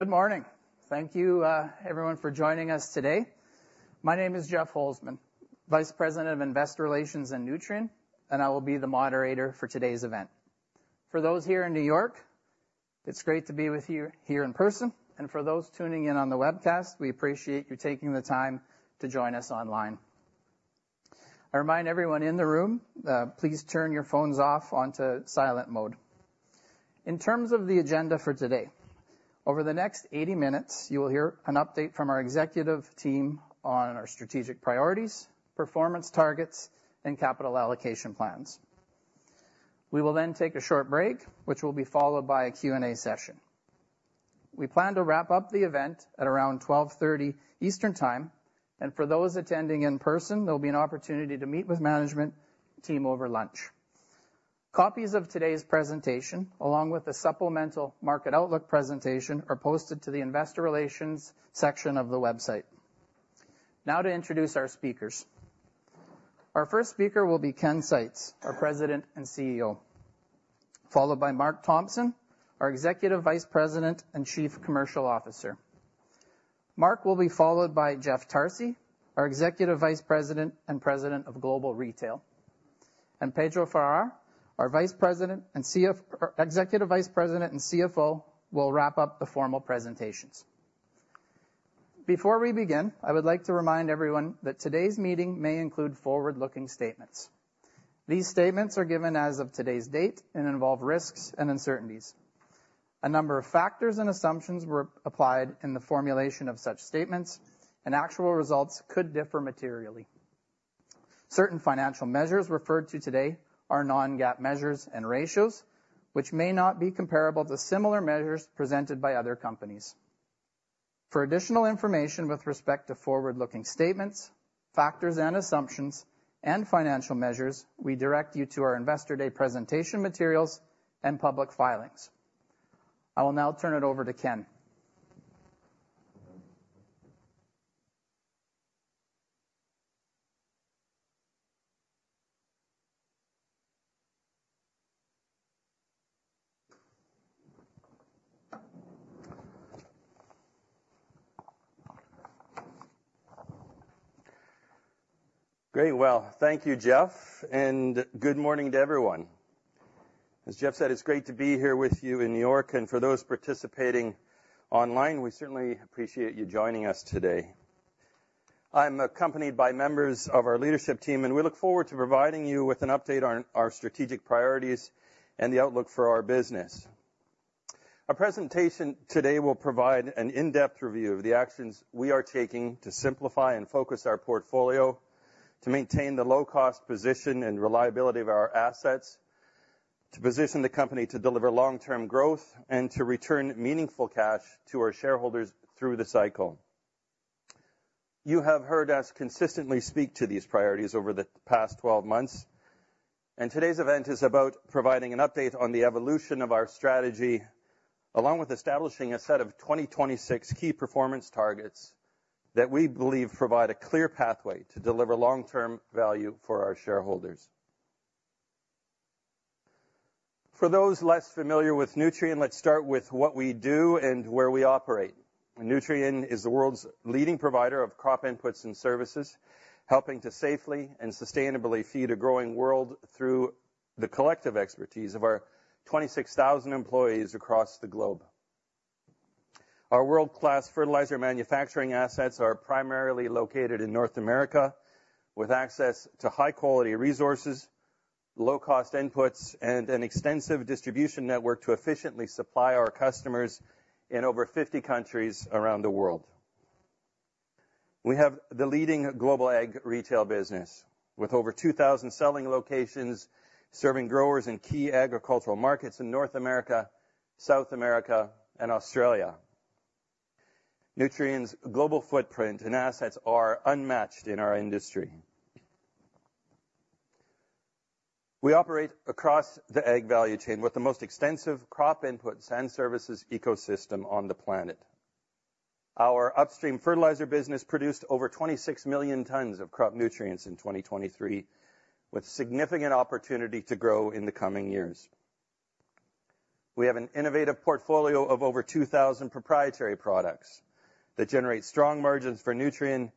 Good morning. Thank you, everyone for joining us today. My name is Jeff Holzman, Vice President of Investor Relations in Nutrien, and I will be the moderator for today's event. For those here in New York, it's great to be with you here in person, and for those tuning in on the webcast, we appreciate you taking the time to join us online. I remind everyone in the room, please turn your phones off onto silent mode. In terms of the agenda for today, over the next 80 minutes, you will hear an update from our executive team on our strategic priorities, performance targets, and capital allocation plans. We will then take a short break, which will be followed by a Q&A session. We plan to wrap up the event at around 12:30 Eastern Time, and for those attending in person, there'll be an opportunity to meet with the management team over lunch. Copies of today's presentation, along with the supplemental market outlook presentation, are posted to the Investor Relations section of the website. Now to introduce our speakers. Our first speaker will be Ken Seitz, our President and CEO, followed by Mark Thompson, our Executive Vice President and Chief Commercial Officer. Mark will be followed by Jeff Tarsi, our Executive Vice President and President of Global Retail, and Pedro Farah, our Executive Vice President and CFO, will wrap up the formal presentations. Before we begin, I would like to remind everyone that today's meeting may include forward-looking statements. These statements are given as of today's date and involve risks and uncertainties. A number of factors and assumptions were applied in the formulation of such statements, and actual results could differ materially. Certain financial measures referred to today are non-GAAP measures and ratios, which may not be comparable to similar measures presented by other companies. For additional information with respect to forward-looking statements, factors and assumptions, and financial measures, we direct you to our Investor Day presentation materials and public filings. I will now turn it over to Ken. Great. Well, thank you, Jeff, and good morning to everyone. As Jeff said, it's great to be here with you in New York, and for those participating online, we certainly appreciate you joining us today. I'm accompanied by members of our leadership team, and we look forward to providing you with an update on our strategic priorities and the outlook for our business. Our presentation today will provide an in-depth review of the actions we are taking to simplify and focus our portfolio, to maintain the low-cost position and reliability of our assets, to position the company to deliver long-term growth, and to return meaningful cash to our shareholders through the cycle. You have heard us consistently speak to these priorities over the past 12 months, and today's event is about providing an update on the evolution of our strategy, along with establishing a set of 2026 key performance targets that we believe provide a clear pathway to deliver long-term value for our shareholders. For those less familiar with Nutrien, let's start with what we do and where we operate. Nutrien is the world's leading provider of crop inputs and services, helping to safely and sustainably feed a growing world through the collective expertise of our 26,000 employees across the globe. Our world-class fertilizer manufacturing assets are primarily located in North America, with access to high-quality resources, low-cost inputs, and an extensive distribution network to efficiently supply our customers in over 50 countries around the world. We have the leading global ag retail business, with over 2,000 selling locations, serving growers in key agricultural markets in North America, South America, and Australia. Nutrien's global footprint and assets are unmatched in our industry. We operate across the ag value chain with the most extensive crop inputs and services ecosystem on the planet. Our upstream fertilizer business produced over 26 million tons of crop nutrients in 2023, with significant opportunity to grow in the coming years. We have an innovative portfolio of over 2,000 proprietary products that generate strong margins for Nutrien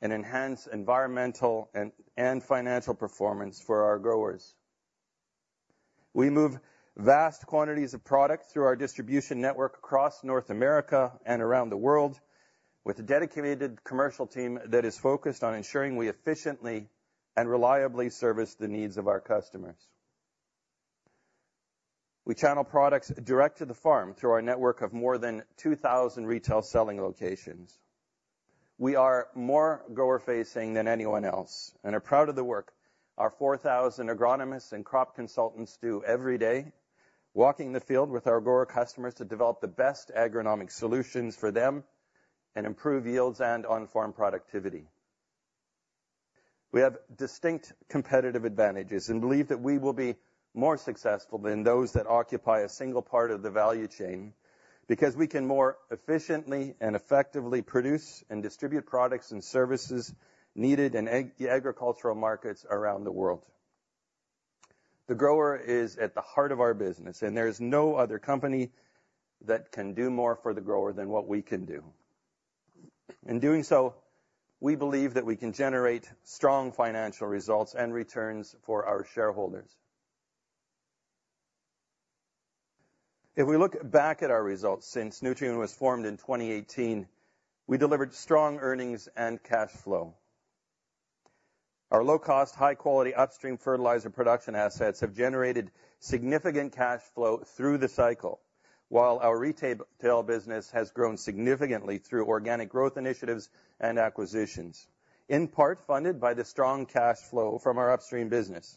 and enhance environmental and financial performance for our growers. We move vast quantities of product through our distribution network across North America and around the world, with a dedicated commercial team that is focused on ensuring we efficiently and reliably service the needs of our customers. We channel products direct to the farm through our network of more than 2,000 retail selling locations. We are more grower-facing than anyone else and are proud of the work our 4,000 agronomists and crop consultants do every day, walking the field with our grower customers to develop the best agronomic solutions for them and improve yields and on-farm productivity. We have distinct competitive advantages and believe that we will be more successful than those that occupy a single part of the value chain, because we can more efficiently and effectively produce and distribute products and services needed in agricultural markets around the world. The grower is at the heart of our business, and there is no other company that can do more for the grower than what we can do. In doing so, we believe that we can generate strong financial results and returns for our shareholders. If we look back at our results since Nutrien was formed in 2018, we delivered strong earnings and cash flow. Our low-cost, high-quality upstream fertilizer production assets have generated significant cash flow through the cycle, while our retail business has grown significantly through organic growth initiatives and acquisitions, in part funded by the strong cash flow from our upstream business.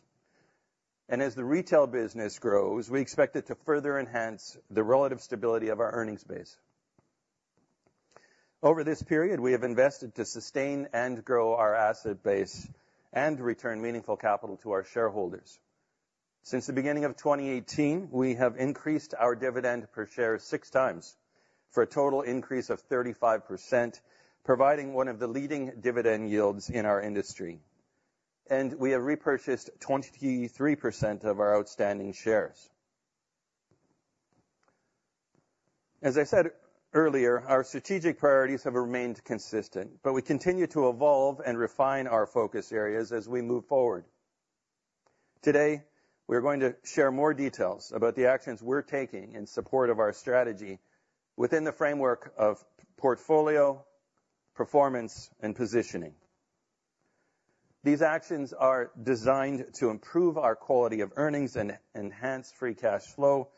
As the retail business grows, we expect it to further enhance the relative stability of our earnings base. Over this period, we have invested to sustain and grow our asset base and return meaningful capital to our shareholders. Since the beginning of 2018, we have increased our dividend per share six times for a total increase of 35%, providing one of the leading dividend yields in our industry. We have repurchased 23% of our outstanding shares. As I said earlier, our strategic priorities have remained consistent, but we continue to evolve and refine our focus areas as we move forward. Today, we are going to share more details about the actions we're taking in support of our strategy within the framework of portfolio, performance, and positioning. These actions are designed to improve our quality of earnings and enhance free cash flow,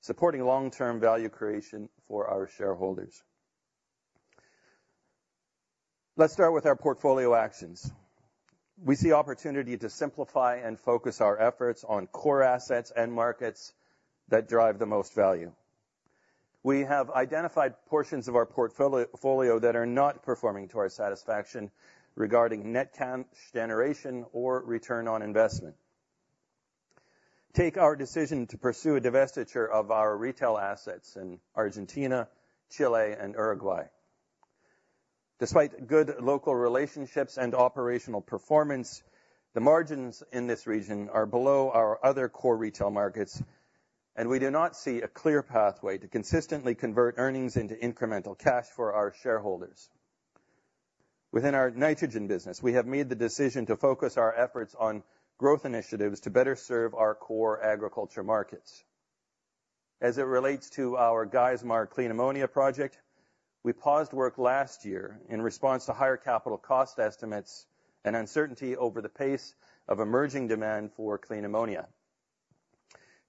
supporting long-term value creation for our shareholders. Let's start with our portfolio actions. We see opportunity to simplify and focus our efforts on core assets and markets that drive the most value. We have identified portions of our portfolio that are not performing to our satisfaction regarding net cash generation or return on investment. Take our decision to pursue a divestiture of our retail assets in Argentina, Chile, and Uruguay. Despite good local relationships and operational performance, the margins in this region are below our other core retail markets, and we do not see a clear pathway to consistently convert earnings into incremental cash for our shareholders. Within our nitrogen business, we have made the decision to focus our efforts on growth initiatives to better serve our core agriculture markets. As it relates to our Geismar clean ammonia project, we paused work last year in response to higher capital cost estimates and uncertainty over the pace of emerging demand for clean ammonia.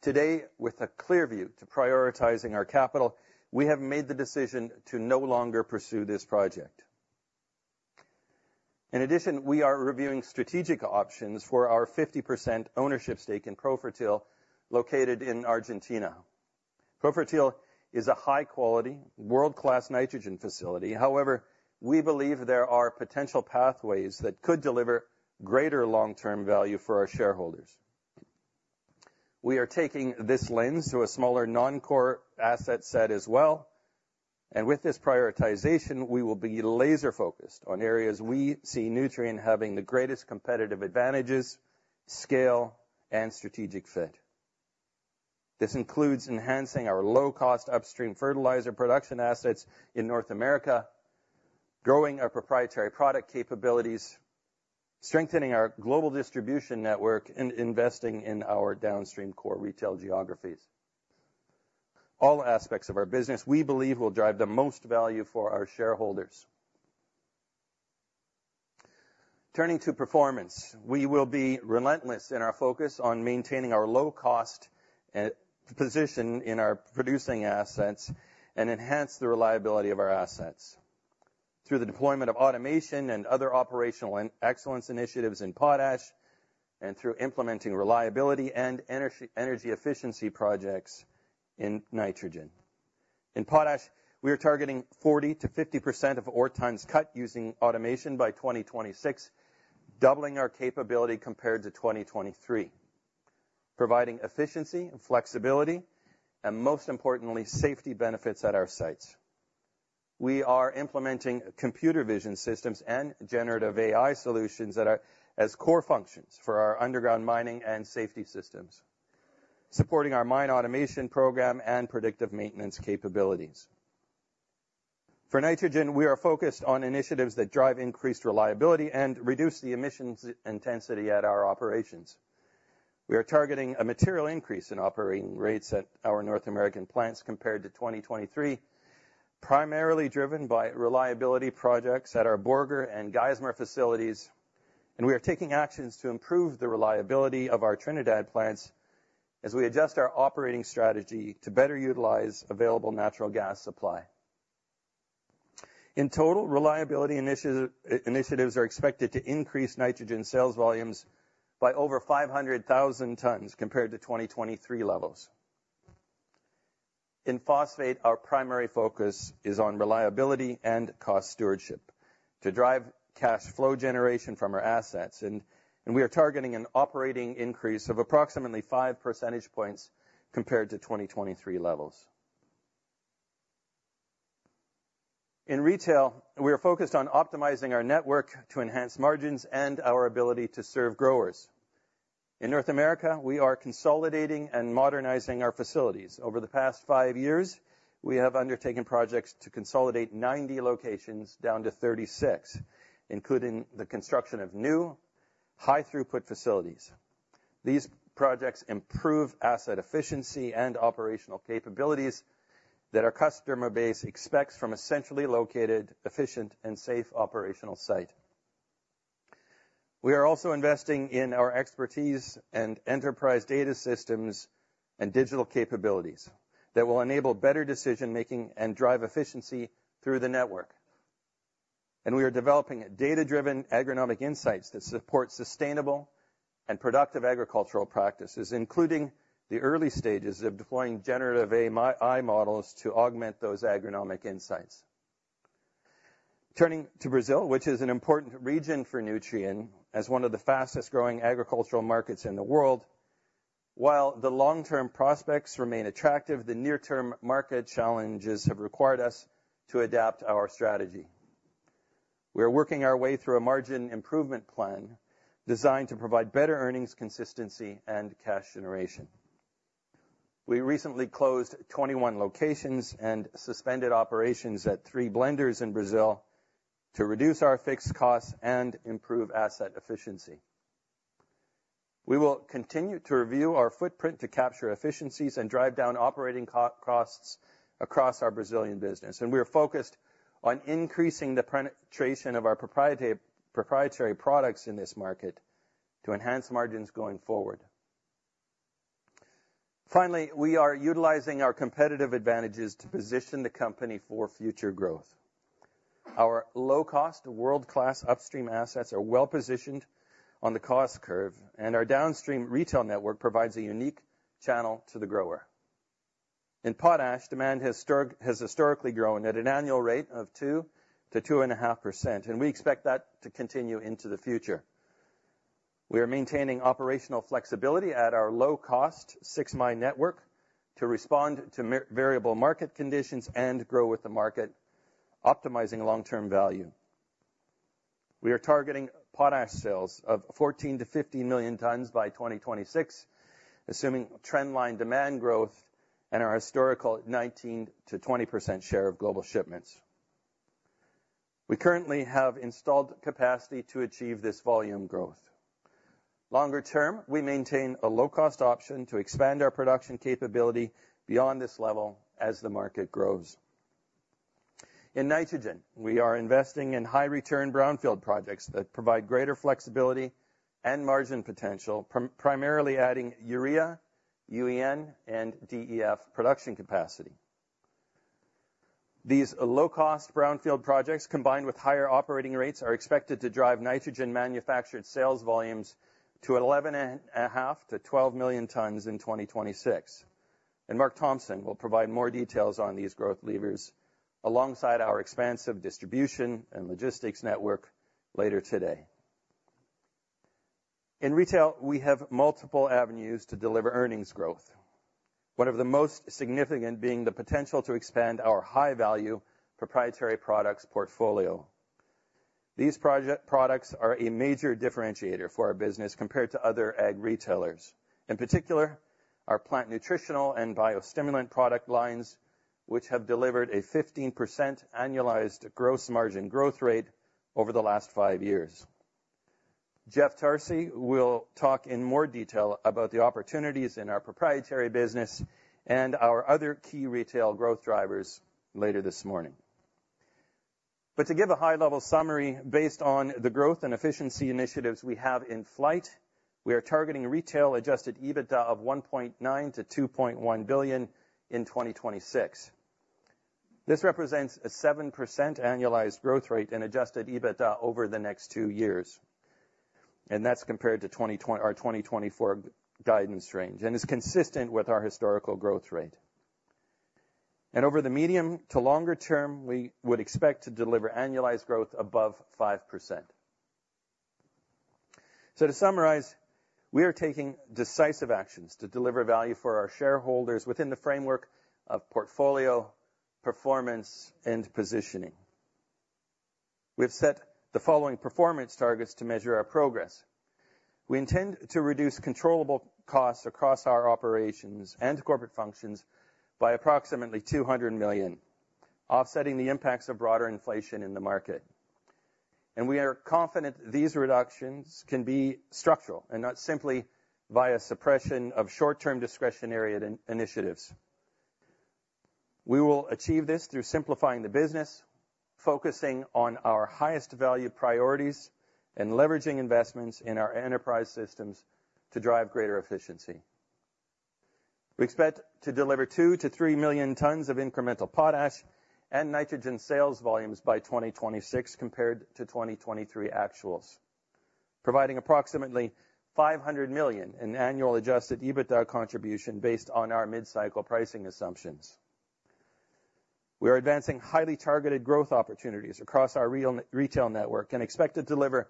Today, with a clear view to prioritizing our capital, we have made the decision to no longer pursue this project. In addition, we are reviewing strategic options for our 50% ownership stake in Profertil, located in Argentina. Profertil is a high-quality, world-class nitrogen facility. However, we believe there are potential pathways that could deliver greater long-term value for our shareholders. We are taking this lens to a smaller, non-core asset set as well, and with this prioritization, we will be laser-focused on areas we see Nutrien having the greatest competitive advantages, scale, and strategic fit. This includes enhancing our low-cost upstream fertilizer production assets in North America, growing our proprietary product capabilities, strengthening our global distribution network, and investing in our downstream core retail geographies. All aspects of our business, we believe, will drive the most value for our shareholders. Turning to performance. We will be relentless in our focus on maintaining our low cost position in our producing assets and enhance the reliability of our assets through the deployment of automation and other operational and excellence initiatives in potash, and through implementing reliability and energy efficiency projects in nitrogen. In potash, we are targeting 40%-50% of ore tons cut using automation by 2026, doubling our capability compared to 2023, providing efficiency and flexibility, and most importantly, safety benefits at our sites. We are implementing computer vision systems and generative AI solutions that are as core functions for our underground mining and safety systems, supporting our mine automation program and predictive maintenance capabilities. For nitrogen, we are focused on initiatives that drive increased reliability and reduce the emissions intensity at our operations. We are targeting a material increase in operating rates at our North American plants compared to 2023, primarily driven by reliability projects at our Borger and Geismar facilities, and we are taking actions to improve the reliability of our Trinidad plants as we adjust our operating strategy to better utilize available natural gas supply. In total, reliability initiatives are expected to increase nitrogen sales volumes by over 500,000 tons compared to 2023 levels. In phosphate, our primary focus is on reliability and cost stewardship to drive cash flow generation from our assets, and we are targeting an operating increase of approximately five percentage points compared to 2023 levels. In retail, we are focused on optimizing our network to enhance margins and our ability to serve growers. In North America, we are consolidating and modernizing our facilities. Over the past five years, we have undertaken projects to consolidate 90 locations down to 36, including the construction of new, high-throughput facilities. These projects improve asset efficiency and operational capabilities that our customer base expects from a centrally located, efficient, and safe operational site. We are also investing in our expertise and enterprise data systems and digital capabilities that will enable better decision-making and drive efficiency through the network. We are developing data-driven agronomic insights that support sustainable and productive agricultural practices, including the early stages of deploying generative AI models to augment those agronomic insights. Turning to Brazil, which is an important region for Nutrien, as one of the fastest-growing agricultural markets in the world, while the long-term prospects remain attractive, the near-term market challenges have required us to adapt our strategy. We are working our way through a margin improvement plan designed to provide better earnings consistency and cash generation. We recently closed 21 locations and suspended operations at 3 blenders in Brazil to reduce our fixed costs and improve asset efficiency. We will continue to review our footprint to capture efficiencies and drive down operating costs across our Brazilian business, and we are focused on increasing the penetration of our proprietary products in this market to enhance margins going forward. Finally, we are utilizing our competitive advantages to position the company for future growth. Our low-cost, world-class upstream assets are well-positioned on the cost curve, and our downstream retail network provides a unique channel to the grower. In potash, demand has historically grown at an annual rate of 2%-2.5%, and we expect that to continue into the future. We are maintaining operational flexibility at our low-cost six-mine network to respond to variable market conditions and grow with the market, optimizing long-term value. We are targeting potash sales of 14 million-15 million tons by 2026, assuming trend line demand growth and our historical 19%-20% share of global shipments. We currently have installed capacity to achieve this volume growth. Longer term, we maintain a low-cost option to expand our production capability beyond this level as the market grows. In nitrogen, we are investing in high-return brownfield projects that provide greater flexibility and margin potential, primarily adding urea, UAN, and DEF production capacity. These low-cost brownfield projects, combined with higher operating rates, are expected to drive nitrogen manufactured sales volumes to 11.5 million-12 million tons in 2026. Mark Thompson will provide more details on these growth levers alongside our expansive distribution and logistics network later today. In retail, we have multiple avenues to deliver earnings growth, one of the most significant being the potential to expand our high-value proprietary products portfolio. These products are a major differentiator for our business compared to other ag retailers. In particular, our plant nutritional and biostimulant product lines, which have delivered a 15% annualized gross margin growth rate over the last five years. Jeff Tarsi will talk in more detail about the opportunities in our proprietary business and our other key retail growth drivers later this morning. But to give a high-level summary based on the growth and efficiency initiatives we have in flight, we are targeting retail-adjusted EBITDA of $1.9 billion-$2.1 billion in 2026. This represents a 7% annualized growth rate in Adjusted EBITDA over the next two years, and that's compared to our 2024 guidance range, and is consistent with our historical growth rate. Over the medium to longer term, we would expect to deliver annualized growth above 5%. To summarize, we are taking decisive actions to deliver value for our shareholders within the framework of portfolio, performance, and positioning. We've set the following performance targets to measure our progress. We intend to reduce controllable costs across our operations and corporate functions by approximately $200 million, offsetting the impacts of broader inflation in the market. We are confident these reductions can be structural and not simply via suppression of short-term discretionary initiatives. We will achieve this through simplifying the business, focusing on our highest value priorities, and leveraging investments in our enterprise systems to drive greater efficiency. We expect to deliver 2 million-3 million tons of incremental potash and nitrogen sales volumes by 2026 compared to 2023 actuals, providing approximately $500 million in annual adjusted EBITDA contribution based on our mid-cycle pricing assumptions. We are advancing highly targeted growth opportunities across our retail network and expect to deliver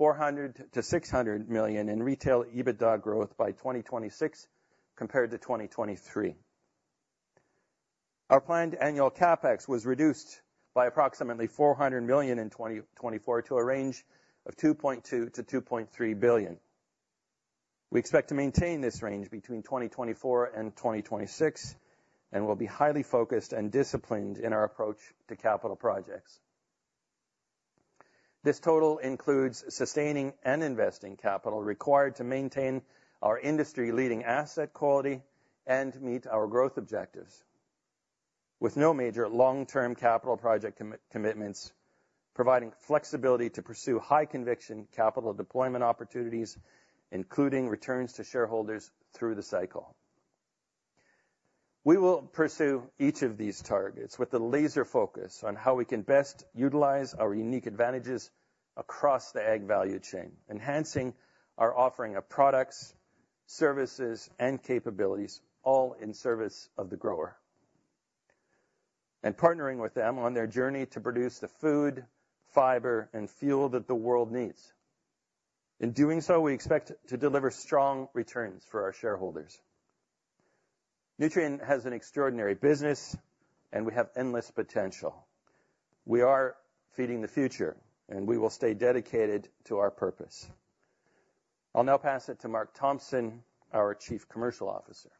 $400 million-$600 million in retail EBITDA growth by 2026 compared to 2023. Our planned annual CapEx was reduced by approximately $400 million in 2024 to a range of $2.2 billion-$2.3 billion. We expect to maintain this range between 2024 and 2026, and we'll be highly focused and disciplined in our approach to capital projects. This total includes sustaining and investing capital required to maintain our industry-leading asset quality and meet our growth objectives. With no major long-term capital project commitments, providing flexibility to pursue high-conviction capital deployment opportunities, including returns to shareholders through the cycle. We will pursue each of these targets with a laser focus on how we can best utilize our unique advantages across the ag value chain, enhancing our offering of products, services, and capabilities, all in service of the grower, and partnering with them on their journey to produce the food, fiber, and fuel that the world needs. In doing so, we expect to deliver strong returns for our shareholders. Nutrien has an extraordinary business, and we have endless potential. We are feeding the future, and we will stay dedicated to our purpose. I'll now pass it to Mark Thompson, our Chief Commercial Officer.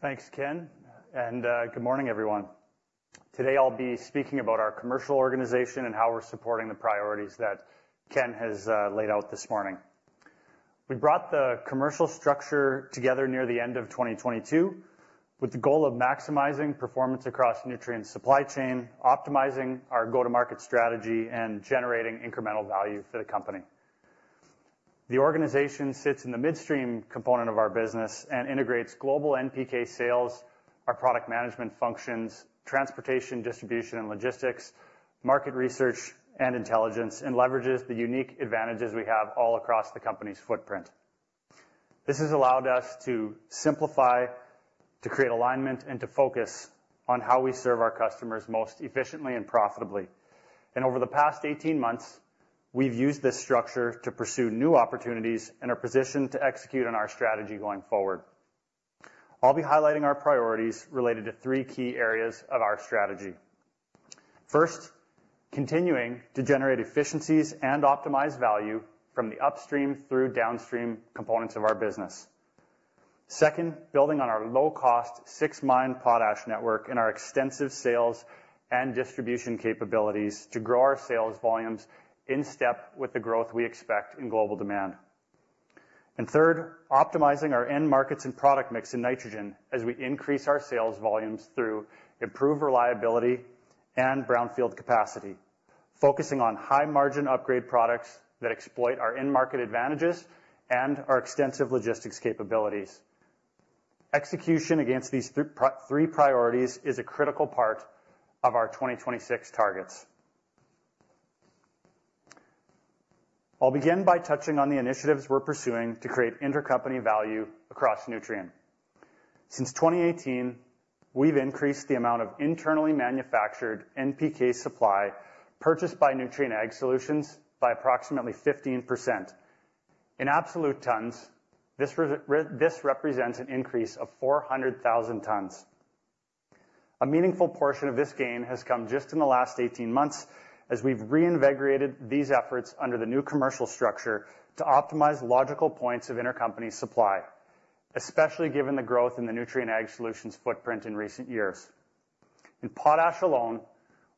Thanks, Ken, and good morning, everyone. Today, I'll be speaking about our commercial organization and how we're supporting the priorities that Ken has laid out this morning. We brought the commercial structure together near the end of 2022, with the goal of maximizing performance across Nutrien's supply chain, optimizing our go-to-market strategy, and generating incremental value for the company. The organization sits in the midstream component of our business and integrates global NPK sales, our product management functions, transportation, distribution, and logistics, market research and intelligence, and leverages the unique advantages we have all across the company's footprint. This has allowed us to simplify, to create alignment, and to focus on how we serve our customers most efficiently and profitably. Over the past 18 months, we've used this structure to pursue new opportunities and are positioned to execute on our strategy going forward. I'll be highlighting our priorities related to three key areas of our strategy. First, continuing to generate efficiencies and optimize value from the upstream through downstream components of our business. Second, building on our low-cost, six-mine potash network and our extensive sales and distribution capabilities to grow our sales volumes in step with the growth we expect in global demand. And third, optimizing our end markets and product mix in nitrogen as we increase our sales volumes through improved reliability and brownfield capacity, focusing on high-margin upgrade products that exploit our end-market advantages and our extensive logistics capabilities. Execution against these three priorities is a critical part of our 2026 targets. I'll begin by touching on the initiatives we're pursuing to create intercompany value across Nutrien. Since 2018, we've increased the amount of internally manufactured NPK supply purchased by Nutrien Ag Solutions by approximately 15%. In absolute tons, this represents an increase of 400,000 tons. A meaningful portion of this gain has come just in the last 18 months, as we've reinvigorated these efforts under the new commercial structure to optimize logical points of intercompany supply, especially given the growth in the Nutrien Ag Solutions footprint in recent years. In potash alone,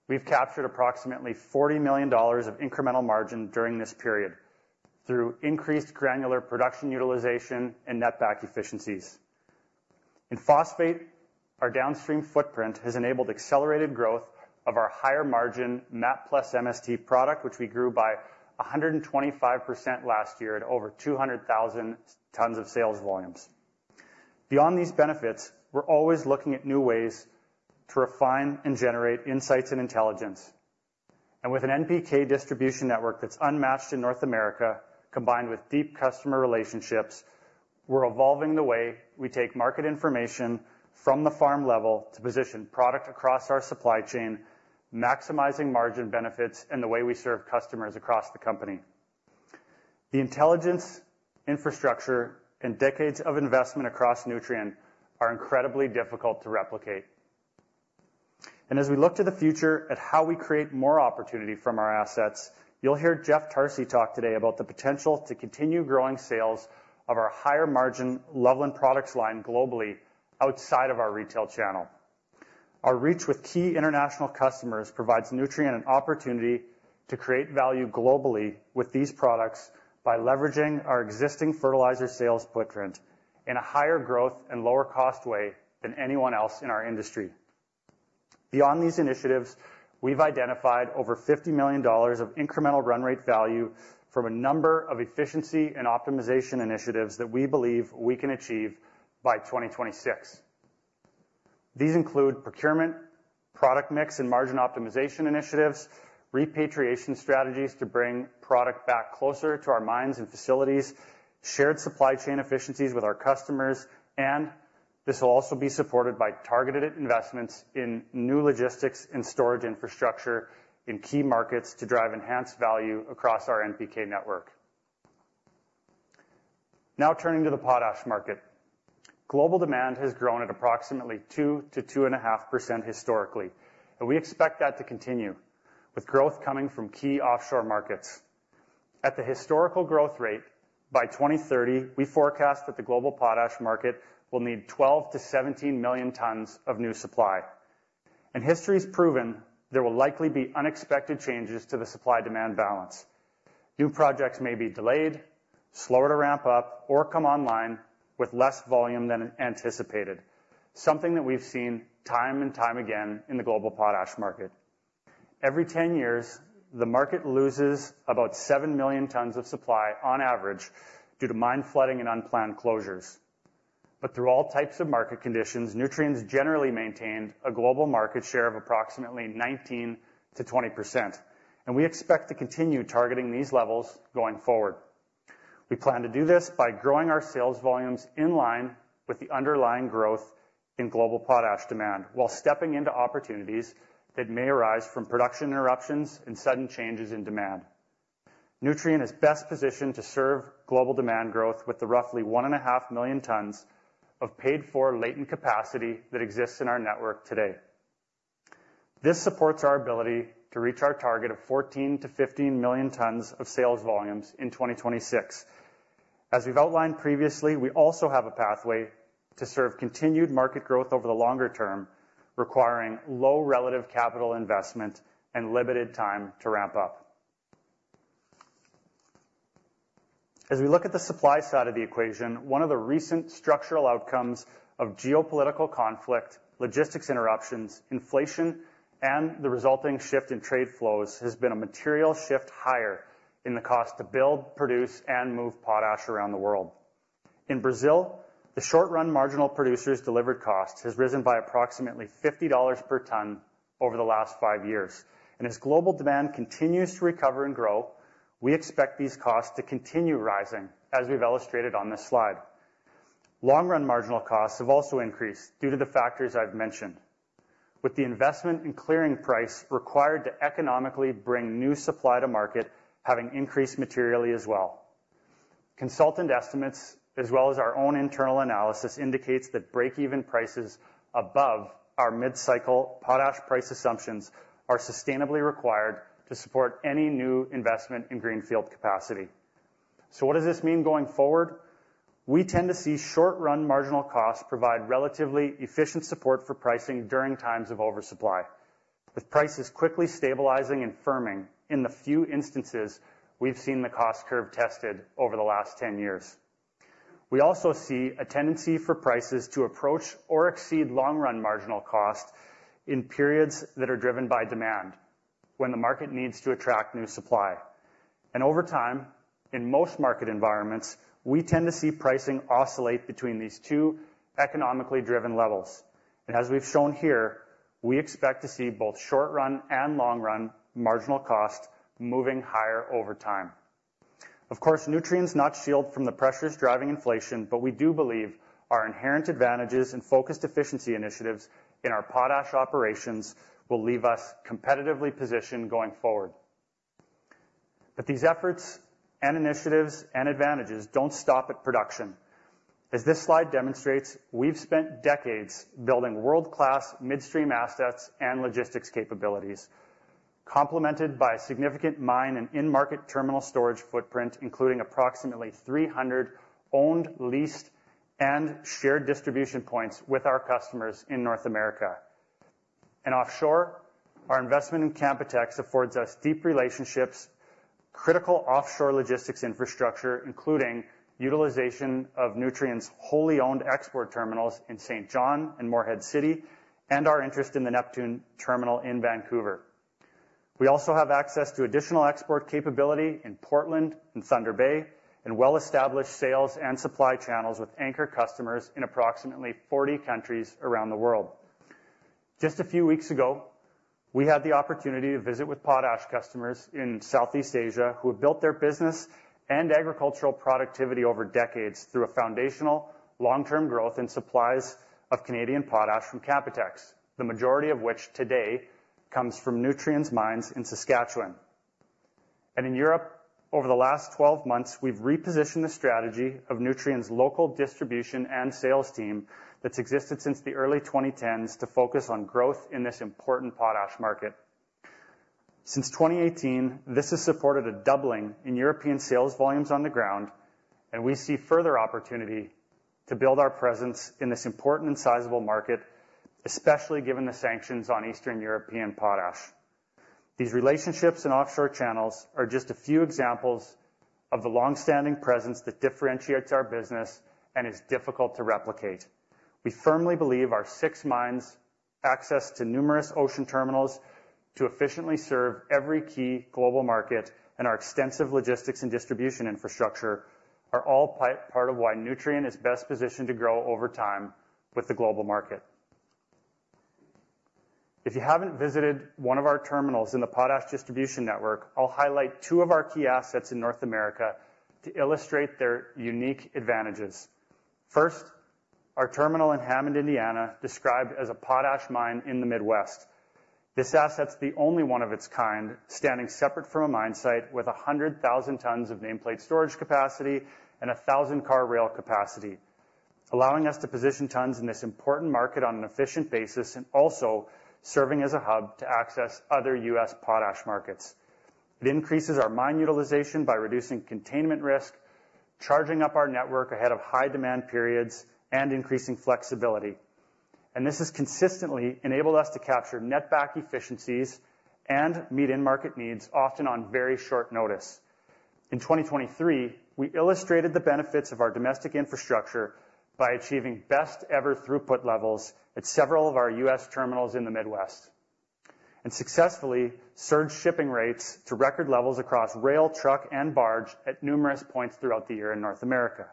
we've captured approximately $40 million of incremental margin during this period through increased granular production utilization and netback efficiencies. In phosphate, our downstream footprint has enabled accelerated growth of our higher-margin MAP+MST product, which we grew by 125% last year at over 200,000 tons of sales volumes. Beyond these benefits, we're always looking at new ways to refine and generate insights and intelligence. With an NPK distribution network that's unmatched in North America, combined with deep customer relationships, we're evolving the way we take market information from the farm level to position product across our supply chain, maximizing margin benefits and the way we serve customers across the company. The intelligence, infrastructure, and decades of investment across Nutrien are incredibly difficult to replicate. As we look to the future at how we create more opportunity from our assets, you'll hear Jeff Tarsi talk today about the potential to continue growing sales of our higher-margin Loveland Products line globally outside of our retail channel. Our reach with key international customers provides Nutrien an opportunity to create value globally with these products by leveraging our existing fertilizer sales footprint in a higher-growth and lower-cost way than anyone else in our industry... Beyond these initiatives, we've identified over $50 million of incremental run rate value from a number of efficiency and optimization initiatives that we believe we can achieve by 2026. These include procurement, product mix, and margin optimization initiatives, repatriation strategies to bring product back closer to our mines and facilities, shared supply chain efficiencies with our customers, and this will also be supported by targeted investments in new logistics and storage infrastructure in key markets to drive enhanced value across our NPK network. Now, turning to the potash market. Global demand has grown at approximately 2%-2.5% historically, and we expect that to continue, with growth coming from key offshore markets. At the historical growth rate, by 2030, we forecast that the global potash market will need 12 million-17 million tons of new supply. History's proven there will likely be unexpected changes to the supply-demand balance. New projects may be delayed, slower to ramp up, or come online with less volume than anticipated, something that we've seen time and time again in the global potash market. Every 10 years, the market loses about 7 million tons of supply on average, due to mine flooding and unplanned closures. But through all types of market conditions, Nutrien's generally maintained a global market share of approximately 19%-20%, and we expect to continue targeting these levels going forward. We plan to do this by growing our sales volumes in line with the underlying growth in global potash demand, while stepping into opportunities that may arise from production interruptions and sudden changes in demand. Nutrien is best positioned to serve global demand growth with the roughly 1.5 million tons of paid-for latent capacity that exists in our network today. This supports our ability to reach our target of 14 million-15 million tons of sales volumes in 2026. As we've outlined previously, we also have a pathway to serve continued market growth over the longer term, requiring low relative capital investment and limited time to ramp up. As we look at the supply side of the equation, one of the recent structural outcomes of geopolitical conflict, logistics interruptions, inflation, and the resulting shift in trade flows, has been a material shift higher in the cost to build, produce, and move potash around the world. In Brazil, the short-run marginal producers delivered costs has risen by approximately $50 per ton over the last 5 years, and as global demand continues to recover and grow, we expect these costs to continue rising, as we've illustrated on this slide. Long-run marginal costs have also increased due to the factors I've mentioned, with the investment in clearing price required to economically bring new supply to market, having increased materially as well. Consultant estimates, as well as our own internal analysis, indicates that break-even price is above our mid-cycle potash price assumptions are sustainably required to support any new investment in greenfield capacity. So what does this mean going forward? We tend to see short-run marginal costs provide relatively efficient support for pricing during times of oversupply, with prices quickly stabilizing and firming in the few instances we've seen the cost curve tested over the last 10 years. We also see a tendency for prices to approach or exceed long-run marginal cost in periods that are driven by demand when the market needs to attract new supply. Over time, in most market environments, we tend to see pricing oscillate between these two economically driven levels. As we've shown here, we expect to see both short-run and long-run marginal cost moving higher over time. Of course, Nutrien's not shielded from the pressures driving inflation, but we do believe our inherent advantages and focused efficiency initiatives in our potash operations will leave us competitively positioned going forward. These efforts and initiatives and advantages don't stop at production. As this slide demonstrates, we've spent decades building world-class midstream assets and logistics capabilities, complemented by a significant mine and in-market terminal storage footprint, including approximately 300 owned, leased, and shared distribution points with our customers in North America. And offshore, our investment in Canpotex affords us deep relationships, critical offshore logistics infrastructure, including utilization of Nutrien's wholly owned export terminals in Saint John and Morehead City, and our interest in the Neptune terminal in Vancouver. We also have access to additional export capability in Portland and Thunder Bay, and well-established sales and supply channels with anchor customers in approximately 40 countries around the world. Just a few weeks ago, we had the opportunity to visit with potash customers in Southeast Asia, who have built their business and agricultural productivity over decades through a foundational, long-term growth in supplies of Canadian potash from Canpotex, the majority of which today comes from Nutrien's mines in Saskatchewan. In Europe, over the last 12 months, we've repositioned the strategy of Nutrien's local distribution and sales team that's existed since the early 2010s to focus on growth in this important potash market. Since 2018, this has supported a doubling in European sales volumes on the ground, and we see further opportunity to build our presence in this important and sizable market, especially given the sanctions on Eastern European potash. These relationships and offshore channels are just a few examples of the long-standing presence that differentiates our business and is difficult to replicate. We firmly believe our 6 mines, access to numerous ocean terminals to efficiently serve every key global market, and our extensive logistics and distribution infrastructure are all part of why Nutrien is best positioned to grow over time with the global market. If you haven't visited one of our terminals in the potash distribution network, I'll highlight two of our key assets in North America to illustrate their unique advantages. First, our terminal in Hammond, Indiana, described as a potash mine in the Midwest. This asset's the only one of its kind, standing separate from a mine site with 100,000 tons of nameplate storage capacity and a 1,000-car rail capacity, allowing us to position tons in this important market on an efficient basis and also serving as a hub to access other U.S. potash markets. It increases our mine utilization by reducing containment risk, charging up our network ahead of high-demand periods, and increasing flexibility. This has consistently enabled us to capture netback efficiencies and meet end-market needs, often on very short notice. In 2023, we illustrated the benefits of our domestic infrastructure by achieving best-ever throughput levels at several of our U.S. terminals in the Midwest, and successfully surged shipping rates to record levels across rail, truck, and barge at numerous points throughout the year in North America.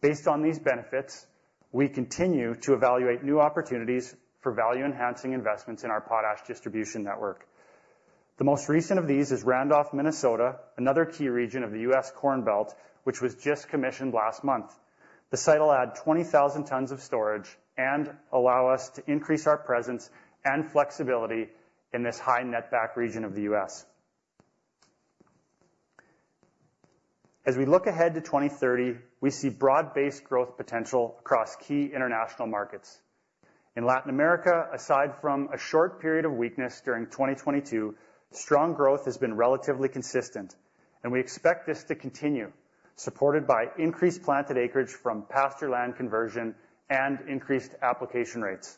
Based on these benefits, we continue to evaluate new opportunities for value-enhancing investments in our potash distribution network. The most recent of these is Randolph, Minnesota, another key region of the U.S. Corn Belt, which was just commissioned last month. The site will add 20,000 tons of storage and allow us to increase our presence and flexibility in this high netback region of the U.S. As we look ahead to 2030, we see broad-based growth potential across key international markets. In Latin America, aside from a short period of weakness during 2022, strong growth has been relatively consistent, and we expect this to continue, supported by increased planted acreage from pasture land conversion and increased application rates.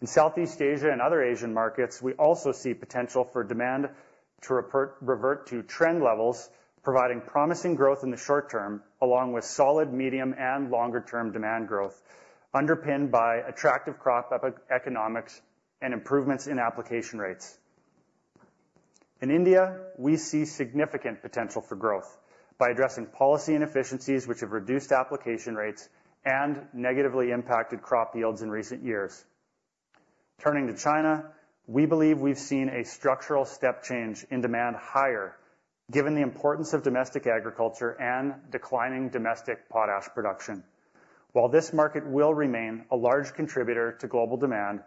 In Southeast Asia and other Asian markets, we also see potential for demand to revert to trend levels, providing promising growth in the short term, along with solid, medium, and longer-term demand growth, underpinned by attractive crop economics and improvements in application rates. In India, we see significant potential for growth by addressing policy inefficiencies, which have reduced application rates and negatively impacted crop yields in recent years. Turning to China, we believe we've seen a structural step change in demand higher, given the importance of domestic agriculture and declining domestic potash production. While this market will remain a large contributor to global demand,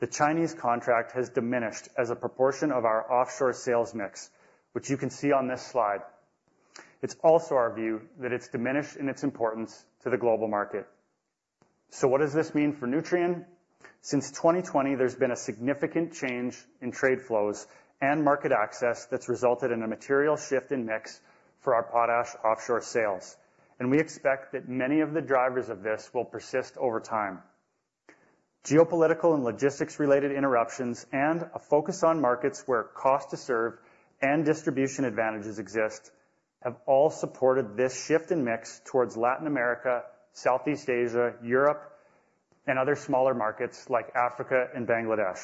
the Chinese contract has diminished as a proportion of our offshore sales mix, which you can see on this slide. It's also our view that it's diminished in its importance to the global market. So what does this mean for Nutrien? Since 2020, there's been a significant change in trade flows and market access that's resulted in a material shift in mix for our potash offshore sales, and we expect that many of the drivers of this will persist over time. Geopolitical and logistics-related interruptions and a focus on markets where cost to serve and distribution advantages exist, have all supported this shift in mix towards Latin America, Southeast Asia, Europe, and other smaller markets like Africa and Bangladesh.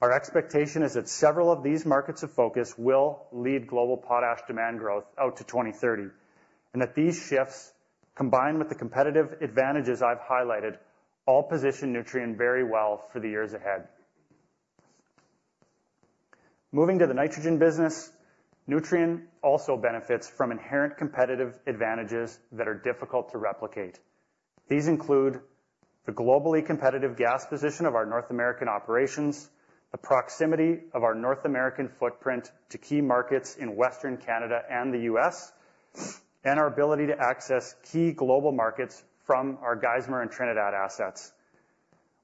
Our expectation is that several of these markets of focus will lead global potash demand growth out to 2030, and that these shifts, combined with the competitive advantages I've highlighted, all position Nutrien very well for the years ahead. Moving to the nitrogen business, Nutrien also benefits from inherent competitive advantages that are difficult to replicate. These include the globally competitive gas position of our North American operations, the proximity of our North American footprint to key markets in Western Canada and the U.S., and our ability to access key global markets from our Geismar and Trinidad assets.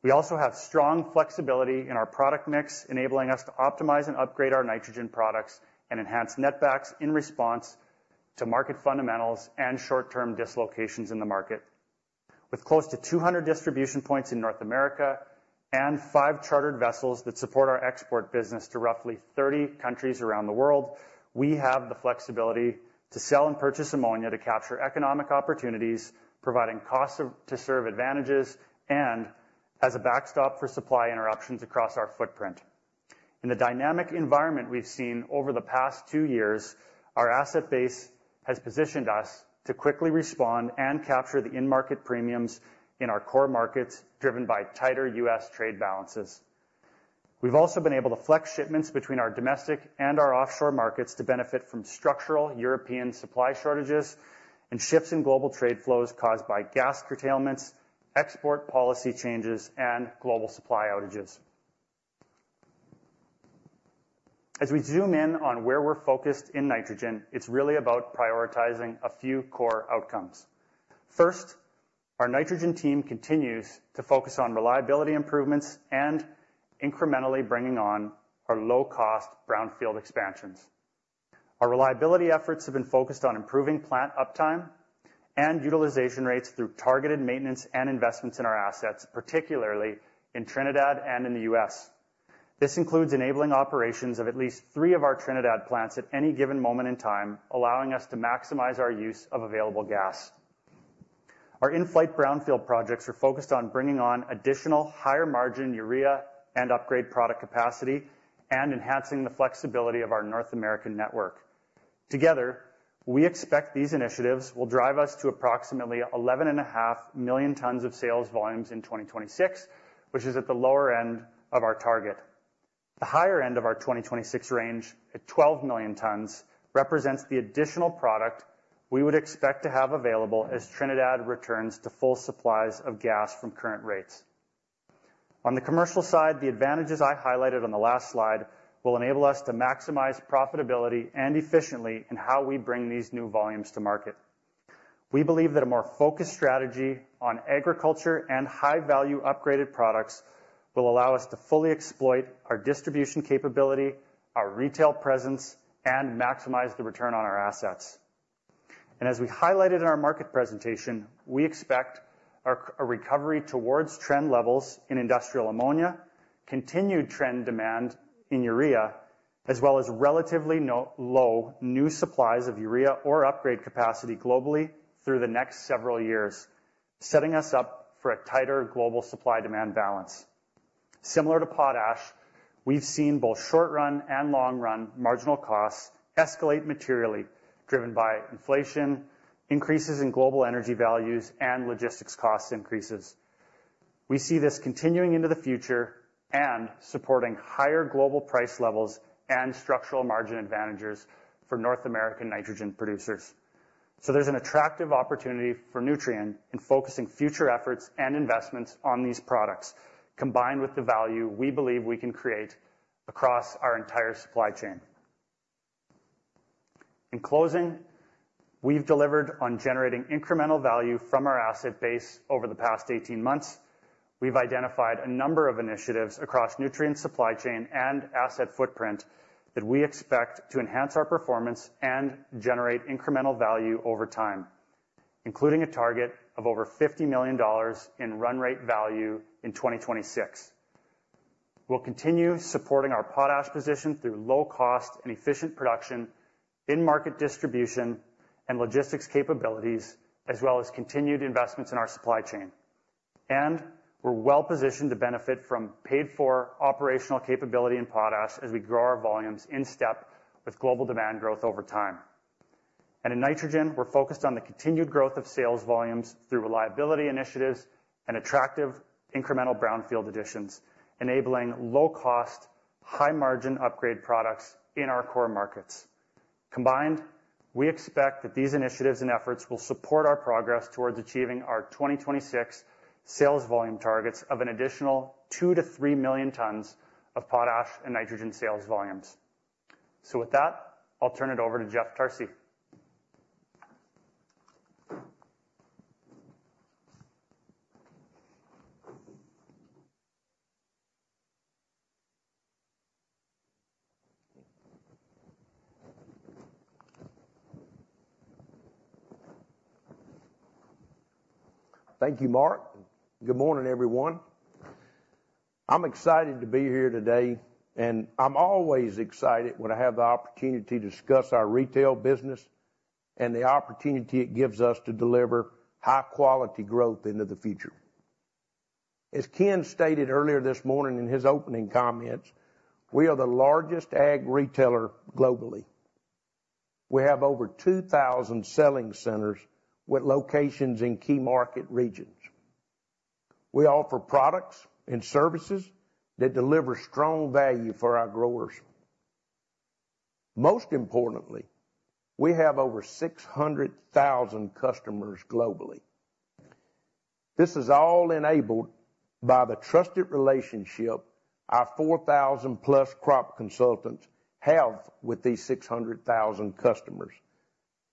We also have strong flexibility in our product mix, enabling us to optimize and upgrade our nitrogen products and enhance netbacks in response to market fundamentals and short-term dislocations in the market. With close to 200 distribution points in North America and 5 chartered vessels that support our export business to roughly 30 countries around the world, we have the flexibility to sell and purchase ammonia to capture economic opportunities, providing cost-to-serve advantages and as a backstop for supply interruptions across our footprint. In the dynamic environment we've seen over the past 2 years, our asset base has positioned us to quickly respond and capture the in-market premiums in our core markets, driven by tighter U.S. trade balances. We've also been able to flex shipments between our domestic and our offshore markets to benefit from structural European supply shortages and shifts in global trade flows caused by gas curtailments, export policy changes, and global supply outages. As we zoom in on where we're focused in nitrogen, it's really about prioritizing a few core outcomes. First, our nitrogen team continues to focus on reliability improvements and incrementally bringing on our low-cost brownfield expansions. Our reliability efforts have been focused on improving plant uptime and utilization rates through targeted maintenance and investments in our assets, particularly in Trinidad and in the U.S. This includes enabling operations of at least 3 of our Trinidad plants at any given moment in time, allowing us to maximize our use of available gas. Our in-flight brownfield projects are focused on bringing on additional higher-margin urea and upgrade product capacity, and enhancing the flexibility of our North American network. Together, we expect these initiatives will drive us to approximately 11.5 million tons of sales volumes in 2026, which is at the lower end of our target. The higher end of our 2026 range, at 12 million tons, represents the additional product we would expect to have available as Trinidad returns to full supplies of gas from current rates. On the commercial side, the advantages I highlighted on the last slide will enable us to maximize profitability and efficiently in how we bring these new volumes to market. We believe that a more focused strategy on agriculture and high-value upgraded products will allow us to fully exploit our distribution capability, our retail presence, and maximize the return on our assets. As we highlighted in our market presentation, we expect a recovery towards trend levels in industrial ammonia, continued trend demand in urea, as well as relatively low new supplies of urea or upgrade capacity globally through the next several years, setting us up for a tighter global supply-demand balance. Similar to potash, we've seen both short-run and long-run marginal costs escalate materially, driven by inflation, increases in global energy values, and logistics cost increases. We see this continuing into the future and supporting higher global price levels and structural margin advantages for North American nitrogen producers. So there's an attractive opportunity for Nutrien in focusing future efforts and investments on these products, combined with the value we believe we can create across our entire supply chain. In closing, we've delivered on generating incremental value from our asset base over the past 18 months. We've identified a number of initiatives across Nutrien's supply chain and asset footprint that we expect to enhance our performance and generate incremental value over time, including a target of over $50 million in run rate value in 2026. We'll continue supporting our potash position through low cost and efficient production, in-market distribution, and logistics capabilities, as well as continued investments in our supply chain. We're well positioned to benefit from paid-for operational capability in potash as we grow our volumes in step with global demand growth over time. In nitrogen, we're focused on the continued growth of sales volumes through reliability initiatives and attractive incremental brownfield additions, enabling low-cost, high-margin upgrade products in our core markets. Combined, we expect that these initiatives and efforts will support our progress towards achieving our 2026 sales volume targets of an additional 2 million-3 million tons of potash and nitrogen sales volumes. So with that, I'll turn it over to Jeff Tarsi. Thank you, Mark. Good morning, everyone. I'm excited to be here today, and I'm always excited when I have the opportunity to discuss our retail business and the opportunity it gives us to deliver high-quality growth into the future. As Ken stated earlier this morning in his opening comments, we are the largest ag retailer globally. We have over 2,000 selling centers with locations in key market regions. We offer products and services that deliver strong value for our growers. Most importantly, we have over 600,000 customers globally. This is all enabled by the trusted relationship our 4,000+ crop consultants have with these 600,000 customers.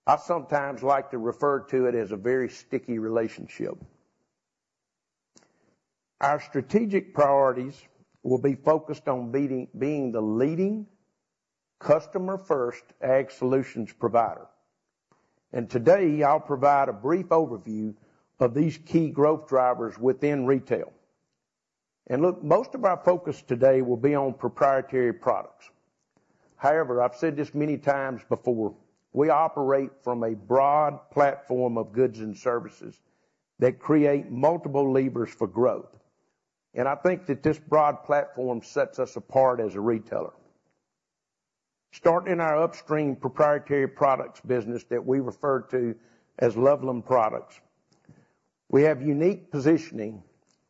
I sometimes like to refer to it as a very sticky relationship. Our strategic priorities will be focused on being the leading customer-first ag solutions provider, and today I'll provide a brief overview of these key growth drivers within retail. And look, most of our focus today will be on proprietary products. However, I've said this many times before, we operate from a broad platform of goods and services that create multiple levers for growth, and I think that this broad platform sets us apart as a retailer. Starting in our upstream proprietary products business, that we refer to as Loveland Products, we have unique positioning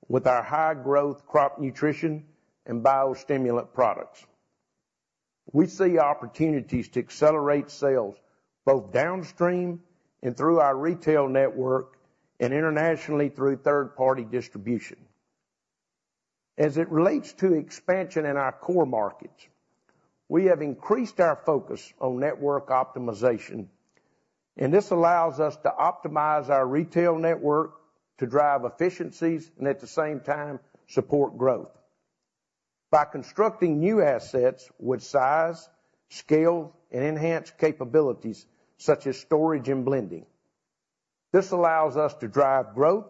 with our high-growth crop nutrition and biostimulant products. We see opportunities to accelerate sales both downstream and through our retail network and internationally through third-party distribution. As it relates to expansion in our core markets, we have increased our focus on network optimization, and this allows us to optimize our retail network to drive efficiencies and, at the same time, support growth. By constructing new assets with size, scale, and enhanced capabilities, such as storage and blending, this allows us to drive growth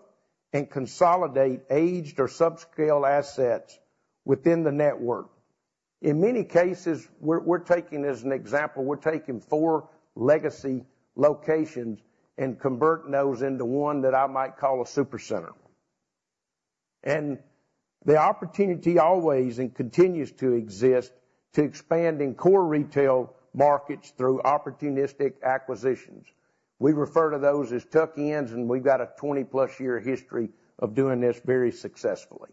and consolidate aged or subscale assets within the network. In many cases, we're taking, as an example, 4 legacy locations and converting those into one that I might call a super center. The opportunity always and continues to exist to expand in core retail markets through opportunistic acquisitions. We refer to those as tuck-ins, and we've got a 20+-year history of doing this very successfully.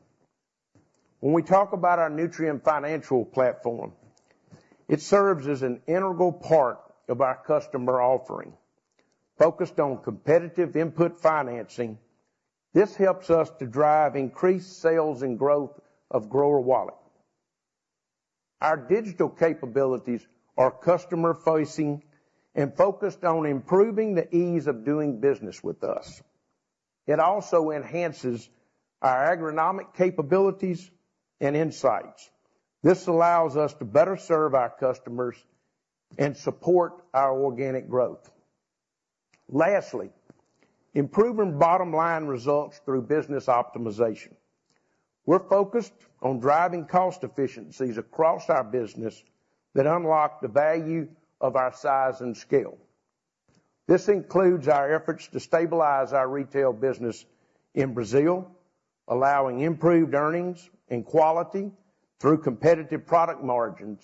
When we talk about our Nutrien Financial platform, it serves as an integral part of our customer offering. Focused on competitive input financing, this helps us to drive increased sales and growth of grower wallet. Our digital capabilities are customer-facing and focused on improving the ease of doing business with us. It also enhances our agronomic capabilities and insights. This allows us to better serve our customers and support our organic growth. Lastly, improving bottom line results through business optimization. We're focused on driving cost efficiencies across our business that unlock the value of our size and scale. This includes our efforts to stabilize our retail business in Brazil, allowing improved earnings and quality through competitive product margins,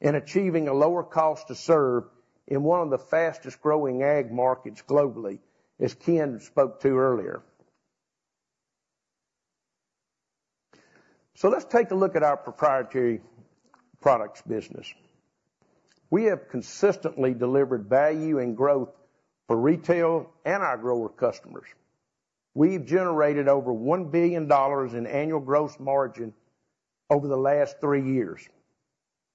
and achieving a lower cost to serve in one of the fastest growing ag markets globally, as Ken spoke to earlier. So let's take a look at our proprietary products business. We have consistently delivered value and growth for retail and our grower customers. We've generated over $1 billion in annual gross margin over the last 3 years,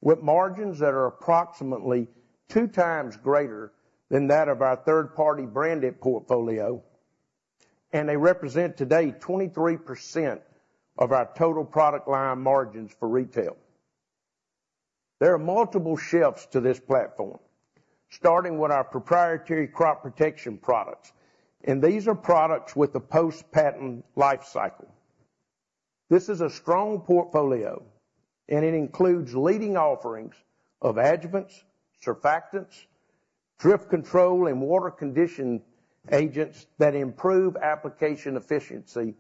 with margins that are approximately 2 times greater than that of our third-party branded portfolio, and they represent today 23% of our total product line margins for retail. There are multiple shifts to this platform, starting with our proprietary crop protection products, and these are products with a post-patent life cycle. This is a strong portfolio, and it includes leading offerings of adjuvants, surfactants, drift control, and water conditioning agents that improve application efficiency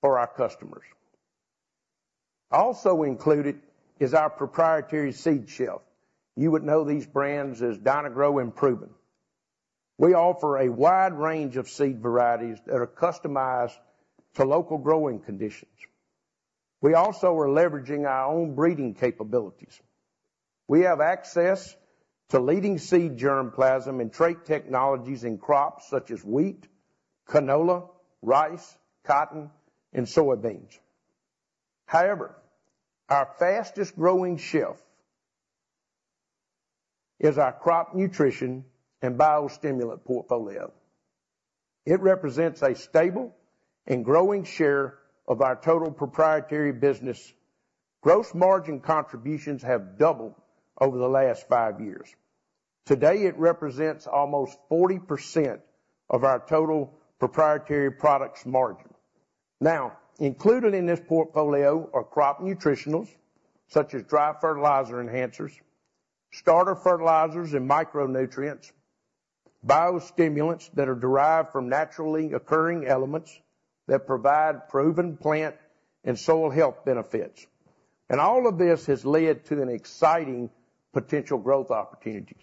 for our customers. Also included is our proprietary seed shelf. You would know these brands as Dyna-Gro and Proven. We offer a wide range of seed varieties that are customized to local growing conditions. We also are leveraging our own breeding capabilities. We have access to leading seed germplasm and trait technologies in crops such as wheat, canola, rice, cotton, and soybeans. However, our fastest growing shelf is our crop nutrition and biostimulant portfolio. It represents a stable and growing share of our total proprietary business. Gross margin contributions have doubled over the last five years. Today, it represents almost 40% of our total proprietary products margin. Now, included in this portfolio are crop nutritionals, such as dry fertilizer enhancers, starter fertilizers and micronutrients, biostimulants that are derived from naturally occurring elements that provide proven plant and soil health benefits. All of this has led to an exciting potential growth opportunities.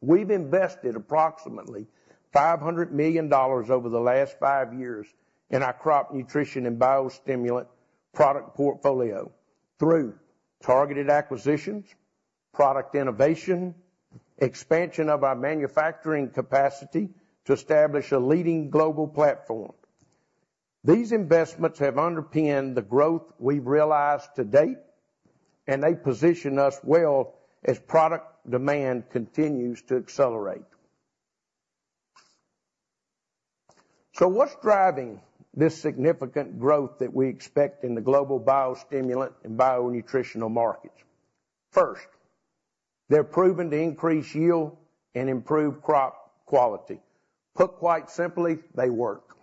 We've invested approximately $500 million over the last five years in our crop nutrition and biostimulant product portfolio through targeted acquisitions, product innovation, expansion of our manufacturing capacity to establish a leading global platform. These investments have underpinned the growth we've realized to date, and they position us well as product demand continues to accelerate. So what's driving this significant growth that we expect in the global biostimulant and bionutritional markets? First, they're proven to increase yield and improve crop quality. Put quite simply, they work.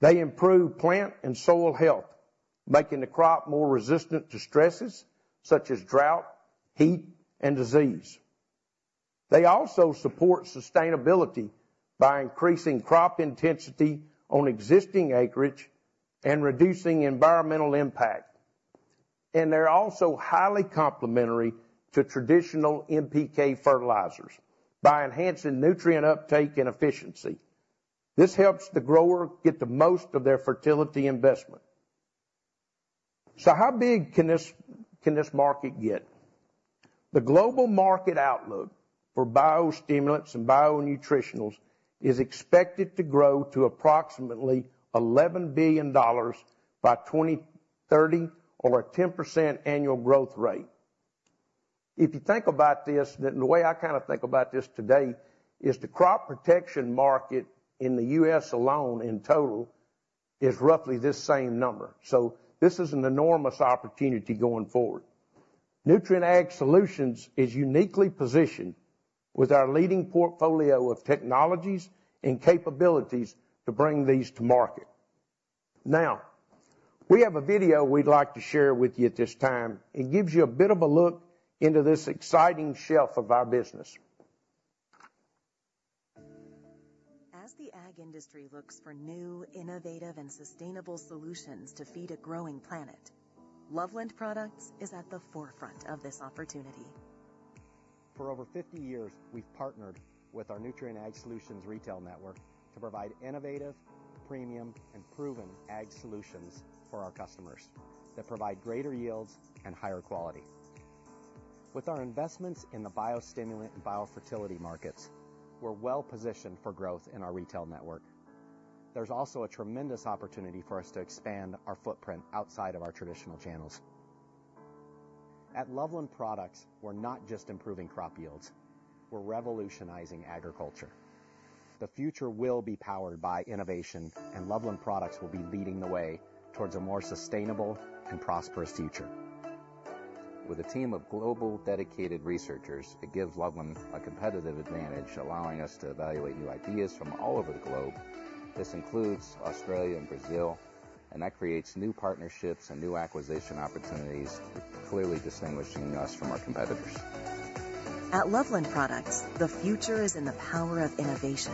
They improve plant and soil health, making the crop more resistant to stresses such as drought, heat, and disease. They also support sustainability by increasing crop intensity on existing acreage and reducing environmental impact. And they're also highly complementary to traditional NPK fertilizers by enhancing nutrient uptake and efficiency. This helps the grower get the most of their fertility investment. So how big can this market get? The global market outlook for biostimulants and bionutritionals is expected to grow to approximately $11 billion by 2030 or a 10% annual growth rate. If you think about this, then the way I kind of think about this today, is the crop protection market in the U.S. alone, in total, is roughly this same number. So this is an enormous opportunity going forward. Nutrien Ag Solutions is uniquely positioned with our leading portfolio of technologies and capabilities to bring these to market. Now, we have a video we'd like to share with you at this time. It gives you a bit of a look into this exciting shelf of our business. As the ag industry looks for new, innovative, and sustainable solutions to feed a growing planet, Loveland Products is at the forefront of this opportunity. For over 50 years, we've partnered with our Nutrien Ag Solutions retail network to provide innovative, premium, and proven ag solutions for our customers that provide greater yields and higher quality. With our investments in the biostimulant and biofertility markets, we're well-positioned for growth in our retail network. There's also a tremendous opportunity for us to expand our footprint outside of our traditional channels. At Loveland Products, we're not just improving crop yields, we're revolutionizing agriculture. The future will be powered by innovation, and Loveland Products will be leading the way towards a more sustainable and prosperous future. With a team of global, dedicated researchers, it gives Loveland a competitive advantage, allowing us to evaluate new ideas from all over the globe. This includes Australia and Brazil, and that creates new partnerships and new acquisition opportunities, clearly distinguishing us from our competitors. At Loveland Products, the future is in the power of innovation.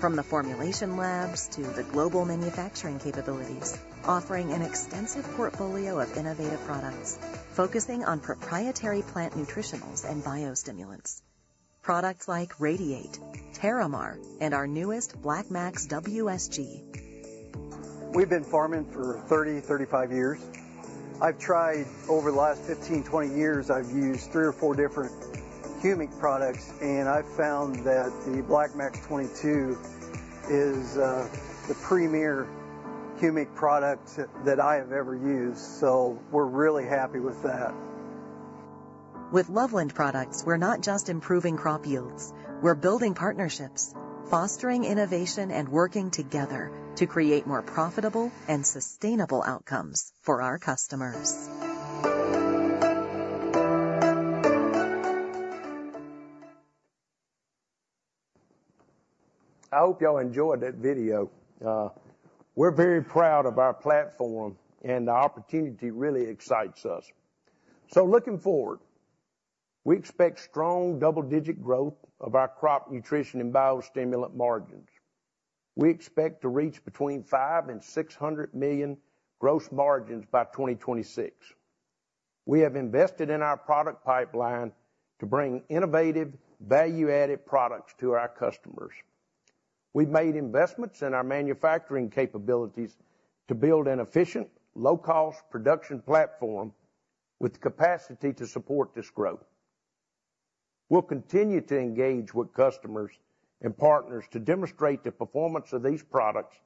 From the formulation labs to the global manufacturing capabilities, offering an extensive portfolio of innovative products, focusing on proprietary plant nutritionals and biostimulants. Products like Radiate, TerraMar, and our newest, BlackMax WSG. We've been farming for 30, 35 years. I've tried over the last 15, 20 years, I've used 3 or 4 different humic products, and I've found that the BlackMax 22 is the premier humic product that I have ever used, so we're really happy with that. With Loveland Products, we're not just improving crop yields, we're building partnerships, fostering innovation, and working together to create more profitable and sustainable outcomes for our customers. I hope y'all enjoyed that video. We're very proud of our platform, and the opportunity really excites us. Looking forward, we expect strong double-digit growth of our crop nutrition and biostimulant margins. We expect to reach between $500 million-$600 million gross margins by 2026. We have invested in our product pipeline to bring innovative, value-added products to our customers. We've made investments in our manufacturing capabilities to build an efficient, low-cost production platform with the capacity to support this growth. We'll continue to engage with customers and partners to demonstrate the performance of these products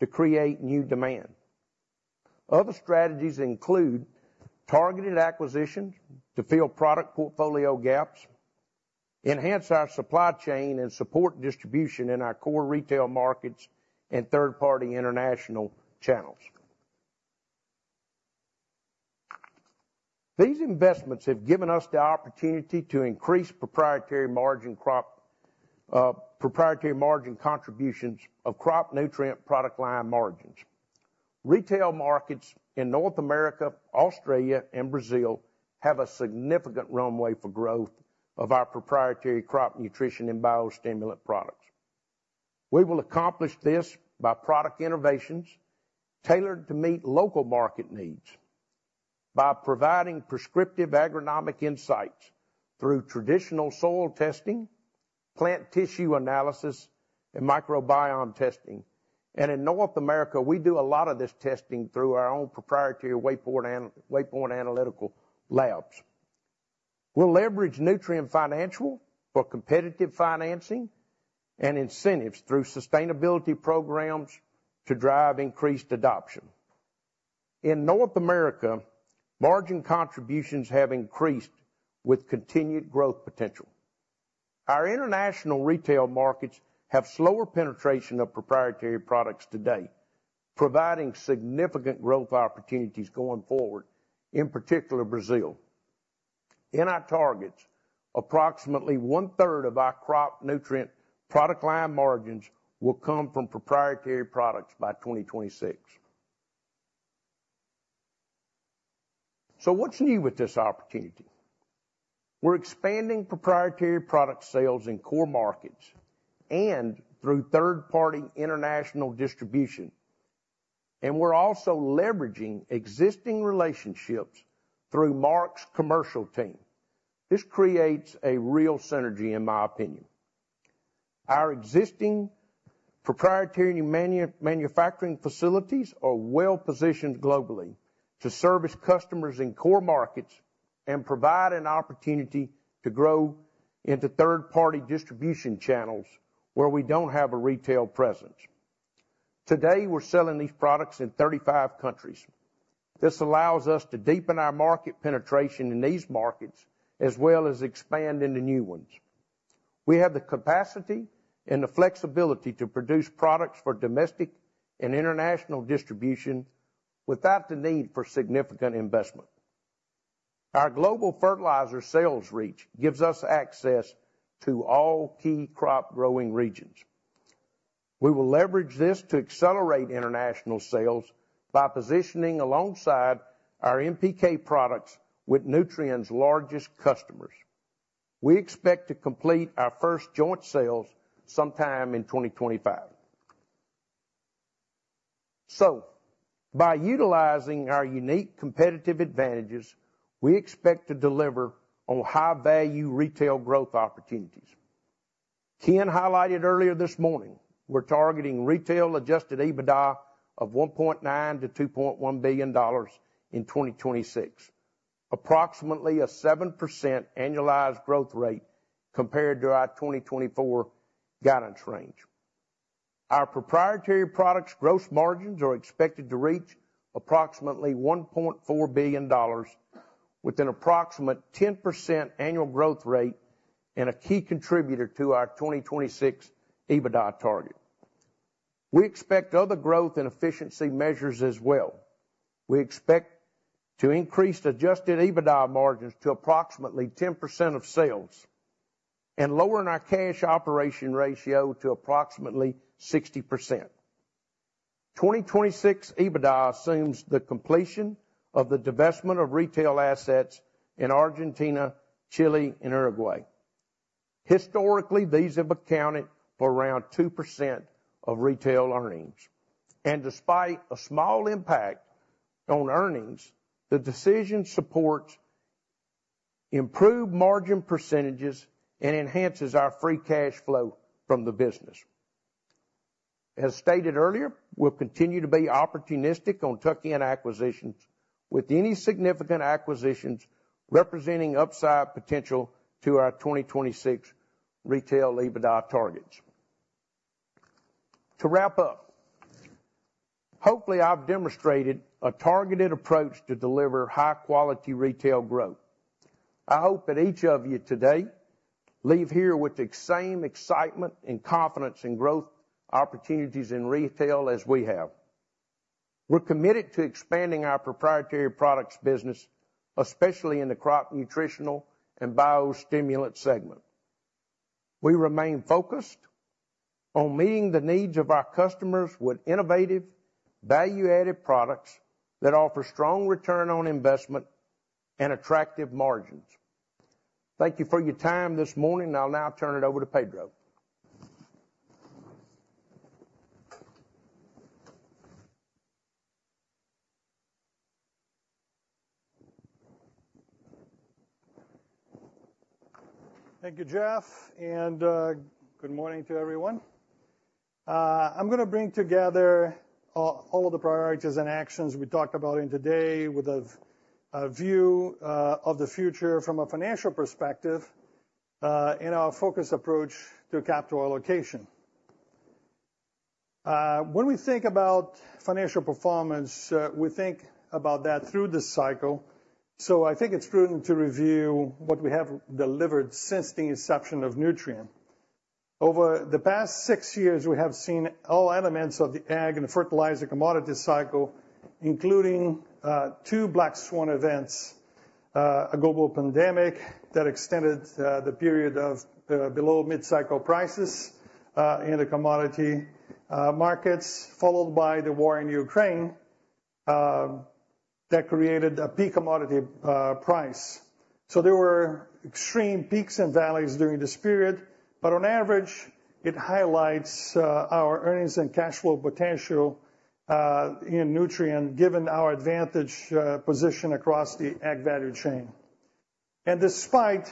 to create new demand. Other strategies include targeted acquisitions to fill product portfolio gaps, enhance our supply chain, and support distribution in our core retail markets and third-party international channels. These investments have given us the opportunity to increase proprietary margin crop, proprietary margin contributions of crop nutrient product line margins. Retail markets in North America, Australia, and Brazil have a significant runway for growth of our proprietary crop nutrition and biostimulant products. We will accomplish this by product innovations tailored to meet local market needs, by providing prescriptive agronomic insights through traditional soil testing, plant tissue analysis, and microbiome testing. In North America, we do a lot of this testing through our own proprietary Waypoint Analytical labs. We'll leverage Nutrien Financial for competitive financing and incentives through sustainability programs to drive increased adoption. In North America, margin contributions have increased with continued growth potential. Our international retail markets have slower penetration of proprietary products today, providing significant growth opportunities going forward, in particular, Brazil. In our targets, approximately one-third of our crop nutrient product line margins will come from proprietary products by 2026. So what's new with this opportunity? We're expanding proprietary product sales in core markets and through third-party international distribution, and we're also leveraging existing relationships through Mark's commercial team. This creates a real synergy, in my opinion. Our existing proprietary manufacturing facilities are well-positioned globally to service customers in core markets and provide an opportunity to grow into third-party distribution channels where we don't have a retail presence. Today, we're selling these products in 35 countries. This allows us to deepen our market penetration in these markets, as well as expand into new ones. We have the capacity and the flexibility to produce products for domestic and international distribution without the need for significant investment. Our global fertilizer sales reach gives us access to all key crop-growing regions. We will leverage this to accelerate international sales by positioning alongside our NPK products with Nutrien's largest customers. We expect to complete our first joint sales sometime in 2025. So, by utilizing our unique competitive advantages, we expect to deliver on high-value retail growth opportunities. Ken highlighted earlier this morning, we're targeting retail adjusted EBITDA of $1.9 billion-$2.1 billion in 2026, approximately a 7% annualized growth rate compared to our 2024 guidance range. Our proprietary products' gross margins are expected to reach approximately $1.4 billion, with an approximate 10% annual growth rate and a key contributor to our 2026 EBITDA target. We expect other growth and efficiency measures as well. We expect to increase adjusted EBITDA margins to approximately 10% of sales, and lowering our cash conversion ratio to approximately 60%. 2026 EBITDA assumes the completion of the divestment of retail assets in Argentina, Chile, and Uruguay. Historically, these have accounted for around 2% of retail earnings, and despite a small impact on earnings, the decision supports improved margin percentages and enhances our free cash flow from the business. As stated earlier, we'll continue to be opportunistic on tuck-in acquisitions, with any significant acquisitions representing upside potential to our 2026 retail EBITDA targets. To wrap up, hopefully, I've demonstrated a targeted approach to deliver high-quality retail growth. I hope that each of you today leave here with the same excitement and confidence in growth opportunities in retail as we have. We're committed to expanding our proprietary products business, especially in the crop nutritional and biostimulant segment. We remain focused on meeting the needs of our customers with innovative, value-added products that offer strong return on investment and attractive margins. Thank you for your time this morning, and I'll now turn it over to Pedro. Thank you, Jeff, and good morning to everyone. I'm gonna bring together all of the priorities and actions we talked about in today with a view of the future from a financial perspective in our focused approach to capital allocation. When we think about financial performance, we think about that through the cycle, so I think it's prudent to review what we have delivered since the inception of Nutrien. Over the past six years, we have seen all elements of the ag and the fertilizer commodity cycle, including two black swan events, a global pandemic that extended the period of below mid-cycle prices in the commodity markets, followed by the war in Ukraine that created a peak commodity price. There were extreme peaks and valleys during this period, but on average, it highlights our earnings and cash flow potential in Nutrien, given our advantage position across the ag value chain. Despite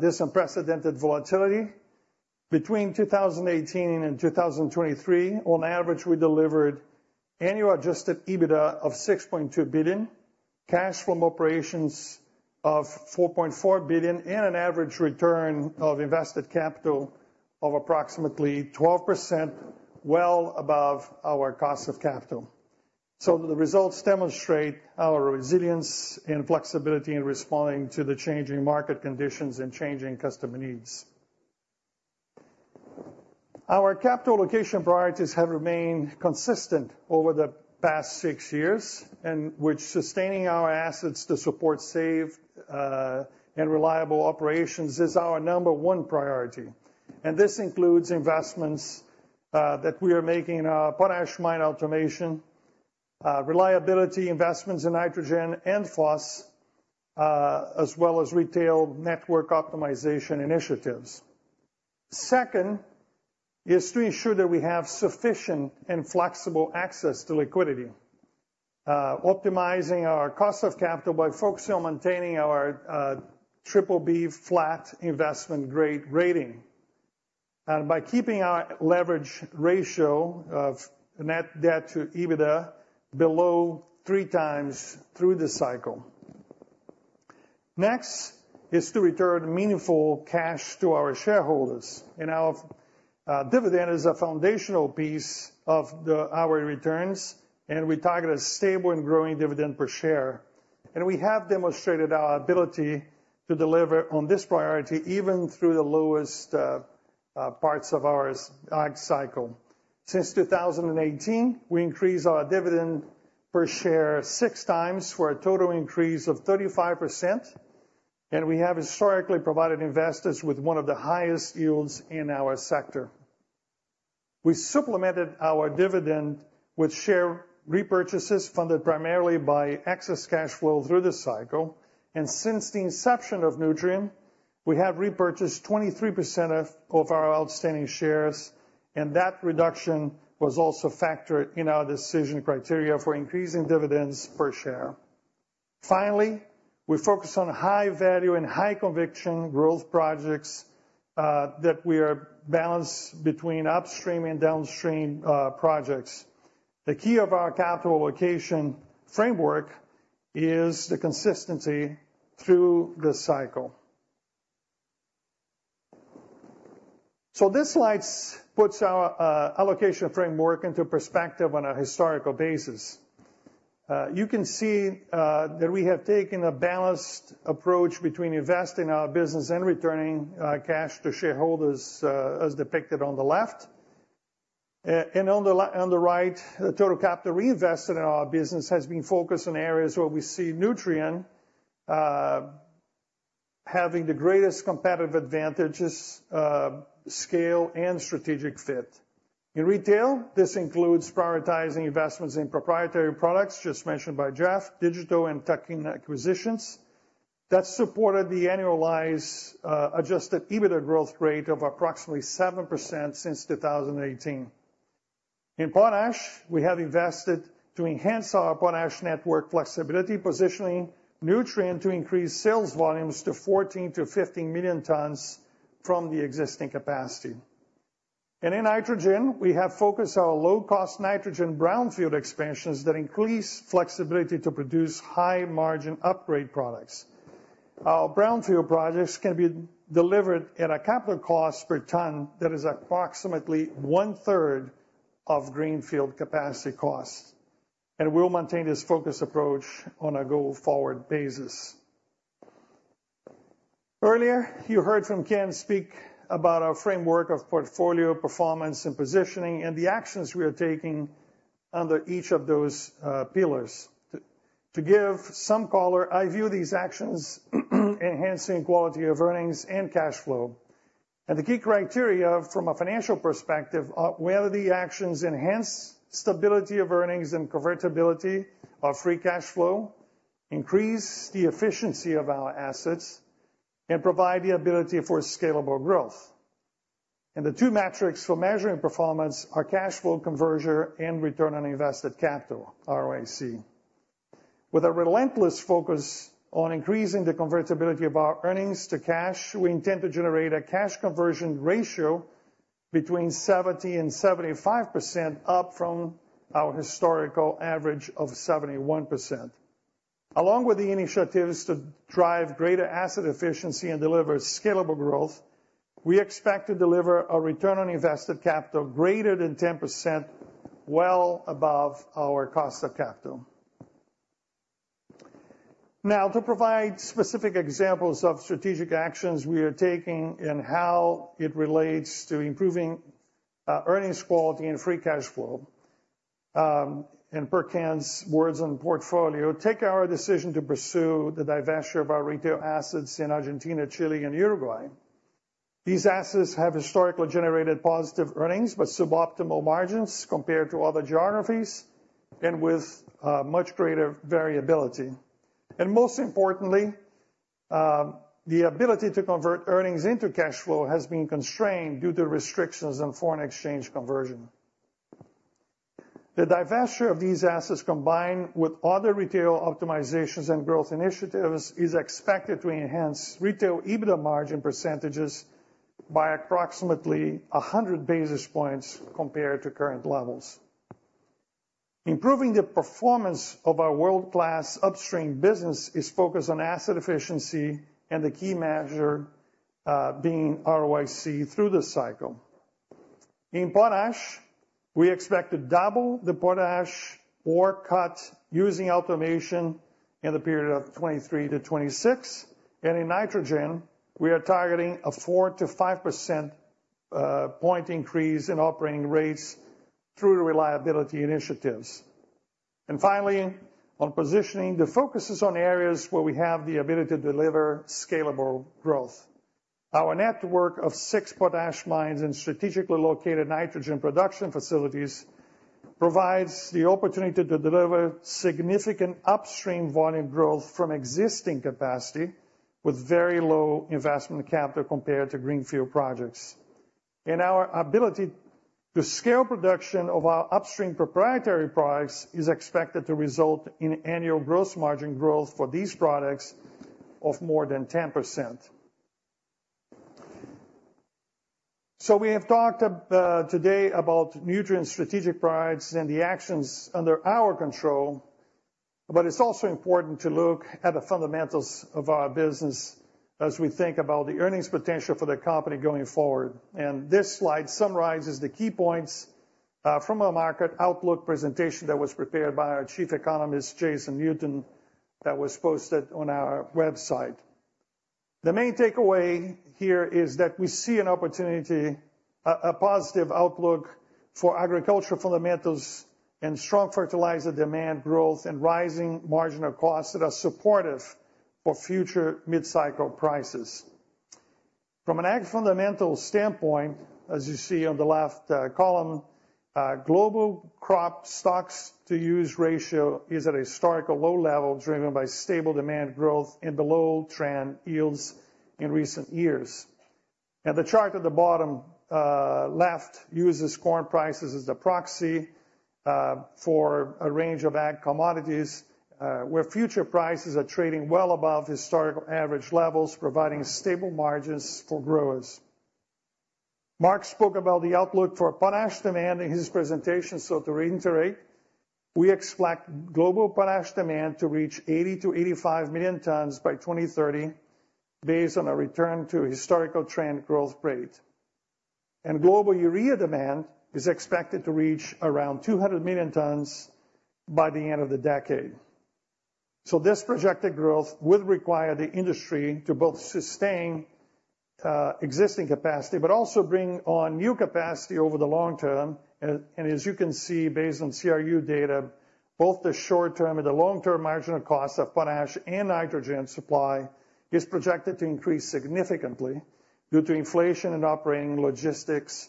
this unprecedented volatility, between 2018 and 2023, on average, we delivered annual Adjusted EBITDA of $6.2 billion, cash from operations of $4.4 billion, and an average return on invested capital of approximately 12%, well above our cost of capital. The results demonstrate our resilience and flexibility in responding to the changing market conditions and changing customer needs. Our capital allocation priorities have remained consistent over the past six years, and which sustaining our assets to support safe and reliable operations is our number one priority. And this includes investments that we are making in our potash mine automation, reliability investments in nitrogen and phos, as well as retail network optimization initiatives. Second is to ensure that we have sufficient and flexible access to liquidity, optimizing our cost of capital by focusing on maintaining our BBB flat investment-grade rating, and by keeping our leverage ratio of net debt to EBITDA below 3 times through the cycle. Next is to return meaningful cash to our shareholders, and our dividend is a foundational piece of our returns, and we target a stable and growing dividend per share. And we have demonstrated our ability to deliver on this priority, even through the lowest parts of our ag cycle. Since 2018, we increased our dividend per share 6 times, for a total increase of 35%, and we have historically provided investors with one of the highest yields in our sector. We supplemented our dividend with share repurchases, funded primarily by excess cash flow through the cycle. And since the inception of Nutrien, we have repurchased 23% of our outstanding shares, and that reduction was also factored in our decision criteria for increasing dividends per share. Finally, we focus on high value and high conviction growth projects that we are balanced between upstream and downstream projects. The key of our capital allocation framework is the consistency through the cycle. So this slide puts our allocation framework into perspective on a historical basis. You can see that we have taken a balanced approach between investing in our business and returning cash to shareholders, as depicted on the left. On the right, the total capital reinvested in our business has been focused on areas where we see Nutrien having the greatest competitive advantages, scale, and strategic fit. In retail, this includes prioritizing investments in proprietary products, just mentioned by Jeff, digital and tech acquisitions. That supported the annualized Adjusted EBITDA growth rate of approximately 7% since 2018. In potash, we have invested to enhance our potash network flexibility, positioning Nutrien to increase sales volumes to 14 million-15 million tons from the existing capacity. In nitrogen, we have focused our low-cost nitrogen brownfield expansions that increase flexibility to produce high-margin upgrade products. Our brownfield projects can be delivered at a capital cost per ton that is approximately one-third of greenfield capacity costs, and we'll maintain this focus approach on a go-forward basis. Earlier, you heard from Ken speak about our framework of portfolio performance and positioning, and the actions we are taking under each of those, pillars. To give some color, I view these actions, enhancing quality of earnings and cash flow. The key criteria from a financial perspective are whether the actions enhance stability of earnings and convertibility of free cash flow, increase the efficiency of our assets, and provide the ability for scalable growth. The two metrics for measuring performance are cash flow conversion and return on invested capital, ROIC. With a relentless focus on increasing the convertibility of our earnings to cash, we intend to generate a cash conversion ratio between 70% and 75%, up from our historical average of 71%. Along with the initiatives to drive greater asset efficiency and deliver scalable growth, we expect to deliver a return on invested capital greater than 10%, well above our cost of capital. Now, to provide specific examples of strategic actions we are taking and how it relates to improving earnings quality and free cash flow, and per Ken's words on portfolio, take our decision to pursue the divestiture of our retail assets in Argentina, Chile, and Uruguay. These assets have historically generated positive earnings, but suboptimal margins compared to other geographies, and with much greater variability. And most importantly, the ability to convert earnings into cash flow has been constrained due to restrictions on foreign exchange conversion. The divestiture of these assets, combined with other retail optimizations and growth initiatives, is expected to enhance retail EBITDA margin percentages by approximately 100 basis points compared to current levels. Improving the performance of our world-class upstream business is focused on asset efficiency and the key measure, being ROIC through the cycle. In potash, we expect to double the potash ore cut using automation in the period of 2023-2026, and in nitrogen, we are targeting a 4-5 percentage point increase in operating rates through the reliability initiatives. And finally, on positioning, the focus is on areas where we have the ability to deliver scalable growth. Our network of six potash mines and strategically located nitrogen production facilities provides the opportunity to deliver significant upstream volume growth from existing capacity, with very low investment capital compared to greenfield projects. And our ability to scale production of our upstream proprietary products is expected to result in annual gross margin growth for these products of more than 10%.... So we have talked about today about Nutrien's strategic priorities and the actions under our control, but it's also important to look at the fundamentals of our business as we think about the earnings potential for the company going forward. And this slide summarizes the key points from our market outlook presentation that was prepared by our Chief Economist, Jason Newton, that was posted on our website. The main takeaway here is that we see an opportunity, a positive outlook for agricultural fundamentals and strong fertilizer demand growth and rising marginal costs that are supportive for future mid-cycle prices. From an ag fundamental standpoint, as you see on the left, column, global crop stocks-to-use ratio is at a historical low level, driven by stable demand growth and below-trend yields in recent years. And the chart at the bottom, left, uses corn prices as the proxy, for a range of ag commodities, where future prices are trading well above historical average levels, providing stable margins for growers. Mark spoke about the outlook for potash demand in his presentation, so to reiterate, we expect global potash demand to reach 80 million-85 million tons by 2030, based on a return to historical trend growth rate. Global urea demand is expected to reach around 200 million tons by the end of the decade. So this projected growth would require the industry to both sustain existing capacity, but also bring on new capacity over the long term. And as you can see, based on CRU data, both the short-term and the long-term marginal cost of potash and nitrogen supply is projected to increase significantly due to inflation and operating logistics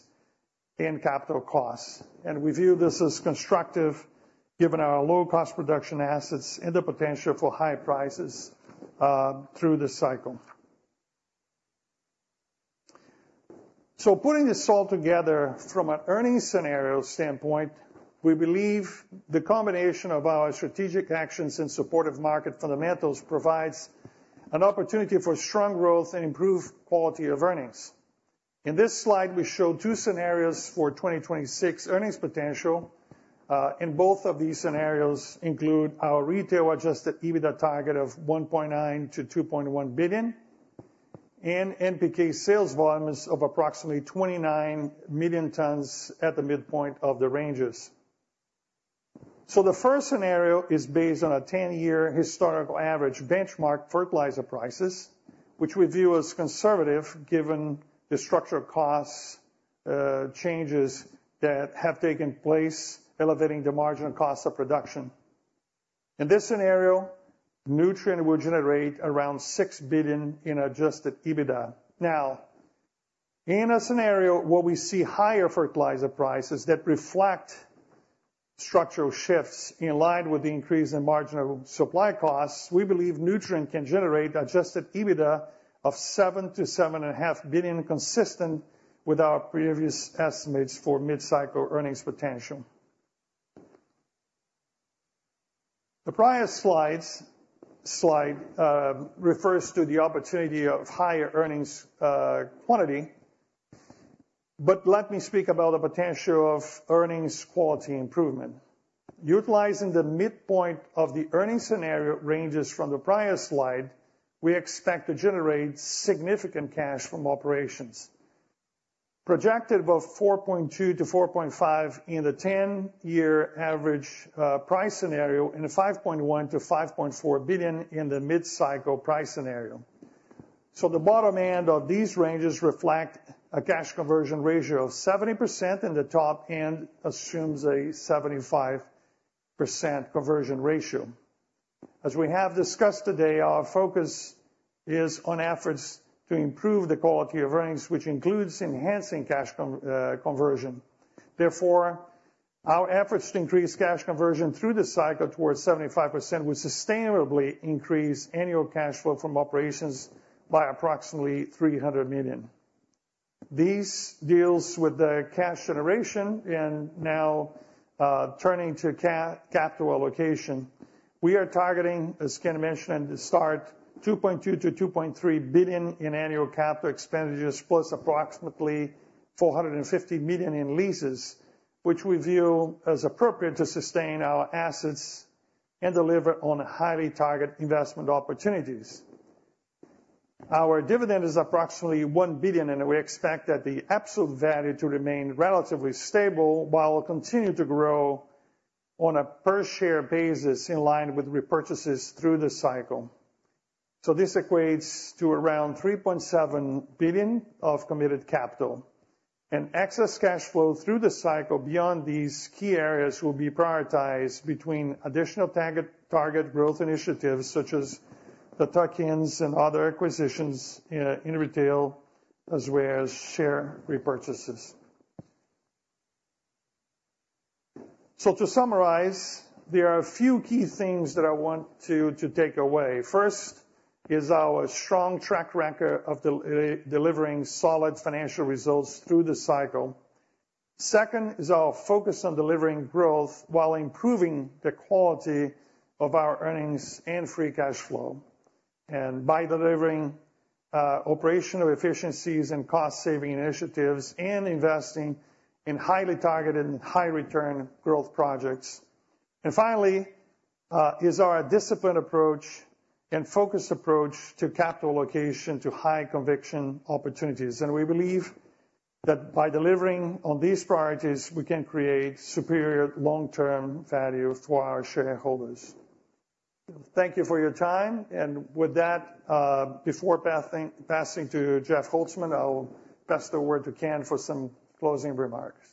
and capital costs. And we view this as constructive, given our low cost production assets and the potential for high prices through this cycle. So putting this all together from an earnings scenario standpoint, we believe the combination of our strategic actions and supportive market fundamentals provides an opportunity for strong growth and improved quality of earnings. In this slide, we show two scenarios for 2026 earnings potential, and both of these scenarios include our retail-adjusted EBITDA target of $1.9 billion-$2.1 billion, and NPK sales volumes of approximately 29 million tons at the midpoint of the ranges. So the first scenario is based on a 10-year historical average benchmark fertilizer prices, which we view as conservative, given the structural costs, changes that have taken place, elevating the marginal costs of production. In this scenario, Nutrien would generate around $6 billion in Adjusted EBITDA. Now, in a scenario where we see higher fertilizer prices that reflect structural shifts in line with the increase in marginal supply costs, we believe Nutrien can generate Adjusted EBITDA of $7 billion-$7.5 billion, consistent with our previous estimates for mid-cycle earnings potential. The prior slide refers to the opportunity of higher earnings quantity, but let me speak about the potential of earnings quality improvement. Utilizing the midpoint of the earnings scenario ranges from the prior slide, we expect to generate significant cash from operations, projected above $4.2 billion-$4.5 billion in the ten-year average price scenario, and $5.1 billion-$5.4 billion in the mid-cycle price scenario. So the bottom end of these ranges reflect a cash conversion ratio of 70%, and the top end assumes a 75% conversion ratio. As we have discussed today, our focus is on efforts to improve the quality of earnings, which includes enhancing cash conversion. Therefore, our efforts to increase cash conversion through the cycle towards 75% will sustainably increase annual cash flow from operations by approximately $300 million. These deals with the cash generation, and now, turning to capital allocation. We are targeting, as Ken mentioned at the start, $2.2 billion-$2.3 billion in annual capital expenditures, plus approximately $450 million in leases, which we view as appropriate to sustain our assets and deliver on highly target investment opportunities. Our dividend is approximately $1 billion, and we expect that the absolute value to remain relatively stable, while continue to grow on a per-share basis, in line with repurchases through the cycle. So this equates to around $3.7 billion of committed capital, and excess cash flow through the cycle beyond these key areas will be prioritized between additional target growth initiatives, such as the tuck-ins and other acquisitions in retail, as well as share repurchases. So to summarize, there are a few key things that I want you to take away. First, is our strong track record of delivering solid financial results through the cycle. Second is our focus on delivering growth while improving the quality of our earnings and free cash flow, and by delivering operational efficiencies and cost saving initiatives, and investing in highly targeted and high return growth projects. And finally, is our disciplined approach and focused approach to capital allocation to high conviction opportunities. And we believe that by delivering on these priorities, we can create superior long-term value for our shareholders. Thank you for your time, and with that, before passing to Jeff Holzman, I'll pass the word to Ken for some closing remarks.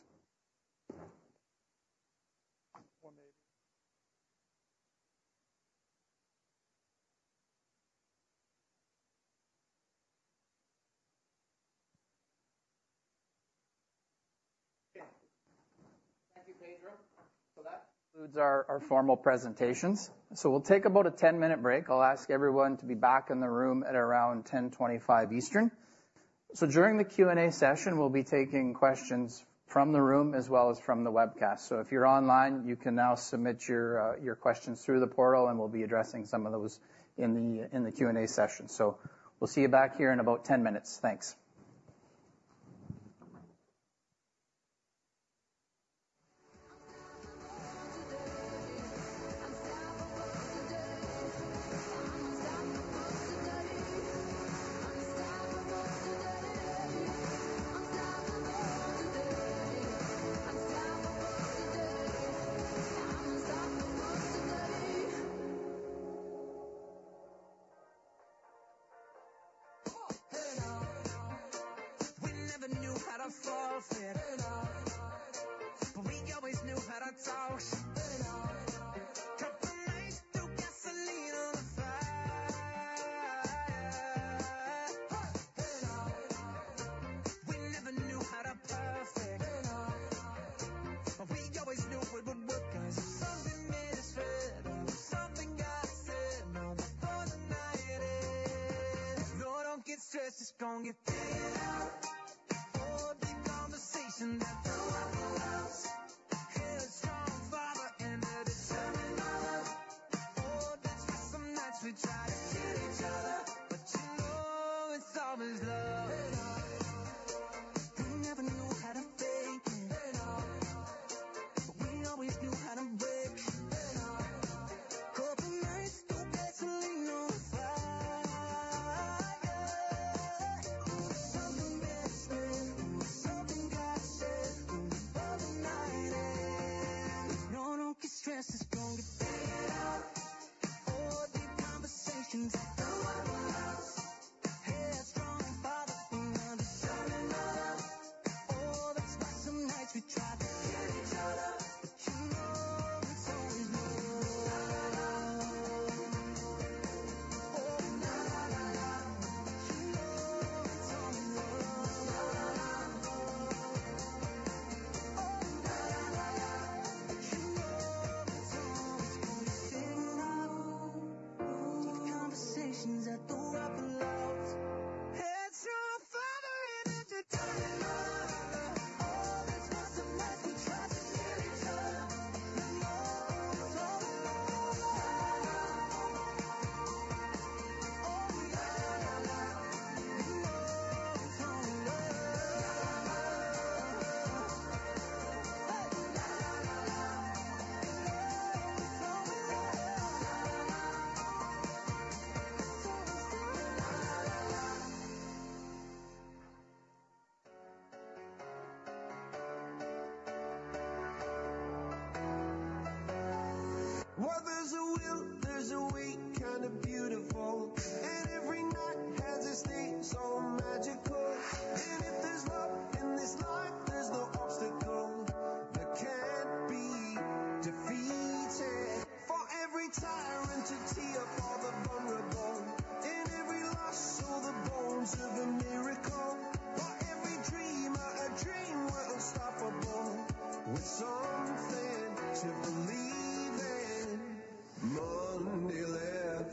Thank you, Pedro. That concludes our formal presentations. We'll take about a 10-minute break. I'll ask everyone to be back in the room at around 10:25 Eastern. During the Q&A session, we'll be taking questions from the room as well as from the webcast. If you're online, you can now submit your questions through the portal, and we'll be addressing some of those in the Q&A session. We'll see you back here in about 10 minutes. Thanks.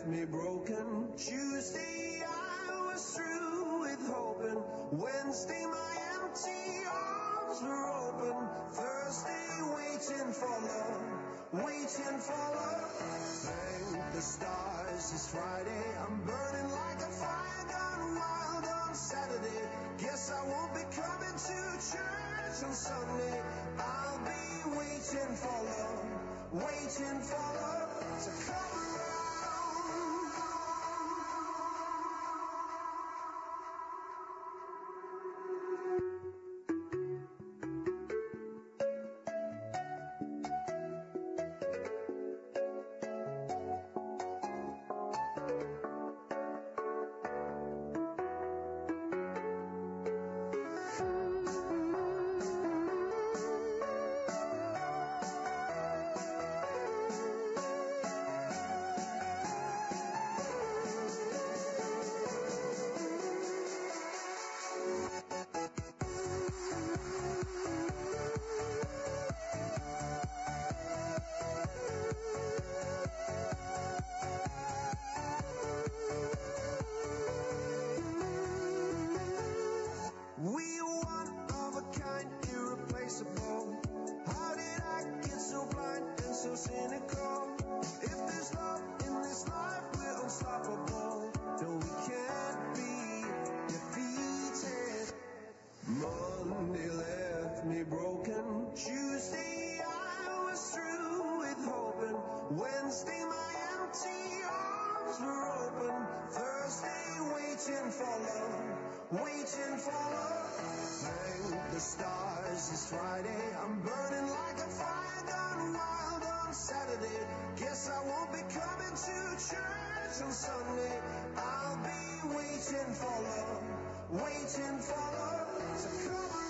me broken. Tuesday, I was through with hoping. Wednesday, my empty arms were open. Thursday, waiting for love, waiting for love. Thank the stars, it's Friday. I'm burning like a fire gone wild on Saturday. Guess I won't be coming to church on Sunday. I'll be waiting for love, waiting for love to come around. We are one of a kind, irreplaceable. How did I get so blind and so cynical? If there's love in this life, we're unstoppable. No, we can't be defeated. Monday left me broken. Tuesday, I was through with hoping. Wednesday, my empty arms were open. Thursday, waiting for love, waiting for love. Thank the stars, it's Friday. I'm burning like a fire gone wild on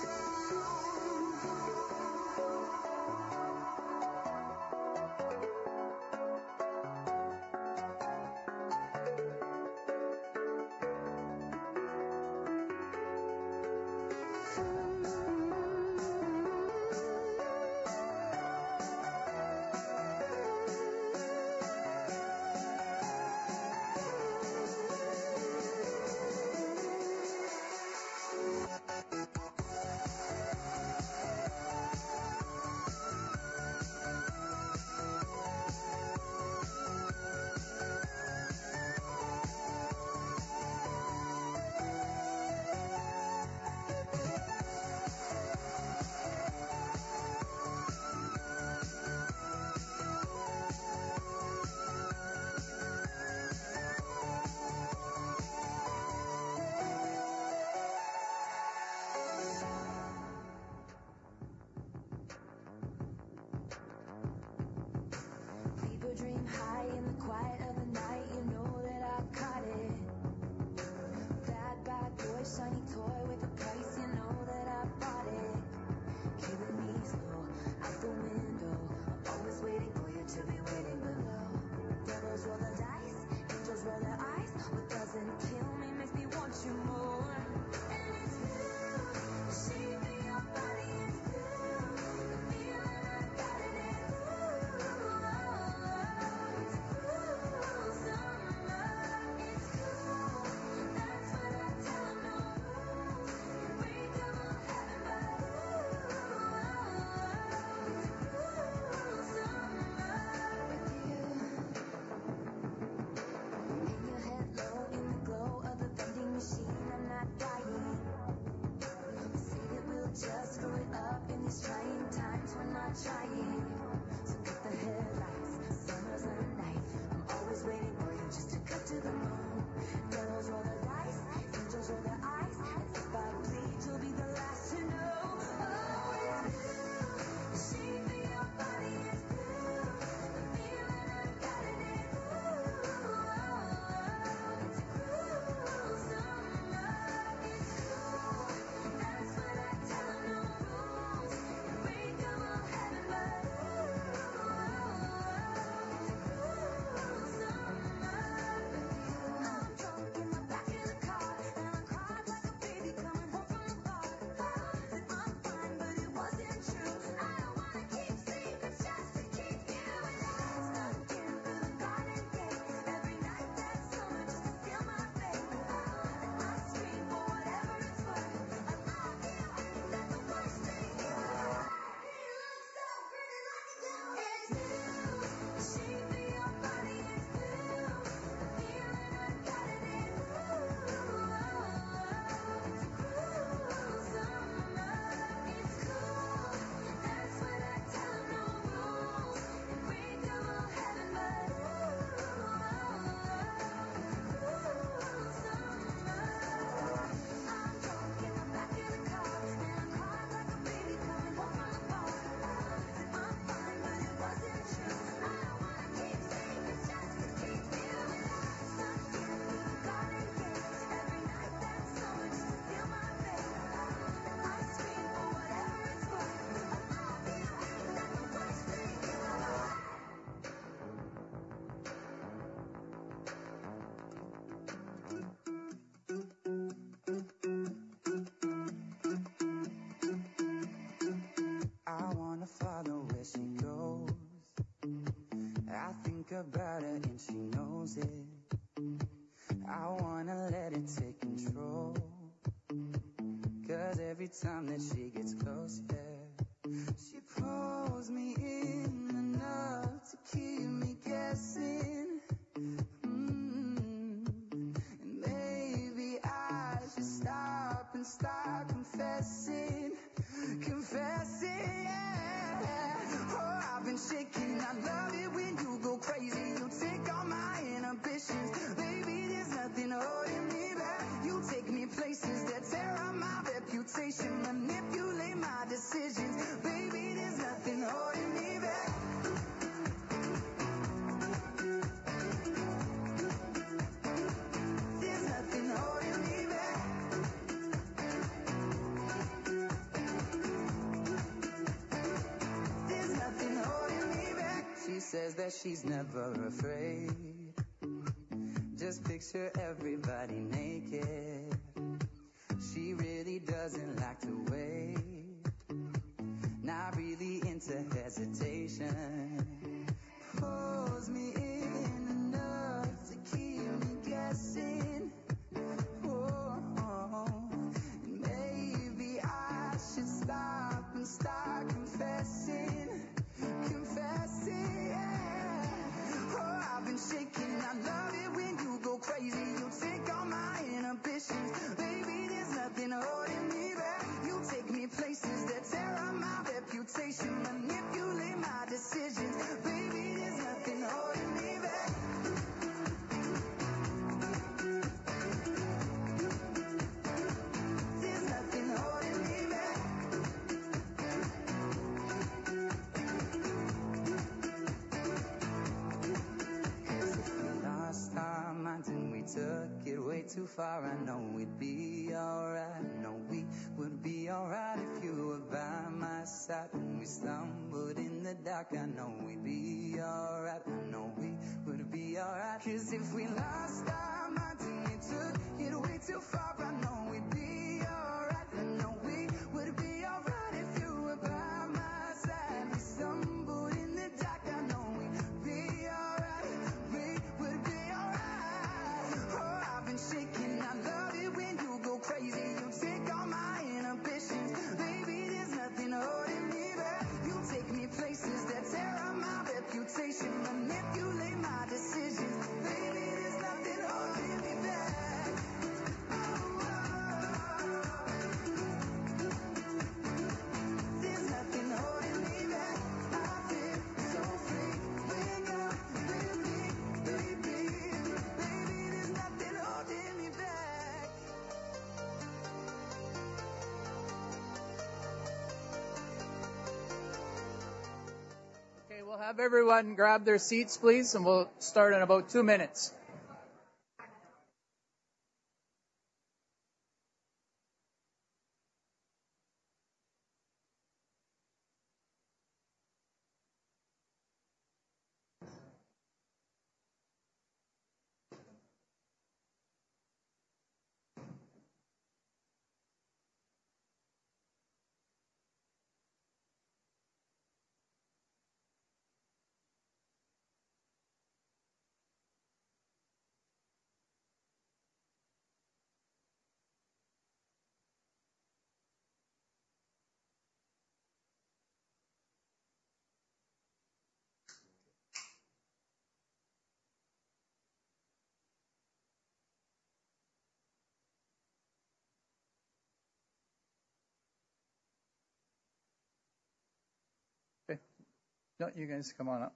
Okay. You guys can come on up.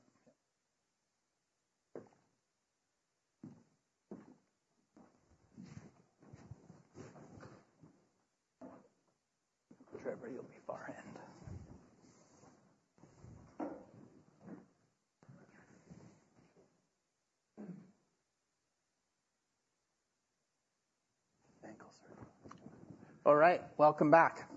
Trevor, you'll be far end. Thank you, sir. All right, welcome back.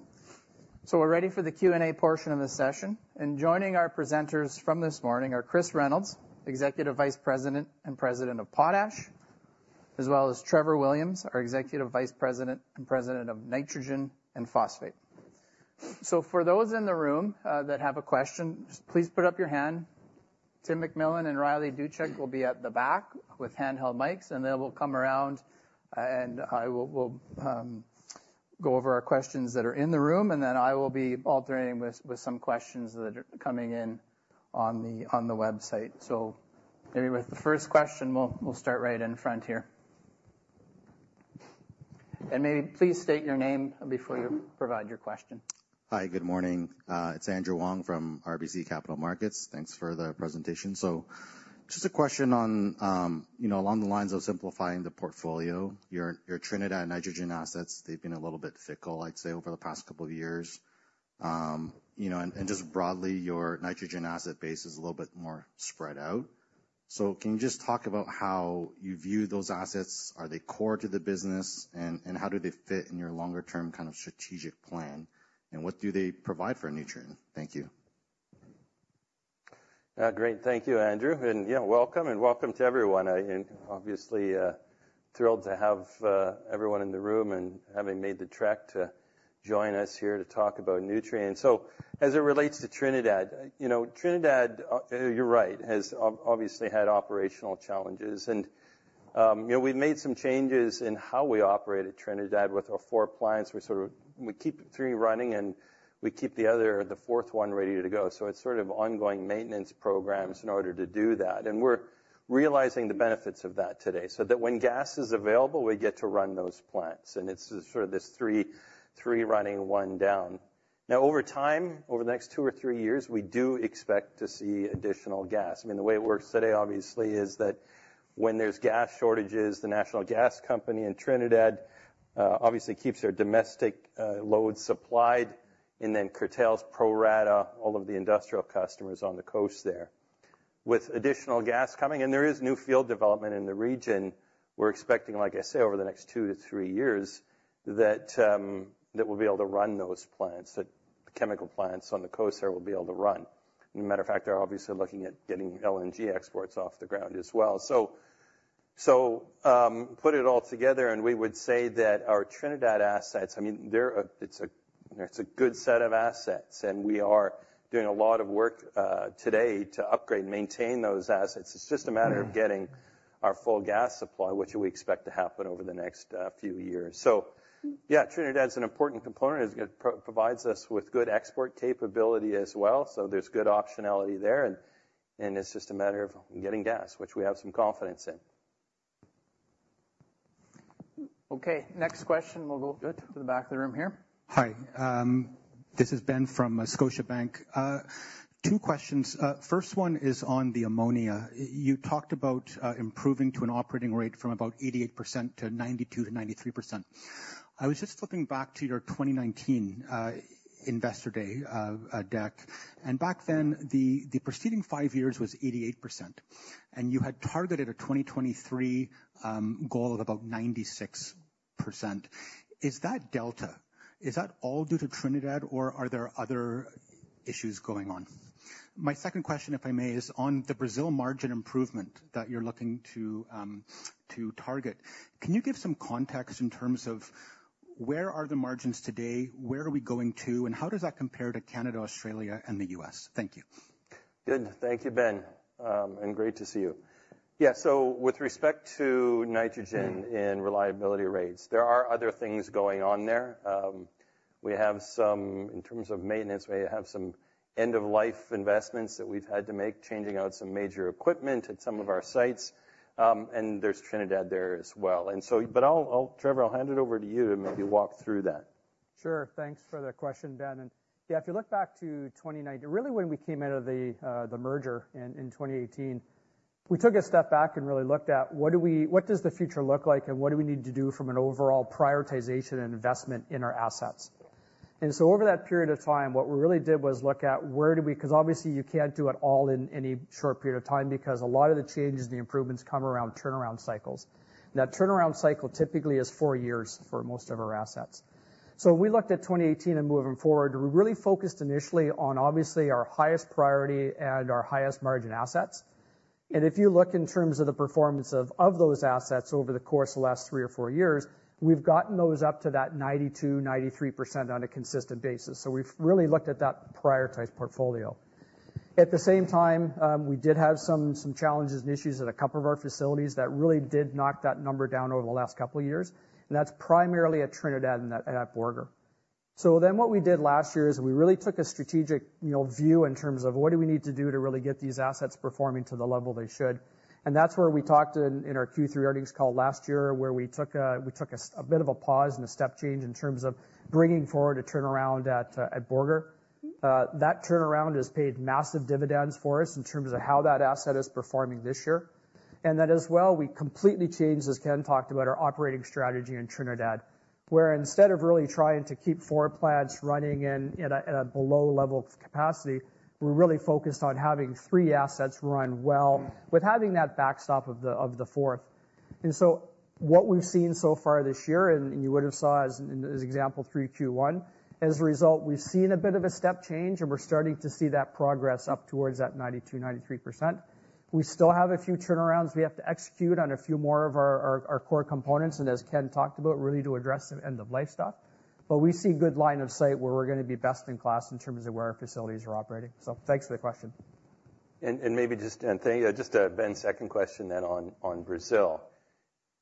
So we're ready for the Q&A portion of the session, and joining our presenters from this morning are Chris Reynolds, Executive Vice President and President of Potash, as well as Trevor Williams, our Executive Vice President and President of Nitrogen and Phosphate. So for those in the room that have a question, just please put up your hand. Tim McMillan and Riley DueckDuchek will be at the back with handheld mics, and they will come around, and we'll go over our questions that are in the room, and then I will be alternating with some questions that are coming in on the website. Maybe with the first question, we'll, we'll start right in front here. Maybe please state your name before you provide your question. Hi, good morning. It's Andrew Wong from RBC Capital Markets. Thanks for the presentation. So just a question on, you know, along the lines of simplifying the portfolio. Your, your Trinidad nitrogen assets, they've been a little bit fickle, I'd say, over the past couple of years. You know, and, and just broadly, your nitrogen asset base is a little bit more spread out. So can you just talk about how you view those assets? Are they core to the business? And, and how do they fit in your longer-term kind of strategic plan, and what do they provide for Nutrien? Thank you. Great. Thank you, Andrew. Yeah, welcome, and welcome to everyone. I am obviously thrilled to have everyone in the room and having made the trek to join us here to talk about Nutrien. So as it relates to Trinidad, you know, Trinidad, you're right, has obviously had operational challenges. And, you know, we've made some changes in how we operate at Trinidad. With our four plants, we keep three running, and we keep the other, the fourth one, ready to go. So it's ongoing maintenance programs in order to do that, and we're realizing the benefits of that today, so that when gas is available, we get to run those plants, and it's just this three running, one down. Now, over time, over the next 2 or 3 years, we do expect to see additional gas. I mean, the way it works today, obviously, is that when there's gas shortages, the national gas company in Trinidad obviously keeps their domestic load supplied and then curtails pro rata all of the industrial customers on the coast there. With additional gas coming, and there is new field development in the region, we're expecting, like I say, over the next 2 to 3 years, that that we'll be able to run those plants, that chemical plants on the coast there will be able to run. As a matter of fact, they're obviously looking at getting LNG exports off the ground as well. So-... So, put it all together, and we would say that our Trinidad assets, I mean, they're, it's a, it's a good set of assets, and we are doing a lot of work today to upgrade and maintain those assets. It's just a matter of getting our full gas supply, which we expect to happen over the next few years. So yeah, Trinidad is an important component, as it provides us with good export capability as well. So there's good optionality there, and it's just a matter of getting gas, which we have some confidence in. Okay, next question. We'll go to the back of the room here. Hi, this is Ben from Scotiabank. Two questions. First one is on the ammonia. You talked about improving to an operating rate from about 88% to 92%-93%. I was just flipping back to your 2019 investor day deck, and back then, the preceding five years was 88%, and you had targeted a 2023 goal of about 96%. Is that delta, is that all due to Trinidad, or are there other issues going on? My second question, if I may, is on the Brazil margin improvement that you're looking to target. Can you give some context in terms of where are the margins today, where are we going to, and how does that compare to Canada, Australia, and the US? Thank you. Good. Thank you, Ben, and great to see you. Yeah, so with respect to nitrogen and reliability rates, there are other things going on there. In terms of maintenance, we have some end-of-life investments that we've had to make, changing out some major equipment at some of our sites, and there's Trinidad there as well. But I'll hand it over to you, Trevor, to maybe walk through that. Sure. Thanks for the question, Ben. And yeah, if you look back to 2019, really, when we came out of the merger in 2018, we took a step back and really looked at what does the future look like, and what do we need to do from an overall prioritization and investment in our assets? And so over that period of time, what we really did was look at where do we, because obviously, you can't do it all in any short period of time, because a lot of the changes and the improvements come around turnaround cycles. That turnaround cycle typically is 4 years for most of our assets. So we looked at 2018 and moving forward. We really focused initially on, obviously, our highest priority and our highest margin assets. If you look in terms of the performance of those assets over the course of the last three or four years, we've gotten those up to that 92%-93% on a consistent basis. We've really looked at that prioritized portfolio. At the same time, we did have some challenges and issues at a couple of our facilities that really did knock that number down over the last couple of years, and that's primarily at Trinidad and at Borger. What we did last year is we really took a strategic, you know, view in terms of what do we need to do to really get these assets performing to the level they should? And that's where we talked in our Q3 earnings call last year, where we took a bit of a pause and a step change in terms of bringing forward a turnaround at Borger. That turnaround has paid massive dividends for us in terms of how that asset is performing this year. And then as well, we completely changed, as Ken talked about, our operating strategy in Trinidad, where instead of really trying to keep four plants running at a below level of capacity, we're really focused on having three assets run well, with having that backstop of the fourth. And so what we've seen so far this year, and you would have saw as example through Q1, as a result, we've seen a bit of a step change, and we're starting to see that progress up towards that 92-93%. We still have a few turnarounds we have to execute on a few more of our core components, and as Ken talked about, really to address some end-of-life stuff. But we see good line of sight where we're gonna be best in class in terms of where our facilities are operating. So thanks for the question. And maybe just, thank you. Just, Ben's second question then on, on Brazil.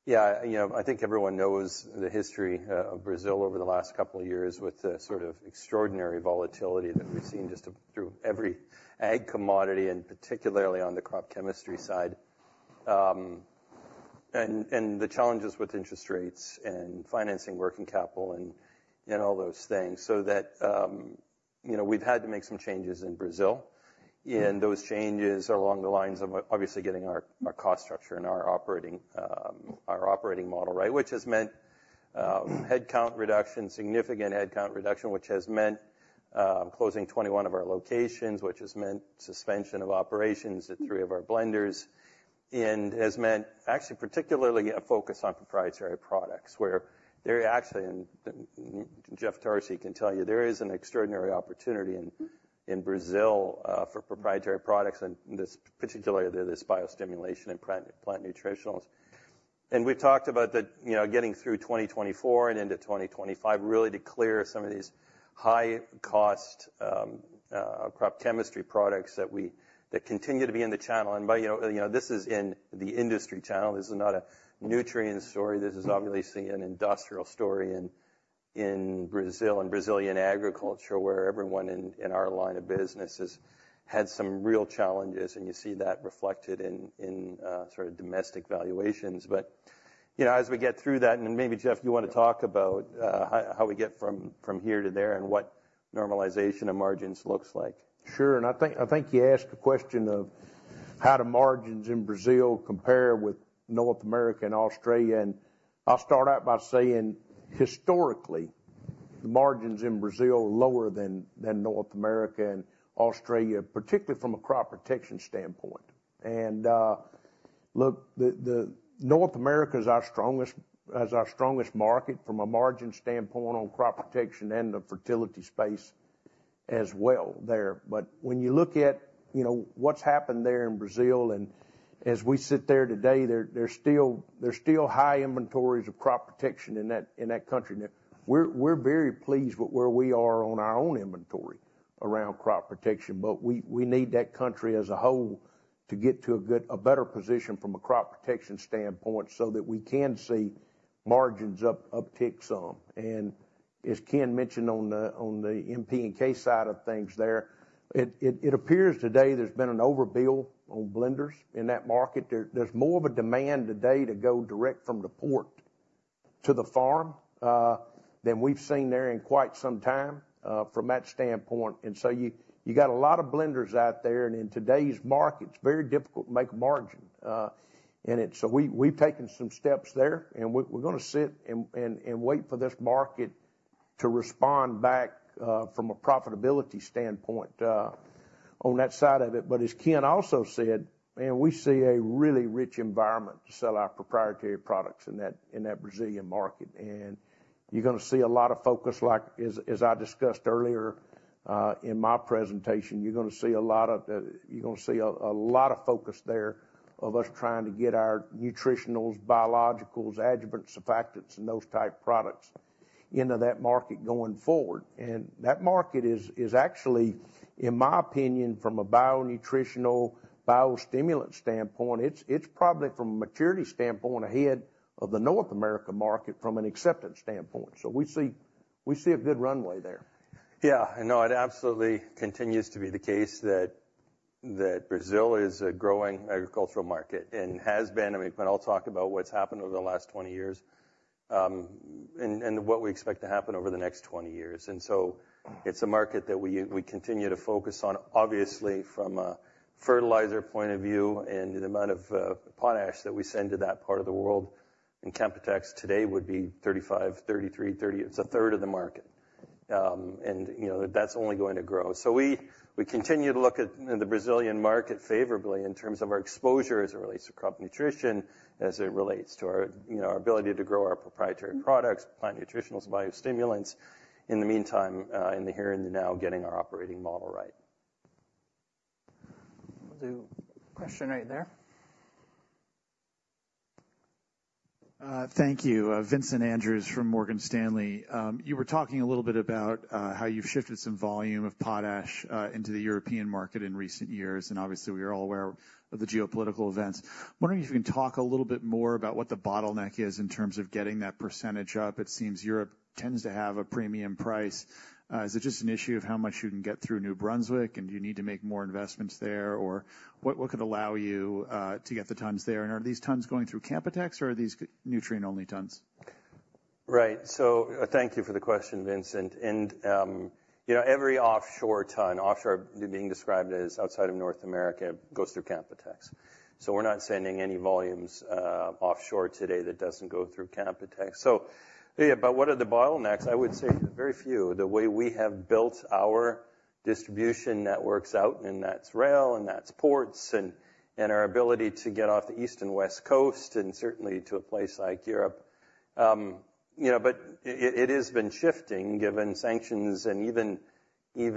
Yeah, you know, I think everyone knows the history of Brazil over the last couple of years, with the sort of extraordinary volatility that we've seen just through every ag commodity, and particularly on the crop chemistry side. And the challenges with interest rates and financing working capital and all those things, so that, you know, we've had to make some changes in Brazil. And those changes are along the lines of obviously getting our cost structure and our operating model right, which has meant, headcount reduction, significant headcount reduction. Which has meant closing 21 of our locations, which has meant suspension of operations at three of our blenders, and has meant actually particularly a focus on proprietary products, where there actually and Jeff Tarsi can tell you, there is an extraordinary opportunity in Brazil for proprietary products, and this, particularly this biostimulants and plant nutritionals. And we've talked about the, you know, getting through 2024 and into 2025, really to clear some of these high-cost crop chemistry products that continue to be in the channel. But, you know, you know, this is in the industry channel. This is not a Nutrien story. This is obviously an industrial story in Brazil and Brazilian agriculture, where everyone in our line of businesses had some real challenges, and you see that reflected in sort of domestic valuations. But, you know, as we get through that, and maybe, Jeff, you want to talk about how we get from here to there and what normalization of margins looks like. Sure. I think you asked a question of how do margins in Brazil compare with North America and Australia? I'll start out by saying, historically, the margins in Brazil are lower than North America and Australia, particularly from a crop protection standpoint. Look, the North America is our strongest, as our strongest market from a margin standpoint on crop protection and the fertility space as well there. But when you look at, you know, what's happened there in Brazil, and as we sit there today, there's still high inventories of crop protection in that country. Now, we're very pleased with where we are on our own inventory around crop protection, but we need that country as a whole to get to a good, a better position from a crop protection standpoint so that we can see margins uptick some. And as Ken mentioned on the NPK side of things there, it appears today there's been an overbuild on blenders in that market. There's more of a demand today to go direct from the port to the farm than we've seen there in quite some time from that standpoint. And so you got a lot of blenders out there, and in today's market, it's very difficult to make a margin in it. So we've taken some steps there, and we're gonna sit and wait for this market to respond back from a profitability standpoint on that side of it. But as Ken also said, man, we see a really rich environment to sell our proprietary products in that Brazilian market. And you're gonna see a lot of focus, like as I discussed earlier in my presentation, you're gonna see a lot of focus there of us trying to get our nutritionals, biologicals, adjuvant, surfactants, and those type products into that market going forward. And that market is actually, in my opinion, from a bio-nutritional, biostimulant standpoint, it's probably from a maturity standpoint, ahead of the North America market from an acceptance standpoint. So we see a good runway there. Yeah. No, it absolutely continues to be the case that, that Brazil is a growing agricultural market and has been. I mean, Ken will talk about what's happened over the last 20 years, and, and what we expect to happen over the next 20 years. And so it's a market that we, we continue to focus on, obviously from a fertilizer point of view, and the amount of, potash that we send to that part of the world. And Canpotex today would be 35, 33, 30... It's a third of the market. And, you know, that's only going to grow. So we, we continue to look at the Brazilian market favorably in terms of our exposure as it relates to crop nutrition, as it relates to our, you know, our ability to grow our proprietary products, plant nutritionals, biostimulants. In the meantime, in the here and now, getting our operating model right. We'll do question right there. Thank you. Vincent Andrews from Morgan Stanley. You were talking a little bit about how you've shifted some volume of potash into the European market in recent years, and obviously, we are all aware of the geopolitical events. I'm wondering if you can talk a little bit more about what the bottleneck is in terms of getting that percentage up. It seems Europe tends to have a premium price. Is it just an issue of how much you can get through New Brunswick, and do you need to make more investments there? Or what could allow you to get the tons there, and are these tons going through Canpotex, or are these Nutrien-only tons? Right. So thank you for the question, Vincent. And, you know, every offshore ton, offshore being described as outside of North America, goes through Canpotex. So we're not sending any volumes, offshore today that doesn't go through Canpotex. So yeah, but what are the bottlenecks? I would say very few. The way we have built our distribution networks out, and that's rail, and that's ports, and our ability to get off the East and West Coast, and certainly to a place like Europe. You know, but it has been shifting given sanctions and even, you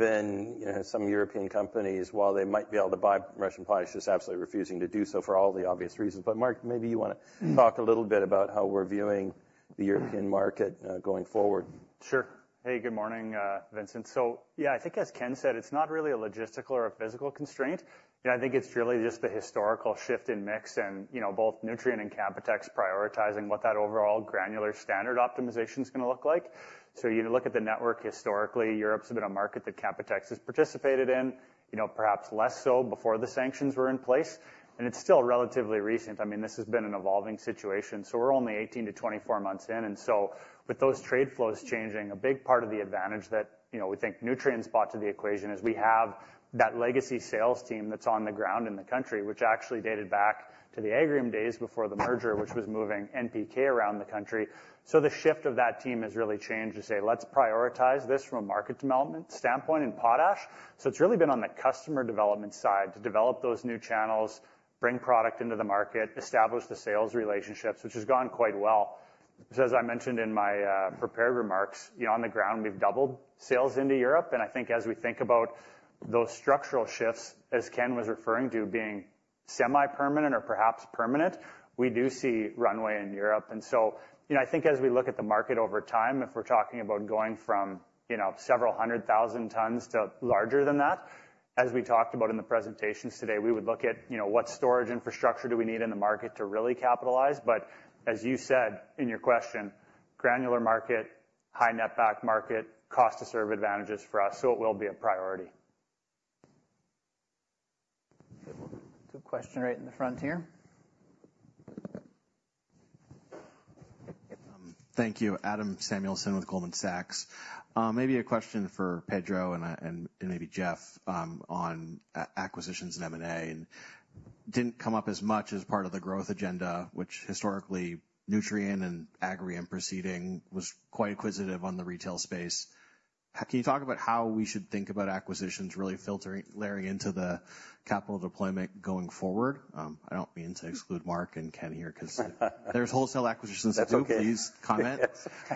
know, some European companies, while they might be able to buy Russian potash, just absolutely refusing to do so for all the obvious reasons. But Mark, maybe you want to- Mm-hmm. Talk a little bit about how we're viewing the European market, going forward. Sure. Hey, good morning, Vincent. So yeah, I think as Ken said, it's not really a logistical or a physical constraint. You know, I think it's really just the historical shift in mix and, you know, both Nutrien and Canpotex prioritizing what that overall granular standard optimization is gonna look like. So you look at the network historically, Europe's been a market that Canpotex has participated in, you know, perhaps less so before the sanctions were in place. And it's still relatively recent. I mean, this has been an evolving situation, so we're only 18-24 months in. And so with those trade flows changing, a big part of the advantage that, you know, we think Nutrien's brought to the equation is we have that legacy sales team that's on the ground in the country, which actually dated back to the Agrium days before the merger, which was moving NPK around the country. So the shift of that team has really changed to say, let's prioritize this from a market development standpoint in potash. So it's really been on the customer development side to develop those new channels, bring product into the market, establish the sales relationships, which has gone quite well. So as I mentioned in my prepared remarks, you know, on the ground, we've doubled sales into Europe, and I think as we think about those structural shifts, as Ken was referring to, being semi-permanent or perhaps permanent, we do see runway in Europe. you know, I think as we look at the market over time, if we're talking about going from, you know, several hundred thousand tons to larger than that, as we talked about in the presentations today, we would look at, you know, what storage infrastructure do we need in the market to really capitalize. But as you said in your question, granular market, high netback market, cost to serve advantages for us, so it will be a priority. Good question right in the front here. Thank you. Adam Samuelson with Goldman Sachs. Maybe a question for Pedro and maybe Jeff, on acquisitions and M&A, and didn't come up as much as part of the growth agenda, which historically, Nutrien and Agrium preceding, was quite acquisitive on the retail space. Can you talk about how we should think about acquisitions really filtering, layering into the capital deployment going forward? I don't mean to exclude Mark and Ken here, because--there's wholesale acquisitions, so please comment.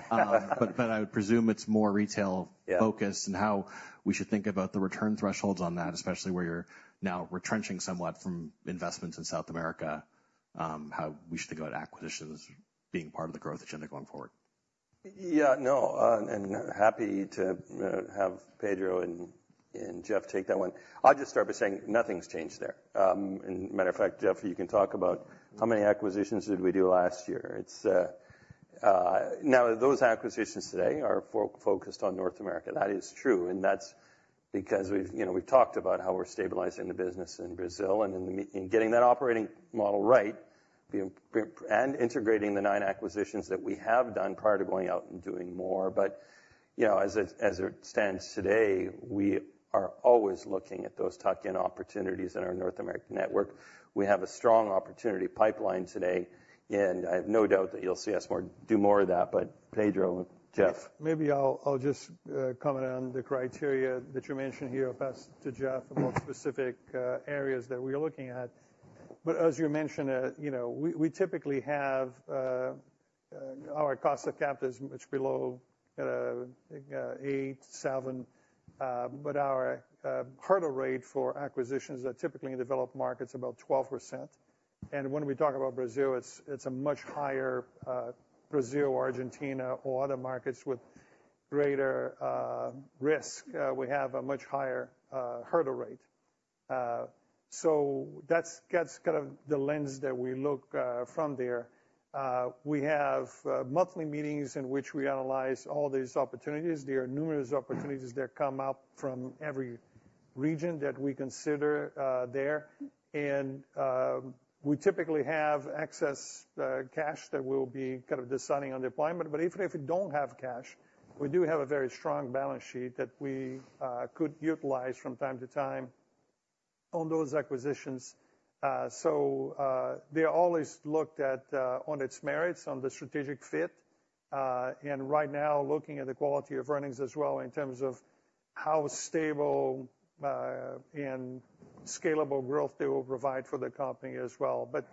But, but I would presume it's more retail- Yeah focused, and how we should think about the return thresholds on that, especially where you're now retrenching somewhat from investments in South America, how we should think about acquisitions being part of the growth agenda going forward. Yeah, no, and happy to have Pedro and Jeff take that one. I'll just start by saying nothing's changed there. And matter of fact, Jeff, you can talk about how many acquisitions did we do last year? It's now those acquisitions today are focused on North America. That is true, and that's because we've, you know, we've talked about how we're stabilizing the business in Brazil and in the meantime and getting that operating model right and integrating the nine acquisitions that we have done prior to going out and doing more. But, you know, as it stands today, we are always looking at those tuck-in opportunities in our North American network. We have a strong opportunity pipeline today, and I have no doubt that you'll see us do more of that, but Pedro, Jeff? Maybe I'll just comment on the criteria that you mentioned here, pass to Jeff about specific areas that we are looking at. But as you mentioned, you know, we typically have our cost of capital is much below 8, 7, but our hurdle rate for acquisitions are typically in developed markets, about 12%. And when we talk about Brazil, it's a much higher, Brazil, Argentina, or other markets with greater risk, we have a much higher hurdle rate. So that's kind of the lens that we look from there. We have monthly meetings in which we analyze all these opportunities. There are numerous opportunities that come up from every region that we consider, there. We typically have excess cash that we'll be kind of deciding on deployment. But even if we don't have cash, we do have a very strong balance sheet that we could utilize from time to time on those acquisitions. So, they're always looked at on its merits, on the strategic fit, and right now, looking at the quality of earnings as well, in terms of how stable and scalable growth they will provide for the company as well. But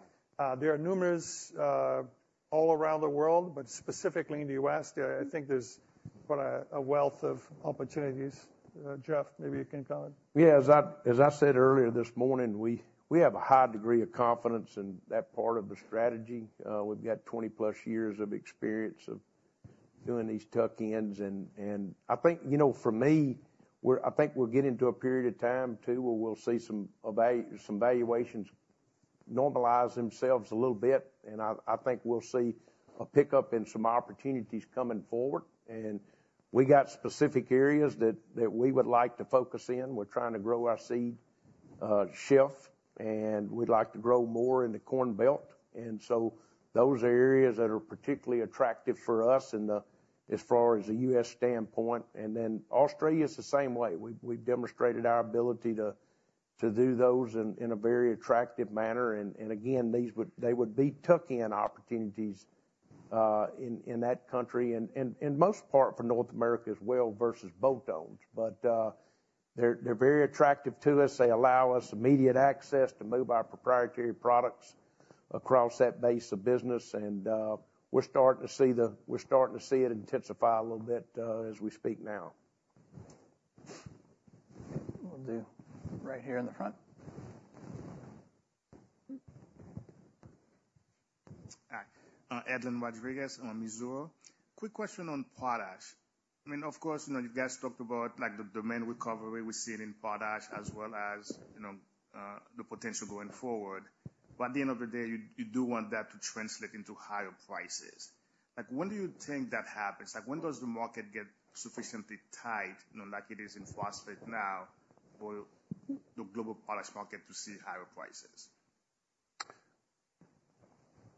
there are numerous all around the world, but specifically in the US, I think there's quite a wealth of opportunities. Jeff, maybe you can comment. Yeah, as I, as I said earlier this morning, we, we have a high degree of confidence in that part of the strategy. We've got 20+ years of experience of doing these tuck-ins. And, and I think, you know, for me, we're I think we're getting to a period of time, too, where we'll see some some valuations normalize themselves a little bit, and I, I think we'll see a pickup in some opportunities coming forward. And we got specific areas that, that we would like to focus in. We're trying to grow our seed shelf, and we'd like to grow more in the Corn Belt. And so those are areas that are particularly attractive for us in the, as far as the U.S. standpoint, and then Australia is the same way. We've demonstrated our ability to do those in a very attractive manner, and again, these would be tuck-in opportunities in that country and most part for North America as well, versus bolt-ons. But they're very attractive to us. They allow us immediate access to move our proprietary products across that base of business, and we're starting to see it intensify a little bit as we speak now. We'll do right here in the front. Hi, Edlain Rodriguez on Mizuho. Quick question on potash. I mean, of course, you know, you guys talked about, like, the demand recovery we're seeing in potash, as well as, you know, the potential going forward. But at the end of the day, you, you do want that to translate into higher prices. Like, when do you think that happens? Like, when does the market get sufficiently tight, you know, like it is in phosphate now, for the global potash market to see higher prices? Yeah,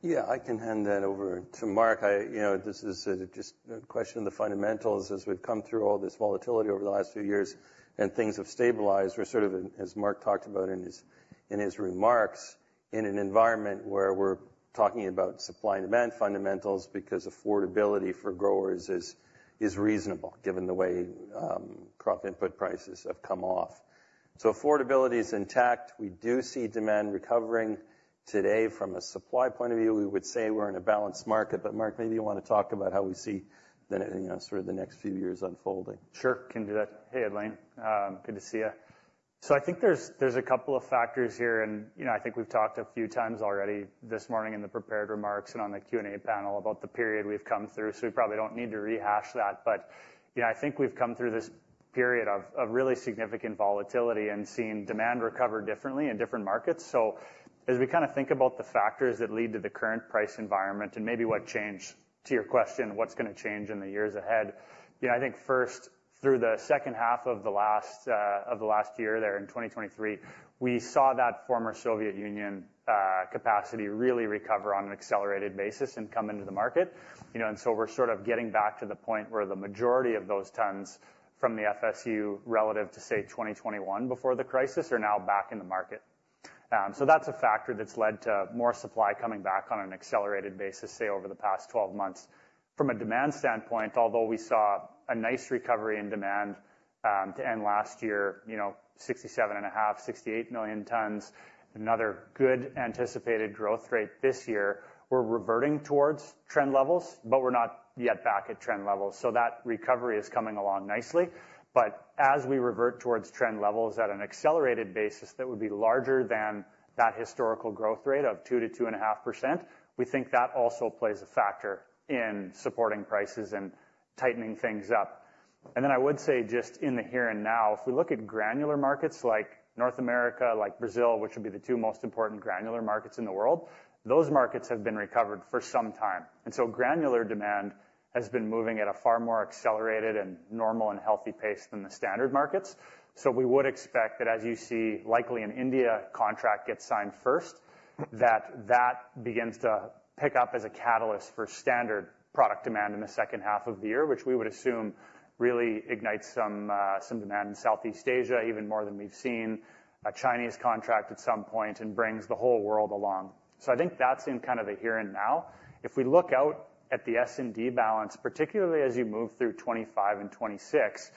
I can hand that over to Mark. I, you know, this is just a question of the fundamentals as we've come through all this volatility over the last few years, and things have stabilized. We're sort of, as Mark talked about in his remarks, in an environment where we're talking about supply and demand fundamentals, because affordability for growers is reasonable, given the way crop input prices have come off. So affordability is intact. We do see demand recovering today from a supply point of view. We would say we're in a balanced market, but Mark, maybe you want to talk about how we see the, you know, sort of the next few years unfolding. Sure, can do that. Hey, Edlain, good to see you. So I think there's a couple of factors here, and, you know, I think we've talked a few times already this morning in the prepared remarks and on the Q&A panel about the period we've come through, so we probably don't need to rehash that. But, you know, I think we've come through this period of really significant volatility and seen demand recover differently in different markets. So as we kind of think about the factors that lead to the current price environment and maybe what changed, to your question, what's gonna change in the years ahead? You know, I think first, through the second half of last year in 2023, we saw that former Soviet Union capacity really recover on an accelerated basis and come into the market. You know, and so we're sort of getting back to the point where the majority of those tons from the FSU, relative to, say, 2021 before the crisis, are now back in the market. So that's a factor that's led to more supply coming back on an accelerated basis, say, over the past 12 months. From a demand standpoint, although we saw a nice recovery in demand to end last year, you know, 67.5 million-68 million tons, another good anticipated growth rate this year, we're reverting towards trend levels, but we're not yet back at trend levels. So that recovery is coming along nicely. But as we revert towards trend levels at an accelerated basis, that would be larger than that historical growth rate of 2%-2.5%. We think that also plays a factor in supporting prices and tightening things up. And then I would say, just in the here and now, if we look at granular markets like North America, like Brazil, which would be the two most important granular markets in the world, those markets have been recovered for some time. And so granular demand has been moving at a far more accelerated and normal and healthy pace than the standard markets. So we would expect that as you see, likely an India contract gets signed first, that that begins to pick up as a catalyst for standard product demand in the second half of the year, which we would assume really ignites some, some demand in Southeast Asia, even more than we've seen, a Chinese contract at some point, and brings the whole world along. So I think that's in kind of the here and now. If we look out at the S&D balance, particularly as you move through 25 and 26,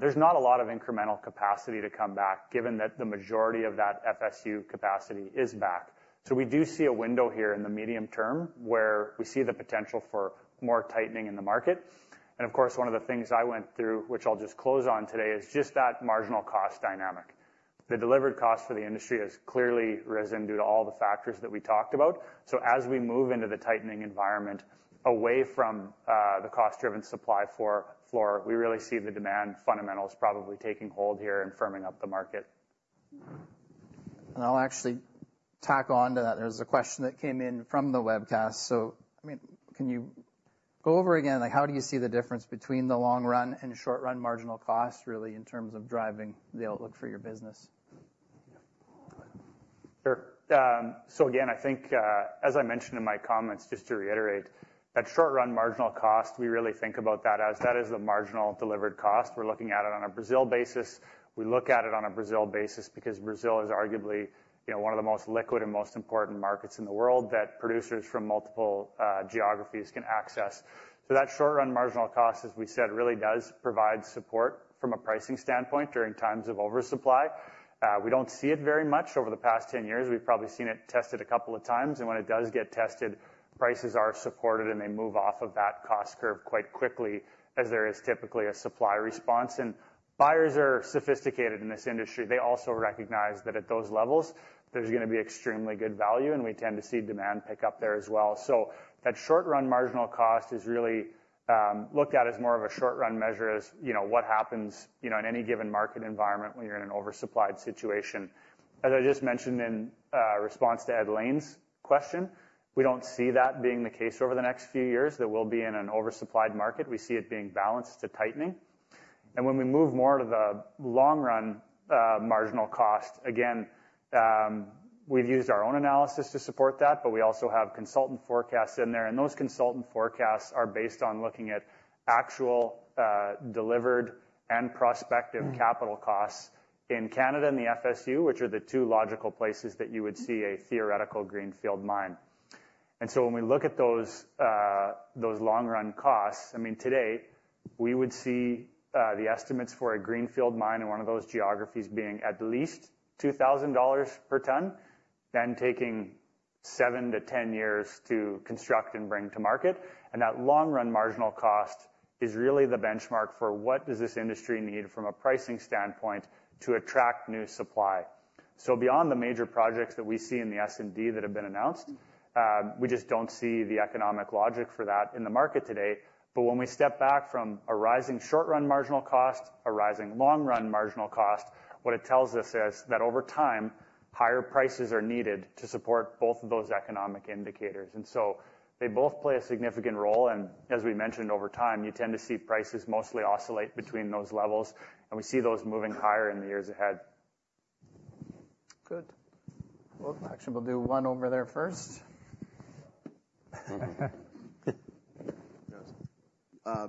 there's not a lot of incremental capacity to come back, given that the majority of that FSU capacity is back. So we do see a window here in the medium term where we see the potential for more tightening in the market. And of course, one of the things I went through, which I'll just close on today, is just that marginal cost dynamic. The delivered cost for the industry has clearly risen due to all the factors that we talked about. So as we move into the tightening environment, away from the cost-driven supply floor, we really see the demand fundamentals probably taking hold here and firming up the market. And I'll actually tack on to that. There's a question that came in from the webcast. So, I mean, can you go over again, like, how do you see the difference between the long-run and short-run marginal cost, really, in terms of driving the outlook for your business? Sure. So again, I think, as I mentioned in my comments, just to reiterate, that short-run marginal cost, we really think about that as that is the marginal delivered cost. We're looking at it on a Brazil basis. We look at it on a Brazil basis because Brazil is arguably, you know, one of the most liquid and most important markets in the world that producers from multiple geographies can access. So that short-run marginal cost, as we said, really does provide support from a pricing standpoint during times of oversupply. We don't see it very much over the past 10 years. We've probably seen it tested a couple of times, and when it does get tested, prices are supported, and they move off of that cost curve quite quickly, as there is typically a supply response. And buyers are sophisticated in this industry. They also recognize that at those levels, there's gonna be extremely good value, and we tend to see demand pick up there as well. So that short-run marginal cost is really looked at as more of a short-run measure, as, you know, what happens, you know, in any given market environment when you're in an oversupplied situation. As I just mentioned in response to Edlain's question, we don't see that being the case over the next few years, that we'll be in an oversupplied market. We see it being balanced to tightening. And when we move more to the long-run, marginal cost, again, we've used our own analysis to support that, but we also have consultant forecasts in there, and those consultant forecasts are based on looking at actual, delivered and prospective capital costs in Canada and the FSU, which are the two logical places that you would see a theoretical greenfield mine. And so when we look at those, those long-run costs, I mean, today we would see, the estimates for a greenfield mine in one of those geographies being at least $2,000 per ton, then taking 7-10 years to construct and bring to market. And that long-run marginal cost is really the benchmark for what does this industry need from a pricing standpoint to attract new supply. Beyond the major projects that we see in the S&D that have been announced, we just don't see the economic logic for that in the market today. But when we step back from a rising short-run marginal cost, a rising long-run marginal cost, what it tells us is that over time, higher prices are needed to support both of those economic indicators, and so they both play a significant role. As we mentioned, over time, you tend to see prices mostly oscillate between those levels, and we see those moving higher in the years ahead. Good. Well, actually, we'll do one over there first.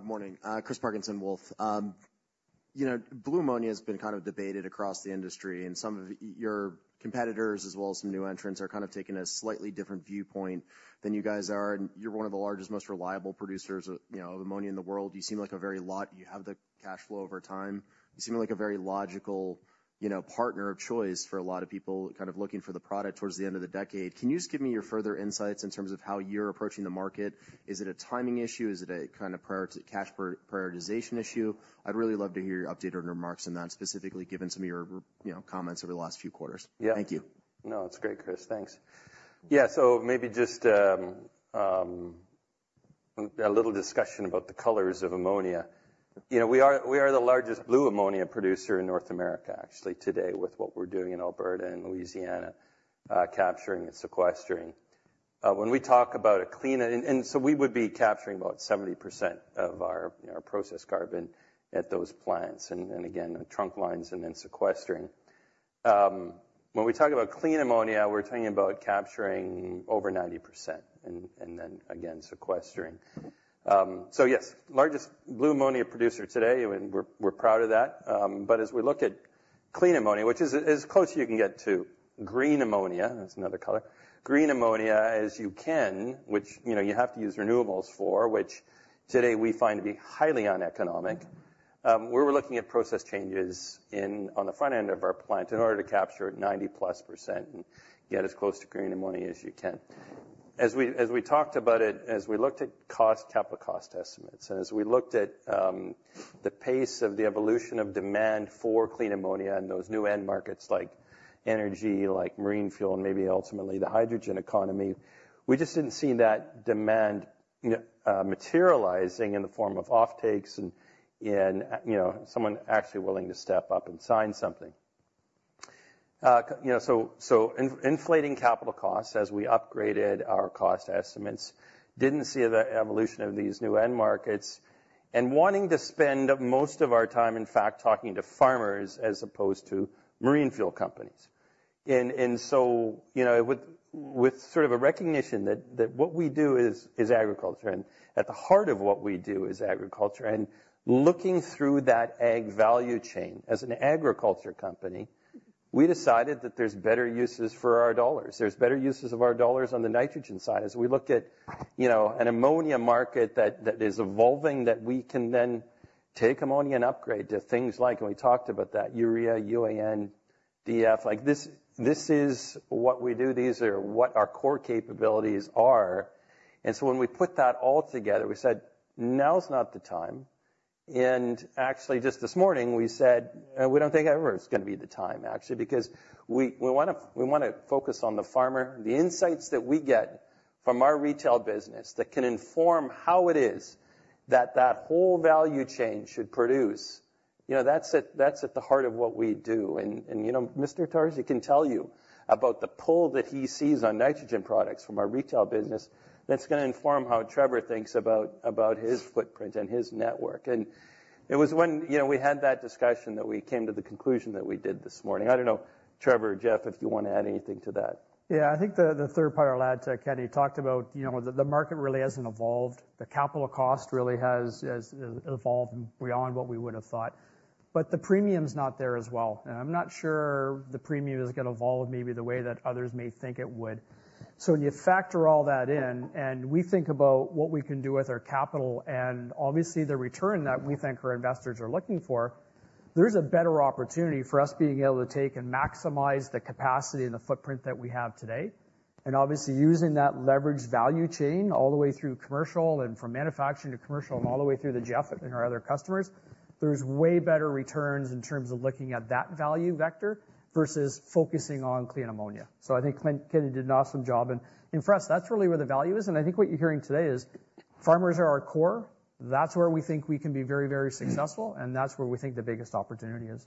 Morning, Chris Parkinson, Wolfe. You know, blue ammonia has been kind of debated across the industry, and some of your competitors, as well as some new entrants, are kind of taking a slightly different viewpoint than you guys are. And you're one of the largest, most reliable producers of, you know, ammonia in the world. You have the cash flow over time. You seem like a very logical, you know, partner of choice for a lot of people kind of looking for the product towards the end of the decade. Can you just give me your further insights in terms of how you're approaching the market? Is it a timing issue? Is it a kind of prioritization issue? I'd really love to hear your updated remarks on that, specifically given some of your you know, comments over the last few quarters. Yeah. Thank you. No, it's great, Chris. Thanks. Yeah, so maybe just a little discussion about the colors of ammonia. You know, we are the largest blue ammonia producer in North America, actually, today, with what we're doing in Alberta and Louisiana, capturing and sequestering. When we talk about a clean, and so we would be capturing about 70% of our, you know, our processed carbon at those plants, and again, the trunk lines and then sequestering. When we talk about clean ammonia, we're talking about capturing over 90% and then again, sequestering. So yes, largest blue ammonia producer today, and we're proud of that. But as we look at- Clean ammonia, which is as close as you can get to green ammonia, that's another color. Green ammonia, as you can, which, you know, you have to use renewables for, which today we find to be highly uneconomic. We were looking at process changes on the front end of our plant in order to capture 90+% and get as close to green ammonia as you can. As we talked about it, as we looked at cost, capital cost estimates, and as we looked at the pace of the evolution of demand for clean ammonia and those new end markets like energy, like marine fuel, and maybe ultimately the hydrogen economy, we just didn't see that demand, you know, materializing in the form of offtakes and, you know, someone actually willing to step up and sign something. You know, so, so inflating capital costs as we upgraded our cost estimates, didn't see the evolution of these new end markets, and wanting to spend most of our time, in fact, talking to farmers as opposed to marine fuel companies. And, and so, you know, with, with sort of a recognition that, that what we do is, is agriculture, and at the heart of what we do is agriculture. And looking through that ag value chain as an agriculture company, we decided that there's better uses for our dollars. There's better uses of our dollars on the nitrogen side. As we looked at, you know, an ammonia market that, that is evolving, that we can then take ammonia and upgrade to things like, and we talked about that, urea, UAN, DEF. Like, this, this is what we do. These are what our core capabilities are. And so when we put that all together, we said, "Now's not the time." And actually, just this morning, we said, "we don't think ever is gonna be the time, actually." Because we, we wanna, we wanna focus on the farmer. The insights that we get from our retail business that can inform how it is that that whole value chain should produce, you know, that's at, that's at the heart of what we do. And, and, you know, Mr. Tarsi can tell you about the pull that he sees on nitrogen products from our retail business, that's gonna inform how Trevor thinks about, about his footprint and his network. And it was when, you know, we had that discussion that we came to the conclusion that we did this morning. I don't know, Trevor, Jeff, if you wanna add anything to that. Yeah. I think the third part I'll add to Ken. He talked about, you know, the market really hasn't evolved. The capital cost really has evolved beyond what we would've thought. But the premium's not there as well, and I'm not sure the premium is gonna evolve maybe the way that others may think it would. So when you factor all that in, and we think about what we can do with our capital, and obviously the return that we think our investors are looking for, there's a better opportunity for us being able to take and maximize the capacity and the footprint that we have today. Obviously, using that leveraged value chain all the way through commercial and from manufacturing to commercial, and all the way through to Jeff and our other customers, there's way better returns in terms of looking at that value vector versus focusing on clean ammonia. I think Ken and team did an awesome job. And for us, that's really where the value is, and I think what you're hearing today is farmers are our core. That's where we think we can be very, very successful, and that's where we think the biggest opportunity is.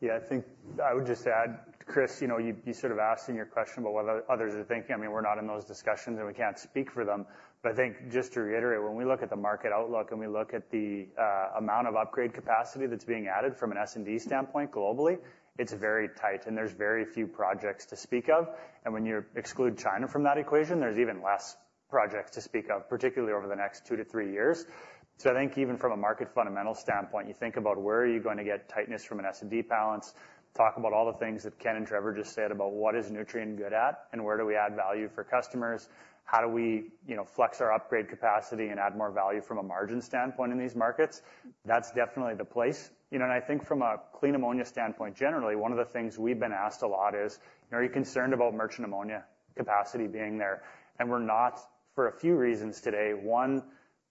Yeah, I think I would just add, Chris, you know, you sort of asked in your question about what others are thinking. I mean, we're not in those discussions, and we can't speak for them. But I think just to reiterate, when we look at the market outlook and we look at the amount of upgrade capacity that's being added from an S&D standpoint globally, it's very tight, and there's very few projects to speak of. And when you exclude China from that equation, there's even less projects to speak of, particularly over the next two to three years. So I think even from a market fundamental standpoint, you think about where are you going to get tightness from an S&D balance? Talk about all the things that Ken and Trevor just said about what is Nutrien good at, and where do we add value for customers? How do we, you know, flex our upgrade capacity and add more value from a margin standpoint in these markets? That's definitely the place. You know, and I think from a clean ammonia standpoint, generally, one of the things we've been asked a lot is, "Are you concerned about merchant ammonia capacity being there?" And we're not, for a few reasons today. One,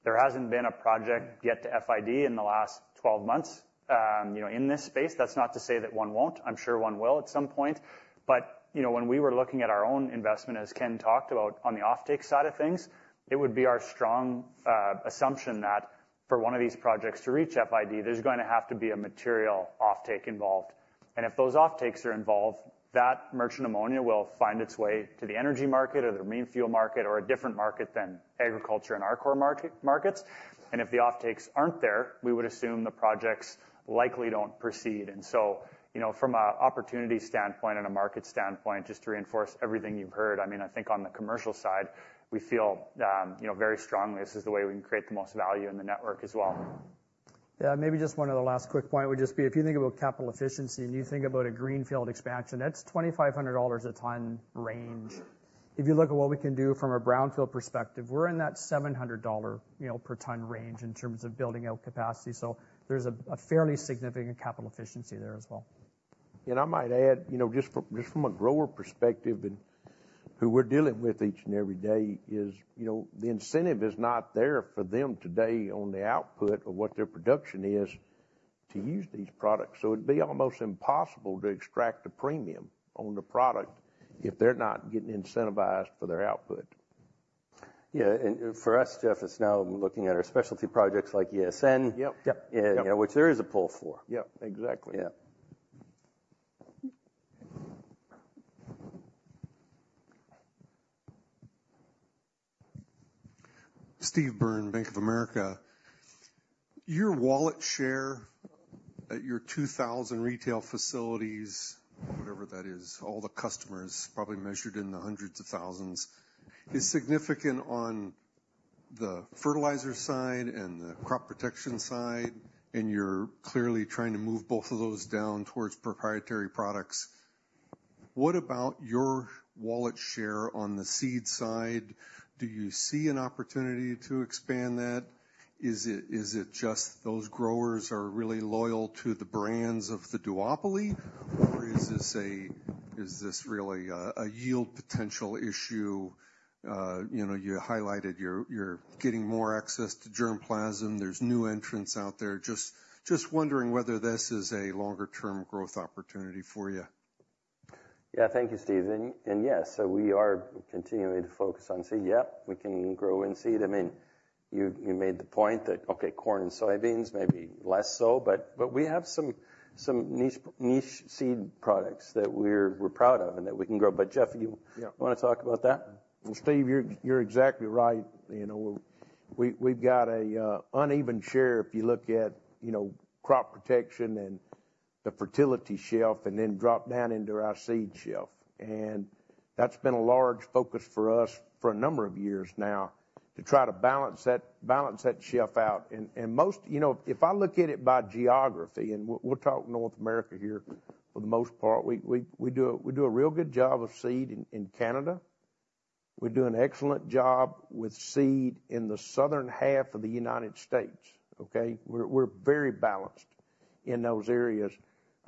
there hasn't been a project yet to FID in the last 12 months, you know, in this space. That's not to say that one won't. I'm sure one will at some point. But, you know, when we were looking at our own investment, as Ken talked about on the offtake side of things, it would be our strong assumption that for one of these projects to reach FID, there's gonna have to be a material offtake involved. And if those offtakes are involved, that merchant ammonia will find its way to the energy market or the marine fuel market, or a different market than agriculture and our core market, markets. And if the offtakes aren't there, we would assume the projects likely don't proceed. And so, you know, from a opportunity standpoint and a market standpoint, just to reinforce everything you've heard, I mean, I think on the commercial side, we feel, you know, very strongly this is the way we can create the most value in the network as well. Yeah, maybe just one other last quick point would just be, if you think about capital efficiency and you think about a greenfield expansion, that's $2,500 a ton range. If you look at what we can do from a brownfield perspective, we're in that $700, you know, per ton range in terms of building out capacity, so there's a fairly significant capital efficiency there as well. I might add, you know, just from, just from a grower perspective, and who we're dealing with each and every day is, you know, the incentive is not there for them today on the output of what their production is to use these products. So it'd be almost impossible to extract a premium on the product if they're not getting incentivized for their output. Yeah, and for us, Jeff, it's now looking at our specialty projects like ESN. Yep. Yep. Yeah, which there is a pull for. Yep, exactly. Yeah. Steve Byrne, Bank of America. Your wallet share at your 2,000 retail facilities, whatever that is, all the customers, probably measured in the hundreds of thousands, is significant on the fertilizer side and the crop protection side, and you're clearly trying to move both of those down towards proprietary products. What about your wallet share on the seed side? Do you see an opportunity to expand that? Is it just those growers are really loyal to the brands of the duopoly? Or is this really a yield potential issue? You know, you highlighted you're getting more access to germplasm. There's new entrants out there. Just wondering whether this is a longer term growth opportunity for you. Yeah. Thank you, Steve. And yes, so we are continuing to focus on seed. Yeah, we can grow in seed. I mean, you made the point that, okay, corn and soybeans may be less so, but we have some niche seed products that we're proud of and that we can grow. But Jeff, you- Yeah. Wanna talk about that? Well, Steve, you're, you're exactly right. You know, we, we've got a uneven share if you look at, you know, crop protection and the fertility shelf, and then drop down into our seed shelf. And that's been a large focus for us for a number of years now, to try to balance that, balance that shelf out. And, and most... You know, if I look at it by geography, and we'll talk North America here, for the most part, we, we, we do a, we do a real good job of seed in, in Canada. We do an excellent job with seed in the southern half of the United States, okay? We're, we're very balanced in those areas.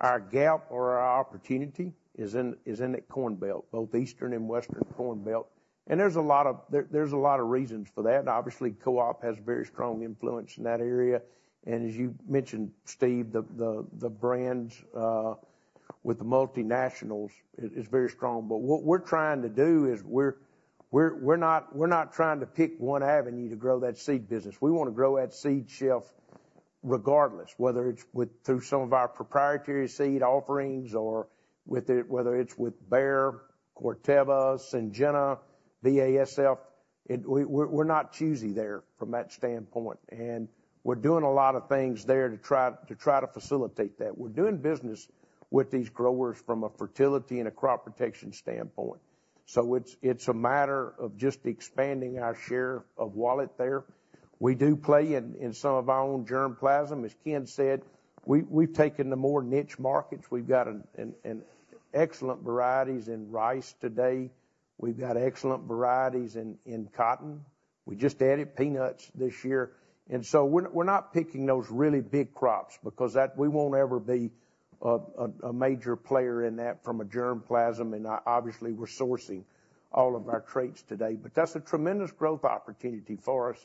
Our gap or our opportunity is in, is in the Corn Belt, both Eastern and Western Corn Belt. And there's a lot of reasons for that. Obviously, co-op has a very strong influence in that area. And as you mentioned, Steve, the brands with the multinationals is very strong. But what we're trying to do is we're not trying to pick one avenue to grow that seed business. We wanna grow that seed shelf regardless, whether it's through some of our proprietary seed offerings or whether it's with Bayer, Corteva, Syngenta, BASF, we're not choosy there from that standpoint, and we're doing a lot of things there to try to facilitate that. We're doing business with these growers from a fertility and a crop protection standpoint, so it's a matter of just expanding our share of wallet there. We do play in some of our own germplasm. As Ken said, we've taken the more niche markets. We've got an excellent varieties in rice today. We've got excellent varieties in cotton. We just added peanuts this year. And so we're not picking those really big crops because that... We won't ever be a major player in that from a germplasm, and obviously, we're sourcing all of our traits today. But that's a tremendous growth opportunity for us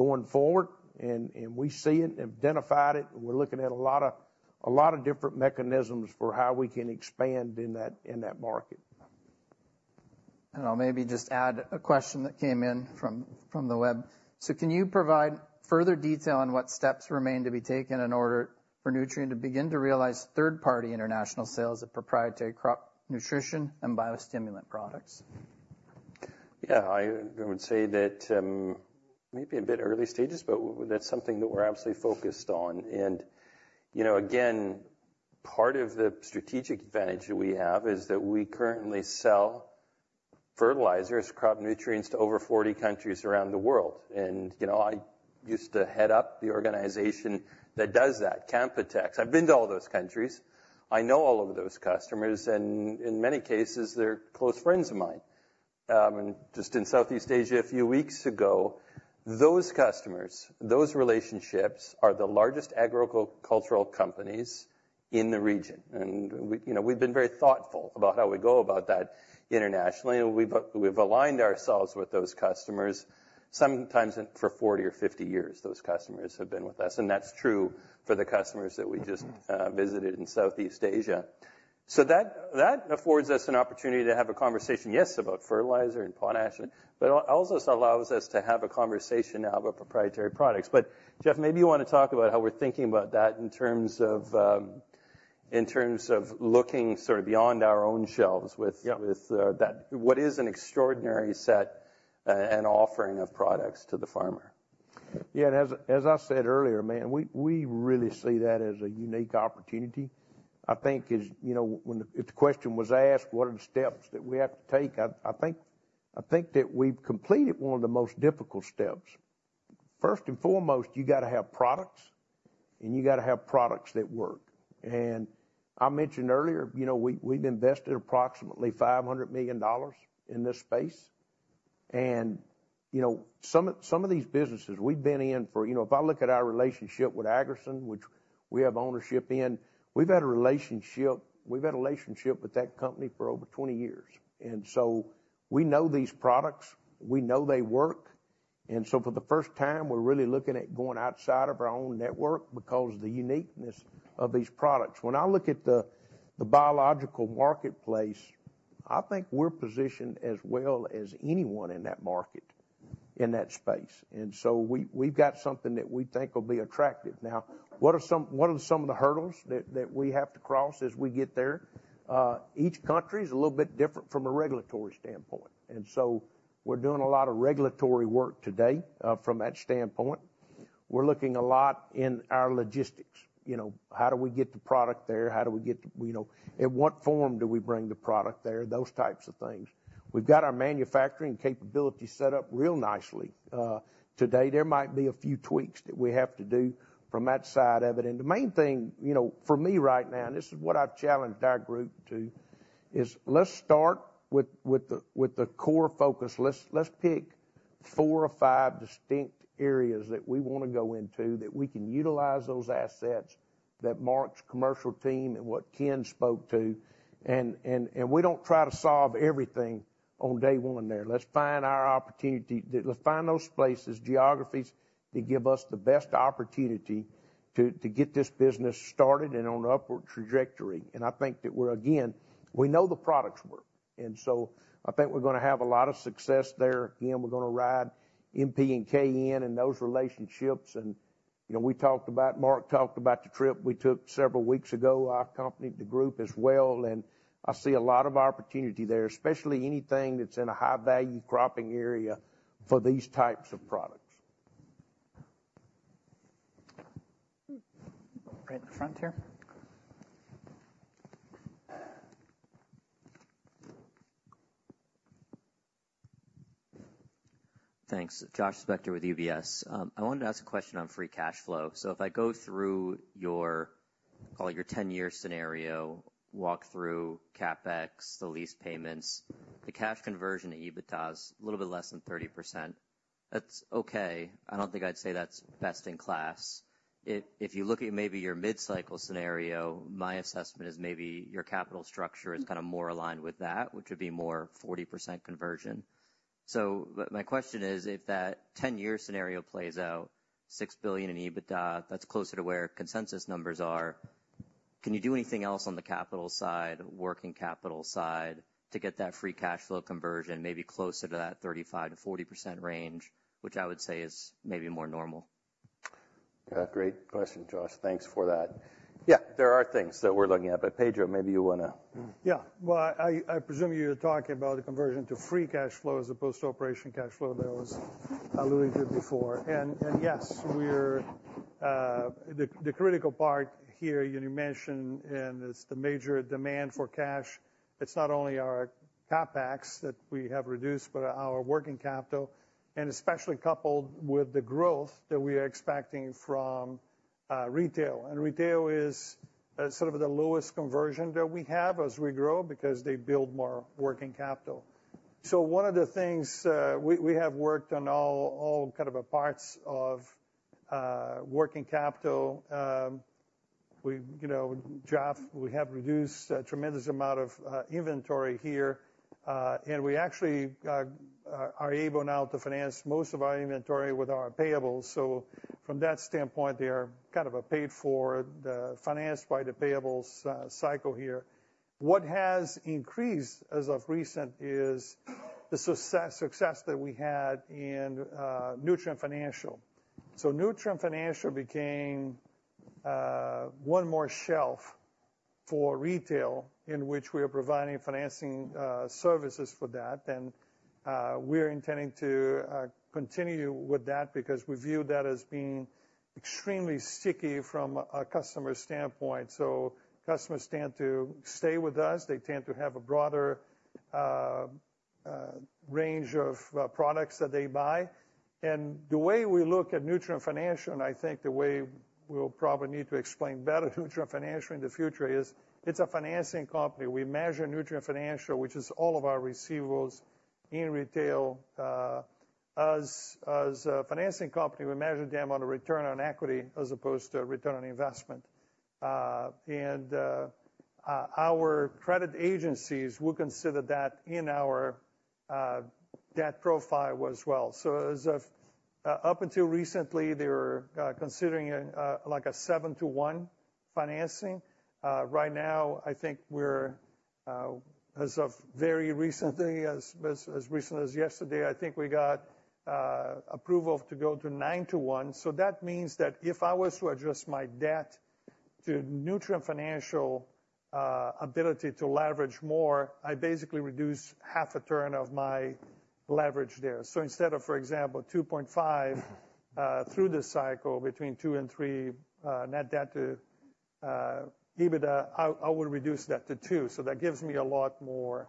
going forward, and we see it, identified it, and we're looking at a lot of different mechanisms for how we can expand in that market. I'll maybe just add a question that came in from the web. Can you provide further detail on what steps remain to be taken in order for Nutrien to begin to realize third-party international sales of proprietary crop nutrition and biostimulant products? Yeah, I would say that maybe a bit early stages, but that's something that we're absolutely focused on. And, you know, again, part of the strategic advantage that we have is that we currently sell fertilizers, crop nutrients to over 40 countries around the world. And, you know, I used to head up the organization that does that, Canpotex. I've been to all those countries. I know all of those customers, and in many cases, they're close friends of mine. Just in Southeast Asia, a few weeks ago, those customers, those relationships, are the largest agricultural companies in the region. And you know, we've been very thoughtful about how we go about that internationally, and we've we've aligned ourselves with those customers, sometimes for 40 or 50 years, those customers have been with us, and that's true for the customers that we just- Mm-hmm. visited in Southeast Asia. So that affords us an opportunity to have a conversation, yes, about fertilizer and potash, but also allows us to have a conversation now about proprietary products. But Jeff, maybe you wanna talk about how we're thinking about that in terms of looking sort of beyond our own shelves with- Yeah With that, what is an extraordinary set and offering of products to the farmer. Yeah, and as I said earlier, man, we really see that as a unique opportunity. I think is, you know, if the question was asked, what are the steps that we have to take? I think that we've completed one of the most difficult steps. First and foremost, you gotta have products, and you gotta have products that work. And I mentioned earlier, you know, we've invested approximately $500 million in this space. And, you know, some of these businesses we've been in for... You know, if I look at our relationship with Agricen, which we have ownership in, we've had a relationship with that company for over 20 years, and so we know these products. We know they work. For the first time, we're really looking at going outside of our own network because the uniqueness of these products. When I look at the biological marketplace, I think we're positioned as well as anyone in that market, in that space, and so we've got something that we think will be attractive. Now, what are some of the hurdles that we have to cross as we get there? Each country is a little bit different from a regulatory standpoint, and so we're doing a lot of regulatory work today from that standpoint. We're looking a lot in our logistics. You know, how do we get the product there? You know, in what form do we bring the product there? Those types of things. We've got our manufacturing capabilities set up real nicely. Today, there might be a few tweaks that we have to do from that side of it. And the main thing, you know, for me right now, and this is what I've challenged our group to, is let's start with the core focus. Let's pick four or five distinct areas that we wanna go into, that we can utilize those assets that Mark's commercial team and what Ken spoke to. And we don't try to solve everything on day one there. Let's find our opportunity. Let's find those places, geographies, that give us the best opportunity to get this business started and on an upward trajectory. And I think that we're, again, we know the products work, and so I think we're gonna have a lot of success there. Again, we're gonna ride N, P and K and those relationships. You know, we talked about. Mark talked about the trip we took several weeks ago. I accompanied the group as well, and I see a lot of opportunity there, especially anything that's in a high-value cropping area for these types of products. Right at the front here. Thanks. Josh Spector with UBS. I wanted to ask a question on free cash flow. So if I go through your, call it, your 10-year scenario, walk through CapEx, the lease payments, the cash conversion to EBITDA, a little bit less than 30%. That's okay. I don't think I'd say that's best-in-class. If you look at maybe your mid-cycle scenario, my assessment is maybe your capital structure is kind of more aligned with that, which would be more 40% conversion. So but my question is, if that 10-year scenario plays out, $6 billion in EBITDA, that's closer to where consensus numbers are. Can you do anything else on the capital side, working capital side, to get that free cash flow conversion maybe closer to that 35%-40% range, which I would say is maybe more normal? Yeah, great question, Josh. Thanks for that. Yeah, there are things that we're looking at, but Pedro, maybe you wanna- Yeah. Well, I presume you're talking about the conversion to Free Cash Flow as opposed to Operating Cash Flow that I was alluding to before. And yes, we're the critical part here you mentioned, and it's the major demand for cash. It's not only our CapEx that we have reduced, but our working capital, and especially coupled with the growth that we are expecting from retail. And retail is sort of the lowest conversion that we have as we grow because they build more working capital. So one of the things we have worked on all kind of parts of working capital. You know, Jeff, we have reduced a tremendous amount of inventory here, and we actually are able now to finance most of our inventory with our payables. So from that standpoint, they are kind of paid for, financed by the payables cycle here. What has increased as of recent is the success that we had in Nutrien Financial. So Nutrien Financial became one more shelf for retail, in which we are providing financing services for that. We're intending to continue with that because we view that as being extremely sticky from a customer standpoint. So customers tend to stay with us. They tend to have a broader range of products that they buy. And the way we look at Nutrien Financial, and I think the way we'll probably need to explain better Nutrien Financial in the future is, it's a financing company. We measure Nutrien Financial, which is all of our receivables in retail, as a financing company, we measure them on a return on equity as opposed to a return on investment. And our credit agencies will consider that in our debt profile as well. So as of up until recently, they were considering it like a 7-to-1 financing. Right now, I think we're as of very recently, as recent as yesterday, I think we got approval to go to 9-to-1. So that means that if I was to adjust my debt to Nutrien Financial ability to leverage more, I basically reduce half a turn of my leverage there. So instead of, for example, 2.5 through the cycle between 2 and 3 net debt to EBITDA, I would reduce that to 2. So that gives me a lot more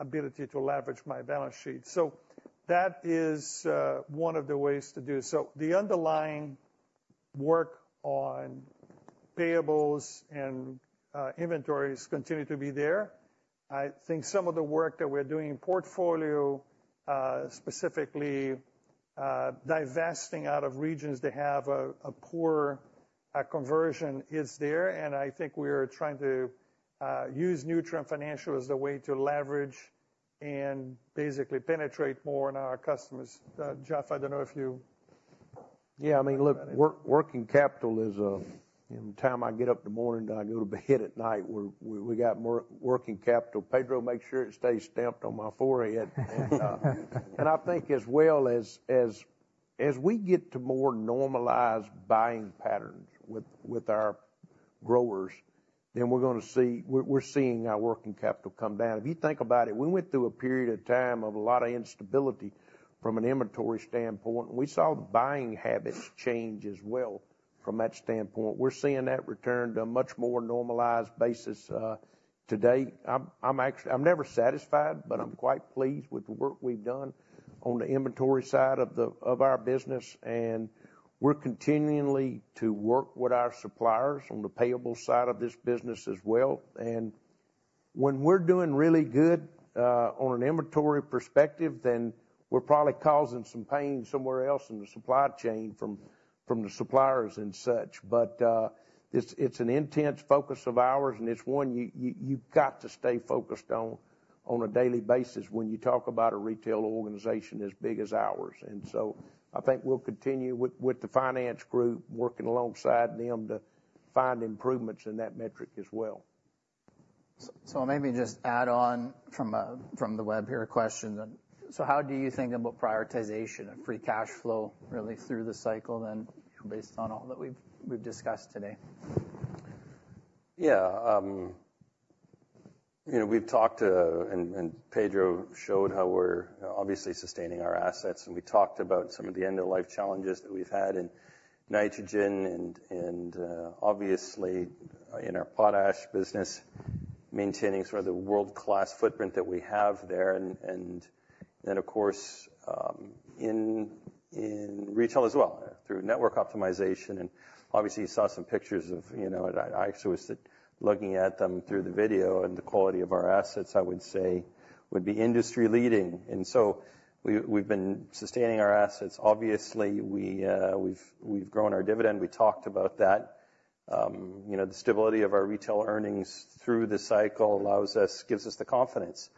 ability to leverage my balance sheet. So that is one of the ways to do it. So the underlying work on payables and inventories continue to be there. I think some of the work that we're doing in portfolio, specifically, divesting out of regions that have a poor conversion is there, and I think we are trying to use Nutrien Financial as a way to leverage and basically penetrate more in our customers. Jeff, I don't know if you. Yeah, I mean, look, working capital is from the time I get up in the morning, and I go to bed at night, we're working capital. Pedro makes sure it stays stamped on my forehead. And I think as well as we get to more normalized buying patterns with our customers- Growers, then we're seeing our working capital come down. If you think about it, we went through a period of time of a lot of instability from an inventory standpoint, and we saw the buying habits change as well from that standpoint. We're seeing that return to a much more normalized basis today. I'm actually. I'm never satisfied, but I'm quite pleased with the work we've done on the inventory side of our business, and we're continually to work with our suppliers on the payable side of this business as well. And when we're doing really good on an inventory perspective, then we're probably causing some pain somewhere else in the supply chain from the suppliers and such. But, it's an intense focus of ours, and it's one you've got to stay focused on a daily basis when you talk about a retail organization as big as ours. And so I think we'll continue with the finance group, working alongside them to find improvements in that metric as well. So, maybe just add on from the web here a question then. So how do you think about prioritization and free cash flow, really, through the cycle then, based on all that we've discussed today? Yeah, you know, we've talked to, and Pedro showed how we're obviously sustaining our assets, and we talked about some of the end-of-life challenges that we've had in nitrogen and obviously in our potash business, maintaining sort of the world-class footprint that we have there. And then, of course, in retail as well, through network optimization. And obviously, you saw some pictures of, you know, I actually was looking at them through the video, and the quality of our assets, I would say, would be industry-leading. And so we've been sustaining our assets. Obviously, we've grown our dividend. We talked about that. You know, the stability of our retail earnings through the cycle allows us, gives us the confidence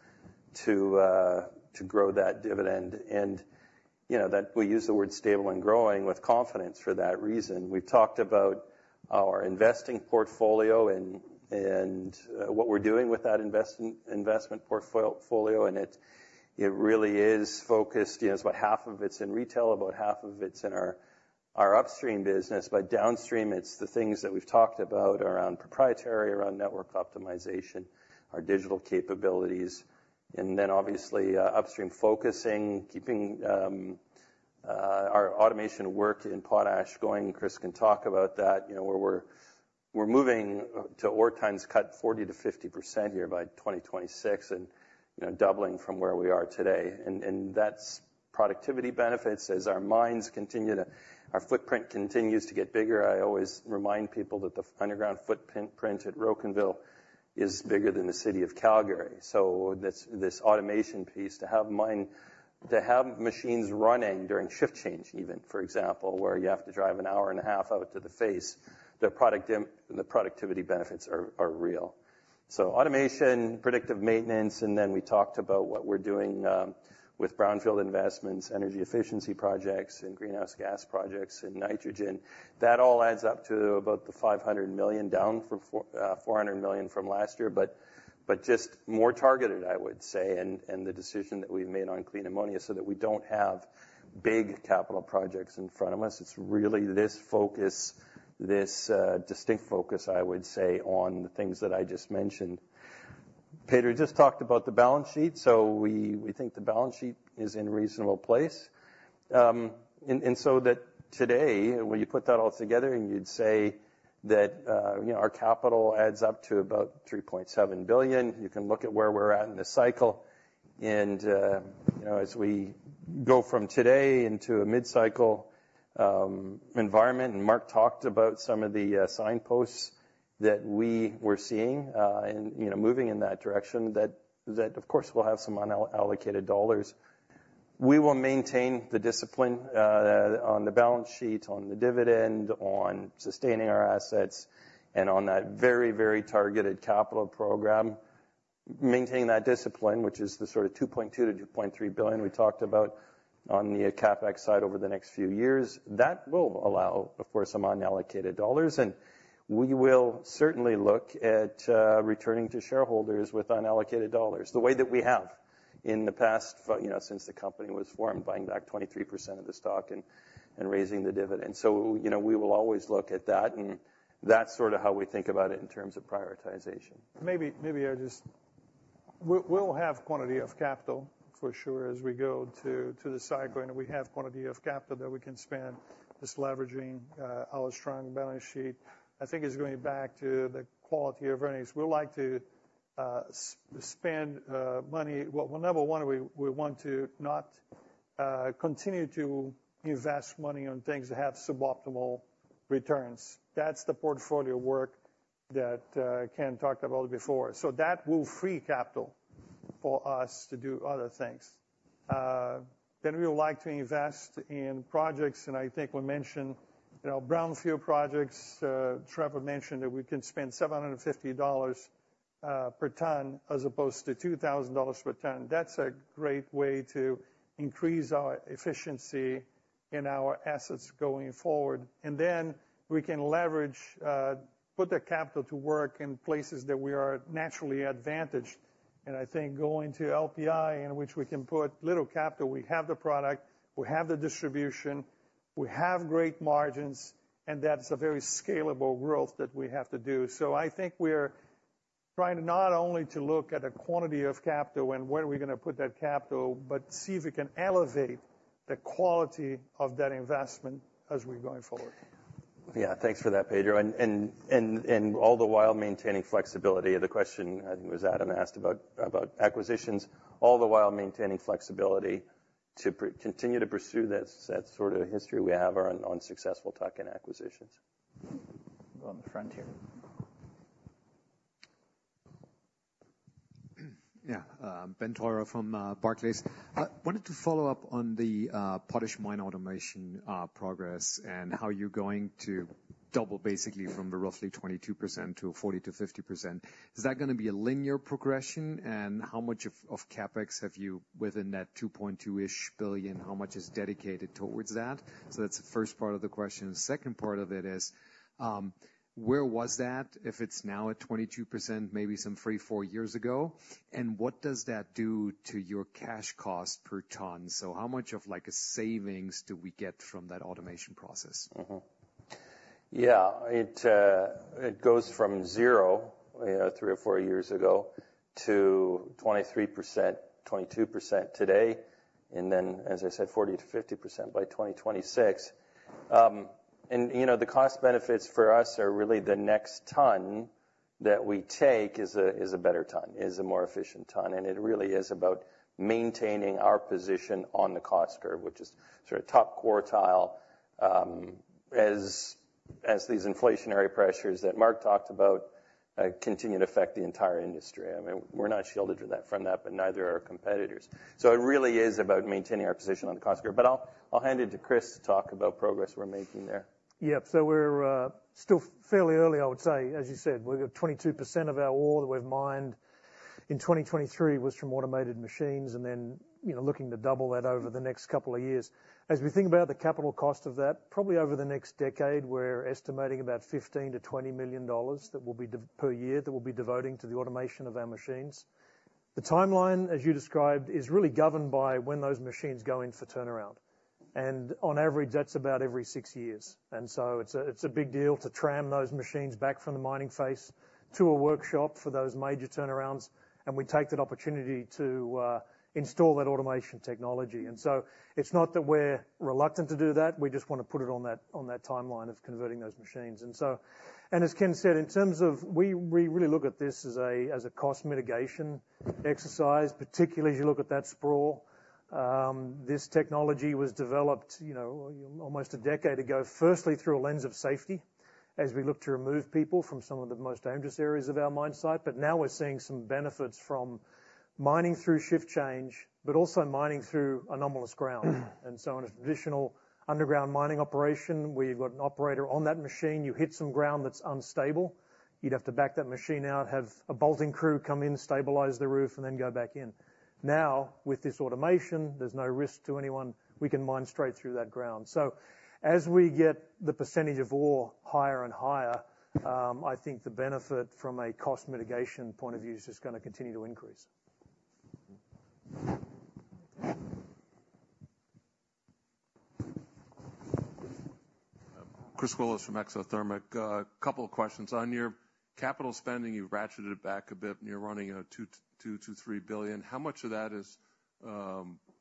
to grow that dividend. And, you know, that we use the word stable and growing with confidence for that reason. We've talked about our investing portfolio and what we're doing with that investment portfolio, and it really is focused. You know, it's about half of it's in retail, about half of it's in our upstream business. But downstream, it's the things that we've talked about around proprietary, around network optimization, our digital capabilities, and then obviously upstream focusing, keeping our automation work in potash going. Chris can talk about that. You know, where we're moving to ore tons cut 40%-50% here by 2026 and, you know, doubling from where we are today. And that's productivity benefits as our mines continue to... Our footprint continues to get bigger. I always remind people that the underground footprint at Rocanville is bigger than the city of Calgary. So this automation piece, to have machines running during shift change, even, for example, where you have to drive an hour and a half out to the face, the productivity benefits are real. So automation, predictive maintenance, and then we talked about what we're doing with brownfield investments, energy efficiency projects, and greenhouse gas projects in nitrogen. That all adds up to about $500 million, down from $400 million from last year, but just more targeted, I would say, and the decision that we've made on clean ammonia, so that we don't have big capital projects in front of us. It's really this focus, this distinct focus, I would say, on the things that I just mentioned. Pedro just talked about the balance sheet, so we think the balance sheet is in a reasonable place. And so today, when you put that all together and you'd say that, you know, our capital adds up to about $3.7 billion, you can look at where we're at in the cycle. And you know, as we go from today into a mid-cycle environment, and Mark talked about some of the signposts that we were seeing, and you know, moving in that direction, that of course will have some unallocated dollars. We will maintain the discipline on the balance sheet, on the dividend, on sustaining our assets, and on that very, very targeted capital program, maintain that discipline, which is the sort of $2.2 billion-$2.3 billion we talked about on the CapEx side over the next few years. That will allow, of course, some unallocated dollars, and we will certainly look at returning to shareholders with unallocated dollars, the way that we have in the past for you know, since the company was formed, buying back 23% of the stock and raising the dividend. So, you know, we will always look at that, and that's sort of how we think about it in terms of prioritization. We'll have quantity of capital, for sure, as we go to the cycle, and we have quantity of capital that we can spend. Just leveraging our strong balance sheet, I think, is going back to the quality of earnings. We'd like to spend money. Well, number one, we want to not continue to invest money on things that have suboptimal returns. That's the portfolio work that Ken talked about before. So that will free capital for us to do other things. Then we would like to invest in projects, and I think we mentioned, you know, brownfield projects. Trevor mentioned that we can spend $750 per ton, as opposed to $2,000 per ton. That's a great way to increase our efficiency in our assets going forward. And then we can leverage, put the capital to work in places that we are naturally advantaged. And I think going to LPI, in which we can put little capital, we have the product, we have the distribution, we have great margins, and that's a very scalable growth that we have to do. So I think we're- Trying to not only to look at the quantity of capital and where are we gonna put that capital, but see if we can elevate the quality of that investment as we're going forward. Yeah, thanks for that, Pedro. And all the while maintaining flexibility, the question, I think, was Adam asked about acquisitions, all the while maintaining flexibility to continue to pursue this, that sort of history we have on successful tuck-in acquisitions. On the front here. Yeah, Ben Theurer from Barclays. I wanted to follow up on the potash mine automation progress, and how you're going to double basically from the roughly 22% to 40%-50%. Is that gonna be a linear progression? And how much of CapEx have you, within that $2.2 billion-ish, how much is dedicated towards that? So that's the first part of the question. The second part of it is, where was that, if it's now at 22%, maybe some 3, 4 years ago, and what does that do to your cash cost per ton? So how much of, like, a savings do we get from that automation process? Mm-hmm. Yeah, it, it goes from 0, you know, 3 or 4 years ago, to 23%, 22% today, and then, as I said, 40%-50% by 2026. And, you know, the cost benefits for us are really the next ton that we take is a, is a better ton, is a more efficient ton, and it really is about maintaining our position on the cost curve, which is sort of top quartile, as, as these inflationary pressures that Mark talked about, continue to affect the entire industry. I mean, we're not shielded to that- from that, but neither are our competitors. So it really is about maintaining our position on the cost curve. But I'll, I'll hand it to Chris to talk about progress we're making there. Yep. So we're still fairly early, I would say. As you said, we've got 22% of our ore that we've mined in 2023 was from automated machines, and then, you know, looking to double that over the next couple of years. As we think about the capital cost of that, probably over the next decade, we're estimating about $15 million-$20 million per year that we'll be devoting to the automation of our machines. The timeline, as you described, is really governed by when those machines go in for turnaround, and on average, that's about every 6 years. So it's a big deal to tram those machines back from the mining face to a workshop for those major turnarounds, and we take that opportunity to install that automation technology. And so it's not that we're reluctant to do that, we just wanna put it on that, on that timeline of converting those machines. And as Ken said, in terms of... We really look at this as a cost mitigation exercise, particularly as you look at that sprawl. This technology was developed, you know, almost a decade ago, firstly through a lens of safety, as we look to remove people from some of the most dangerous areas of our mine site. But now we're seeing some benefits from mining through shift change, but also mining through anomalous ground. And so in a traditional underground mining operation, we've got an operator on that machine, you hit some ground that's unstable, you'd have to back that machine out, have a bolting crew come in, stabilize the roof, and then go back in. Now, with this automation, there's no risk to anyone. We can mine straight through that ground. So as we get the percentage of ore higher and higher, I think the benefit from a cost mitigation point of view is just gonna continue to increase. Chris Willis from Exothermic. A couple of questions. On your capital spending, you ratcheted it back a bit, and you're running, you know, $2 billion-$3 billion. How much of that is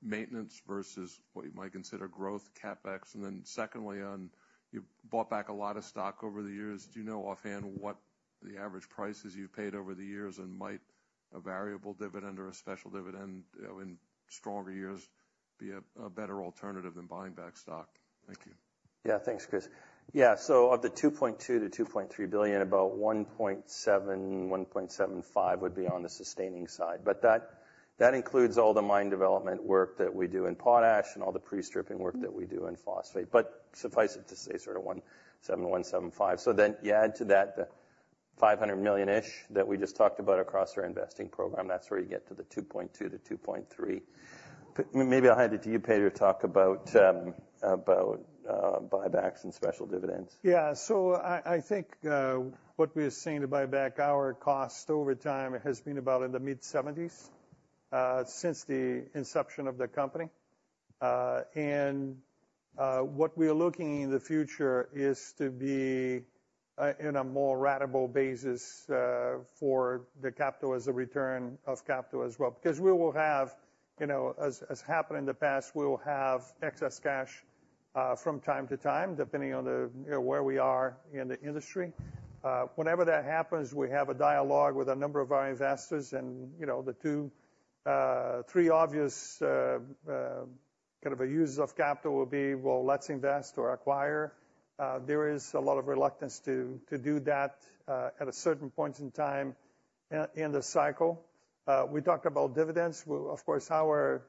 maintenance versus what you might consider growth CapEx? And then secondly, you bought back a lot of stock over the years. Do you know offhand what the average prices you've paid over the years, and might a variable dividend or a special dividend in stronger years be a better alternative than buying back stock? Thank you. Yeah, thanks, Chris. Yeah, so of the $2.2 billion-$2.3 billion, about $1.7 billion-$1.75 billion would be on the sustaining side. But that, that includes all the mine development work that we do in potash and all the pre-stripping work that we do in Phosphate. But suffice it to say, sort of 1.7, 1.75. So then you add to that the $500 million-ish that we just talked about across our investing program, that's where you get to the $2.2 billion-$2.3 billion. But maybe I'll hand it to you, Pedro, to talk about buybacks and special dividends. Yeah. So I think what we are seeing to buy back our cost over time has been about in the mid-70s since the inception of the company. And what we are looking in the future is to be in a more ratable basis for the capital as a return of capital as well. Because we will have, you know, as happened in the past, we will have excess cash from time to time, depending on the, you know, where we are in the industry. Whenever that happens, we have a dialogue with a number of our investors and, you know, the two, three obvious kind of a uses of capital will be, well, let's invest or acquire. There is a lot of reluctance to do that at a certain point in time in the cycle. We talked about dividends. Well, of course, our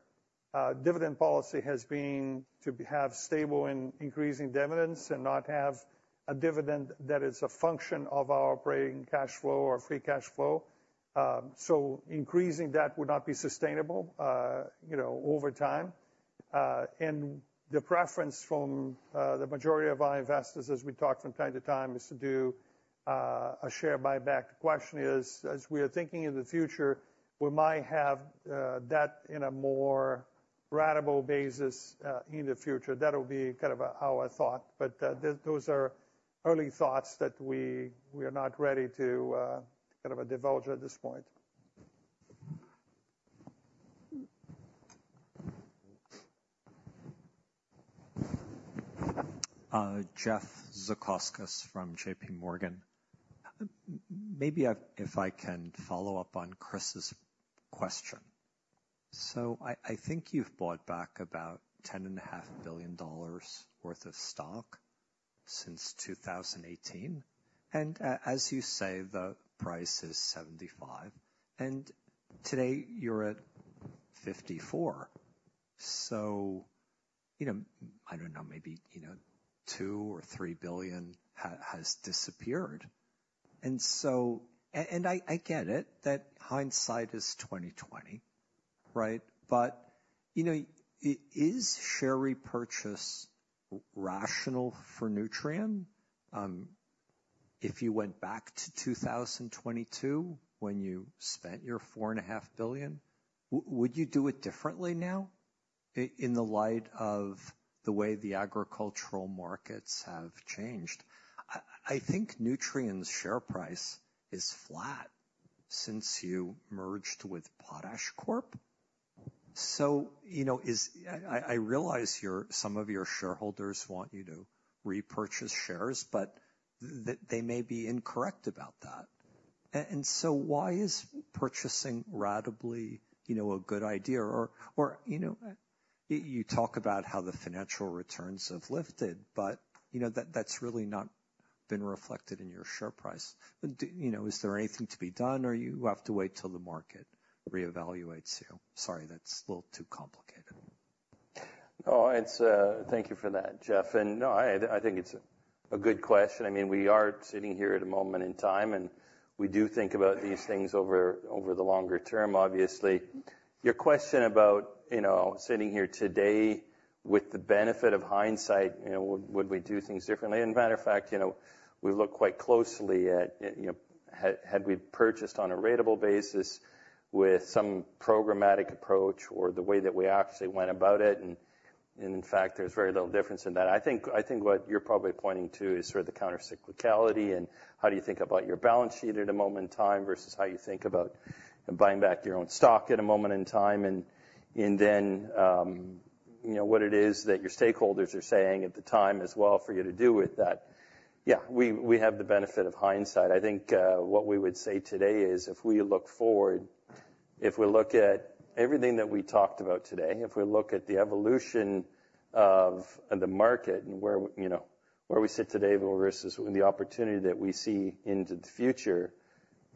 dividend policy has been to be, have stable and increasing dividends and not have a dividend that is a function of our operating cash flow or free cash flow. So increasing that would not be sustainable, you know, over time. And the preference from the majority of our investors, as we talk from time to time, is to do a share buyback. The question is, as we are thinking in the future, we might have that in a more ratable basis in the future. That will be kind of our thought, but those are early thoughts that we, we are not ready to kind of divulge at this point. Jeff Zekauskas from JPMorgan. Maybe I, if I can follow up on Chris's question. So I, I think you've bought back about $10.5 billion worth of stock since 2018, and as you say, the price is 75, and today you're at 54. So, you know, I don't know, maybe, you know, $2 billion-$3 billion has disappeared. And so—and I, I get it, that hindsight is 20/20, right? But, you know, is share repurchase rational for Nutrien? If you went back to 2022, when you spent your $4.5 billion, would you do it differently now, in the light of the way the agricultural markets have changed? I, I think Nutrien's share price is flat since you merged with PotashCorp. So, you know, I realize some of your shareholders want you to repurchase shares, but they may be incorrect about that. And so why is purchasing ratably, you know, a good idea? Or, you know, you talk about how the financial returns have lifted, but, you know, that's really not been reflected in your share price. You know, is there anything to be done, or you have to wait till the market reevaluates you? Sorry, that's a little too complicated. No, it's. Thank you for that, Jeff. And no, I, I think it's a good question. I mean, we are sitting here at a moment in time, and we do think about these things over, over the longer term, obviously. Your question about, you know, sitting here today with the benefit of hindsight, you know, would, would we do things differently? And matter of fact, you know, we look quite closely at, at, you know, had, had we purchased on a ratable basis with some programmatic approach or the way that we actually went about it, and, and in fact, there's very little difference in that. I think, I think what you're probably pointing to is sort of the countercyclicality and how do you think about your balance sheet at a moment in time versus how you think about buying back your own stock at a moment in time. Then, you know, what it is that your stakeholders are saying at the time as well for you to do with that. Yeah, we have the benefit of hindsight. I think what we would say today is if we look forward, if we look at everything that we talked about today, if we look at the evolution of the market and where, you know, we sit today versus the opportunity that we see into the future,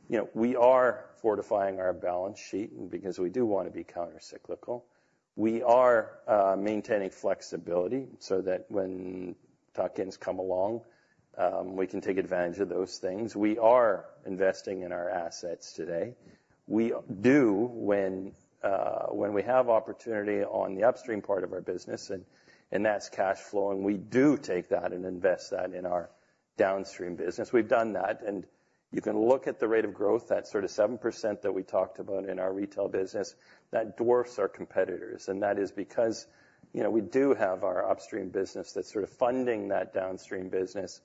you know, we are fortifying our balance sheet, because we do want to be countercyclical. We are maintaining flexibility so that when tuck-ins come along, we can take advantage of those things. We are investing in our assets today. We do when, when we have opportunity on the upstream part of our business, and, and that's cash flow, and we do take that and invest that in our downstream business. We've done that, and you can look at the rate of growth, that sort of 7% that we talked about in our retail business, that dwarfs our competitors. And that is because, you know, we do have our upstream business that's sort of funding that downstream business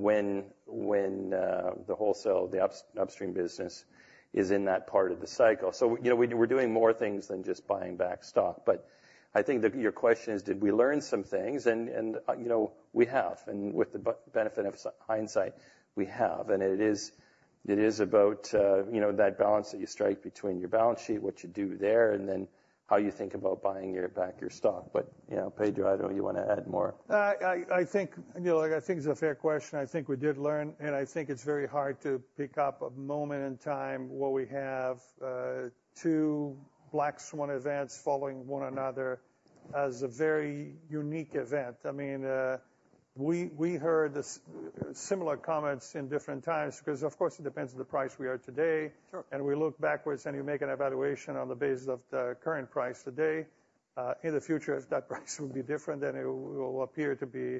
when, when, the wholesale, the upstream business is in that part of the cycle. So you know, we, we're doing more things than just buying back stock. But I think that your question is, did we learn some things? And, and, you know, we have, and with the benefit of hindsight, we have. It is about, you know, that balance that you strike between your balance sheet, what you do there, and then how you think about buying back your stock. But, you know, Pedro, I don't know, you want to add more? I think, you know, I think it's a fair question. I think we did learn, and I think it's very hard to pick up a moment in time where we have two black swan events following one another as a very unique event. I mean, we heard similar comments in different times, because, of course, it depends on the price we are today. Sure. We look backwards, and you make an evaluation on the basis of the current price today. In the future, if that price would be different, then it will appear to be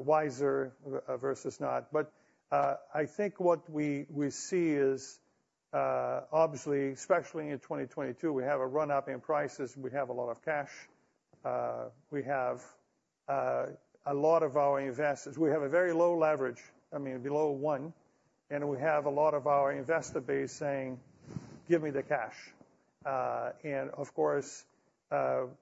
wiser versus not. But, I think what we see is, obviously, especially in 2022, we have a run-up in prices, we have a lot of cash, we have a lot of our investors—We have a very low leverage, I mean, below one, and we have a lot of our investor base saying: "Give me the cash." And of course,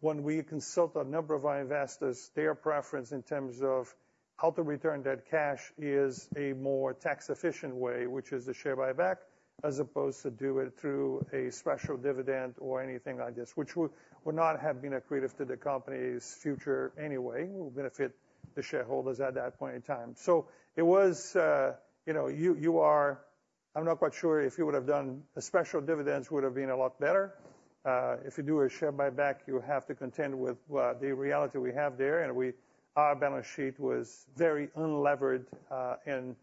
when we consult a number of our investors, their preference in terms of how to return that cash is a more tax-efficient way, which is the share buyback, as opposed to do it through a special dividend or anything like this, which would not have been accretive to the company's future anyway, will benefit the shareholders at that point in time. So it was, you know, I'm not quite sure if you would have done a special dividends would have been a lot better. If you do a share buyback, you have to contend with the reality we have there, and our balance sheet was very unlevered, and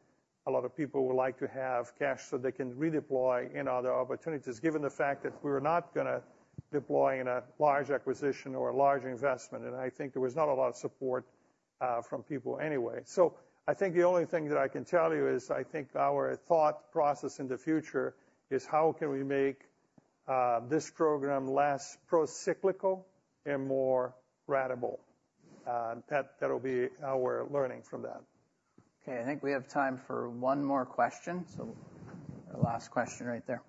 a lot of people would like to have cash so they can redeploy in other opportunities, given the fact that we were not gonna deploy in a large acquisition or a large investment. And I think there was not a lot of support from people anyway. So I think the only thing that I can tell you is, I think our thought process in the future is, how can we make this program less procyclical and more ratable? That will be our learning from that. Okay, I think we have time for one more question. The last question right there.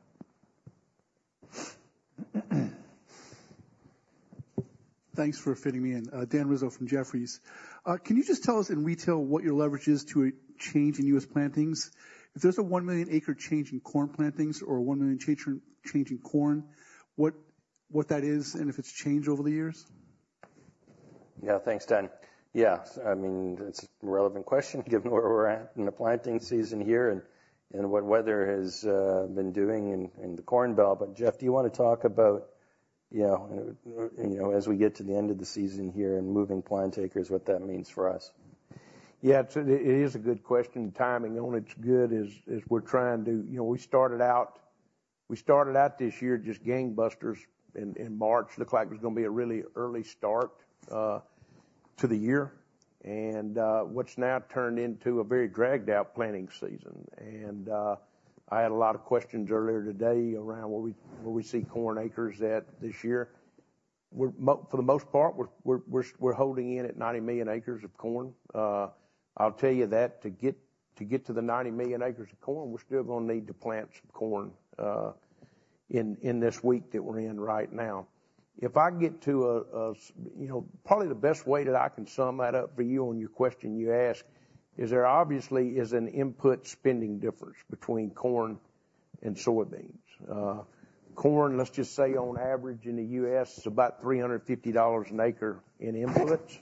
Thanks for fitting me in. Dan Rizzo from Jefferies. Can you just tell us, in retail, what your leverage is to a change in U.S. plantings? If there's a 1 million acre change in corn plantings or a 1 million change in corn, what that is, and if it's changed over the years? Yeah. Thanks, Dan. Yeah, so I mean, that's a relevant question, given where we're at in the planting season here and what weather has been doing in the Corn Belt. But Jeff, do you wanna talk about, you know, as we get to the end of the season here and moving plant acres, what that means for us? Yeah, so it is a good question. Timing on it's good is we're trying to—you know, we started out this year just gangbusters in March. Looked like it was gonna be a really early start to the year, and what's now turned into a very dragged out planting season. I had a lot of questions earlier today around where we see corn acres at this year. We're for the most part holding in at 90 million acres of corn. I'll tell you that to get to the 90 million acres of corn, we're still gonna need to plant some corn in this week that we're in right now. If I get to a. You know, probably the best way that I can sum that up for you on your question you asked, is there obviously is an input spending difference between corn and soybeans. Corn, let's just say on average in the U.S., is about $350 an acre in inputs.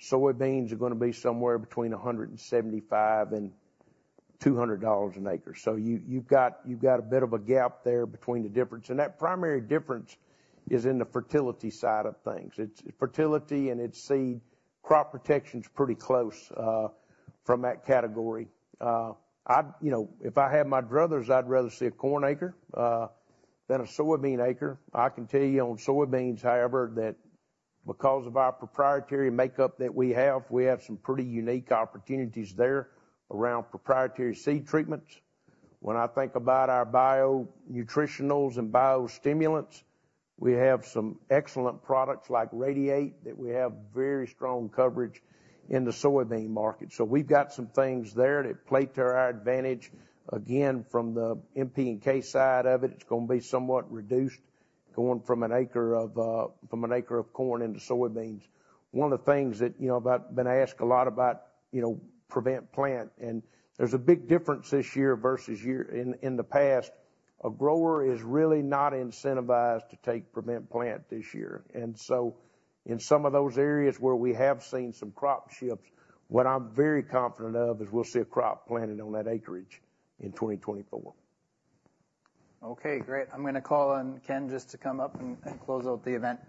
Soybeans are gonna be somewhere between $175-$200 an acre. So you, you've got a bit of a gap there between the difference. And that primary difference is in the fertility side of things. It's fertility and it's seed. Crop protection's pretty close from that category. I'd, you know, if I had my druthers, I'd rather see a corn acre than a soybean acre. I can tell you on soybeans, however, that because of our proprietary makeup that we have, we have some pretty unique opportunities there around proprietary seed treatments. When I think about our bionutritionals and biostimulants, we have some excellent products, like Radiate, that we have very strong coverage in the soybean market. So we've got some things there that play to our advantage. Again, from the NPK side of it, it's gonna be somewhat reduced, going from an acre of, from an acre of corn into soybeans. One of the things that, you know, been asked a lot about, you know, prevent plant, and there's a big difference this year versus year in the past. A grower is really not incentivized to take prevent plant this year. In some of those areas where we have seen some crop shifts, what I'm very confident of is we'll see a crop planted on that acreage in 2024. Okay, great. I'm gonna call on Ken just to come up and close out the event.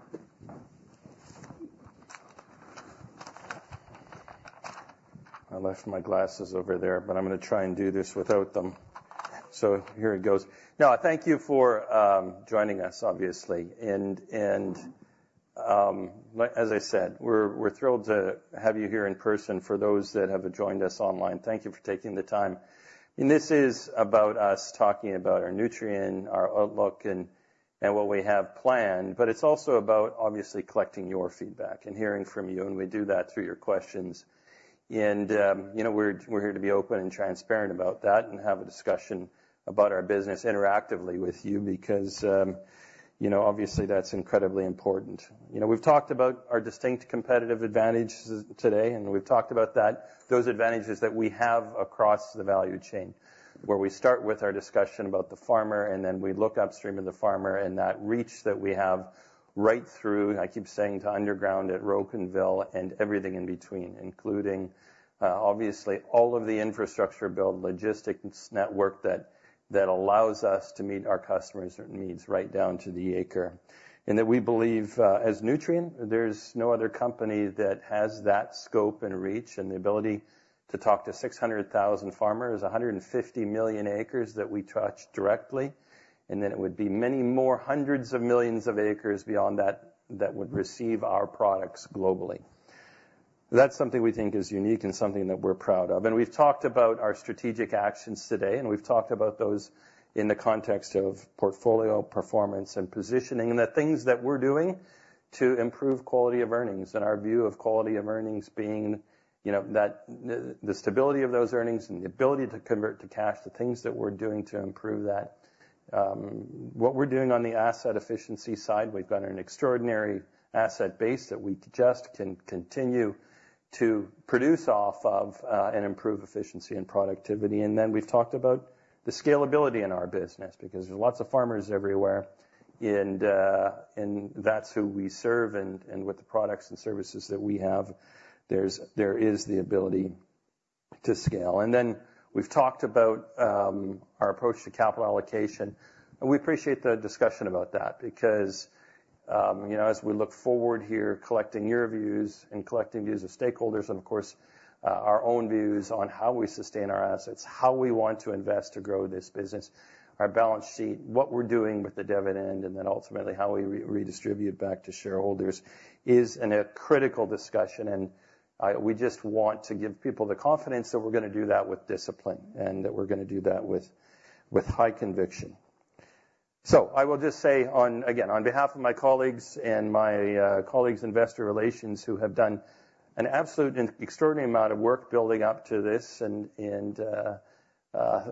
I left my glasses over there, but I'm gonna try and do this without them. So here it goes. Now, thank you for joining us, obviously. And like, as I said, we're thrilled to have you here in person. For those that have joined us online, thank you for taking the time. And this is about us talking about our Nutrien, our outlook, and what we have planned. But it's also about obviously collecting your feedback and hearing from you, and we do that through your questions. And you know, we're here to be open and transparent about that, and have a discussion about our business interactively with you, because you know, obviously, that's incredibly important. You know, we've talked about our distinct competitive advantages today, and we've talked about that. Those advantages that we have across the value chain, where we start with our discussion about the farmer, and then we look upstream of the farmer and that reach that we have right through, I keep saying, to underground at Rocanville and everything in between. Including, obviously, all of the infrastructure build, logistics network that allows us to meet our customers' needs right down to the acre. And that we believe, as Nutrien, there's no other company that has that scope and reach, and the ability to talk to 600,000 farmers, 150 million acres that we touch directly, and then it would be many more hundreds of millions of acres beyond that, that would receive our products globally. That's something we think is unique and something that we're proud of. We've talked about our strategic actions today, and we've talked about those in the context of portfolio, performance, and positioning, and the things that we're doing to improve quality of earnings. Our view of quality of earnings being, you know, that the, the stability of those earnings and the ability to convert to cash, the things that we're doing to improve that. What we're doing on the asset efficiency side, we've got an extraordinary asset base that we just can continue to produce off of, and improve efficiency and productivity. Then we've talked about the scalability in our business, because there's lots of farmers everywhere, and that's who we serve. And with the products and services that we have, there's, there is the ability to scale. Then we've talked about our approach to capital allocation. We appreciate the discussion about that, because, you know, as we look forward here, collecting your views and collecting views of stakeholders, and of course, our own views on how we sustain our assets, how we want to invest to grow this business, our balance sheet, what we're doing with the dividend, and then ultimately how we redistribute back to shareholders, is in a critical discussion. We just want to give people the confidence that we're gonna do that with discipline, and that we're gonna do that with high conviction. I will just say, again, on behalf of my colleagues and my colleagues in investor relations, who have done an absolute and extraordinary amount of work building up to this, and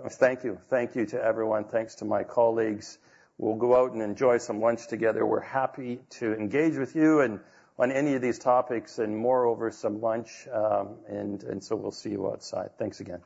thank you. Thank you to everyone. Thanks to my colleagues. We'll go out and enjoy some lunch together. We're happy to engage with you and on any of these topics, and moreover, some lunch, and so we'll see you outside. Thanks again.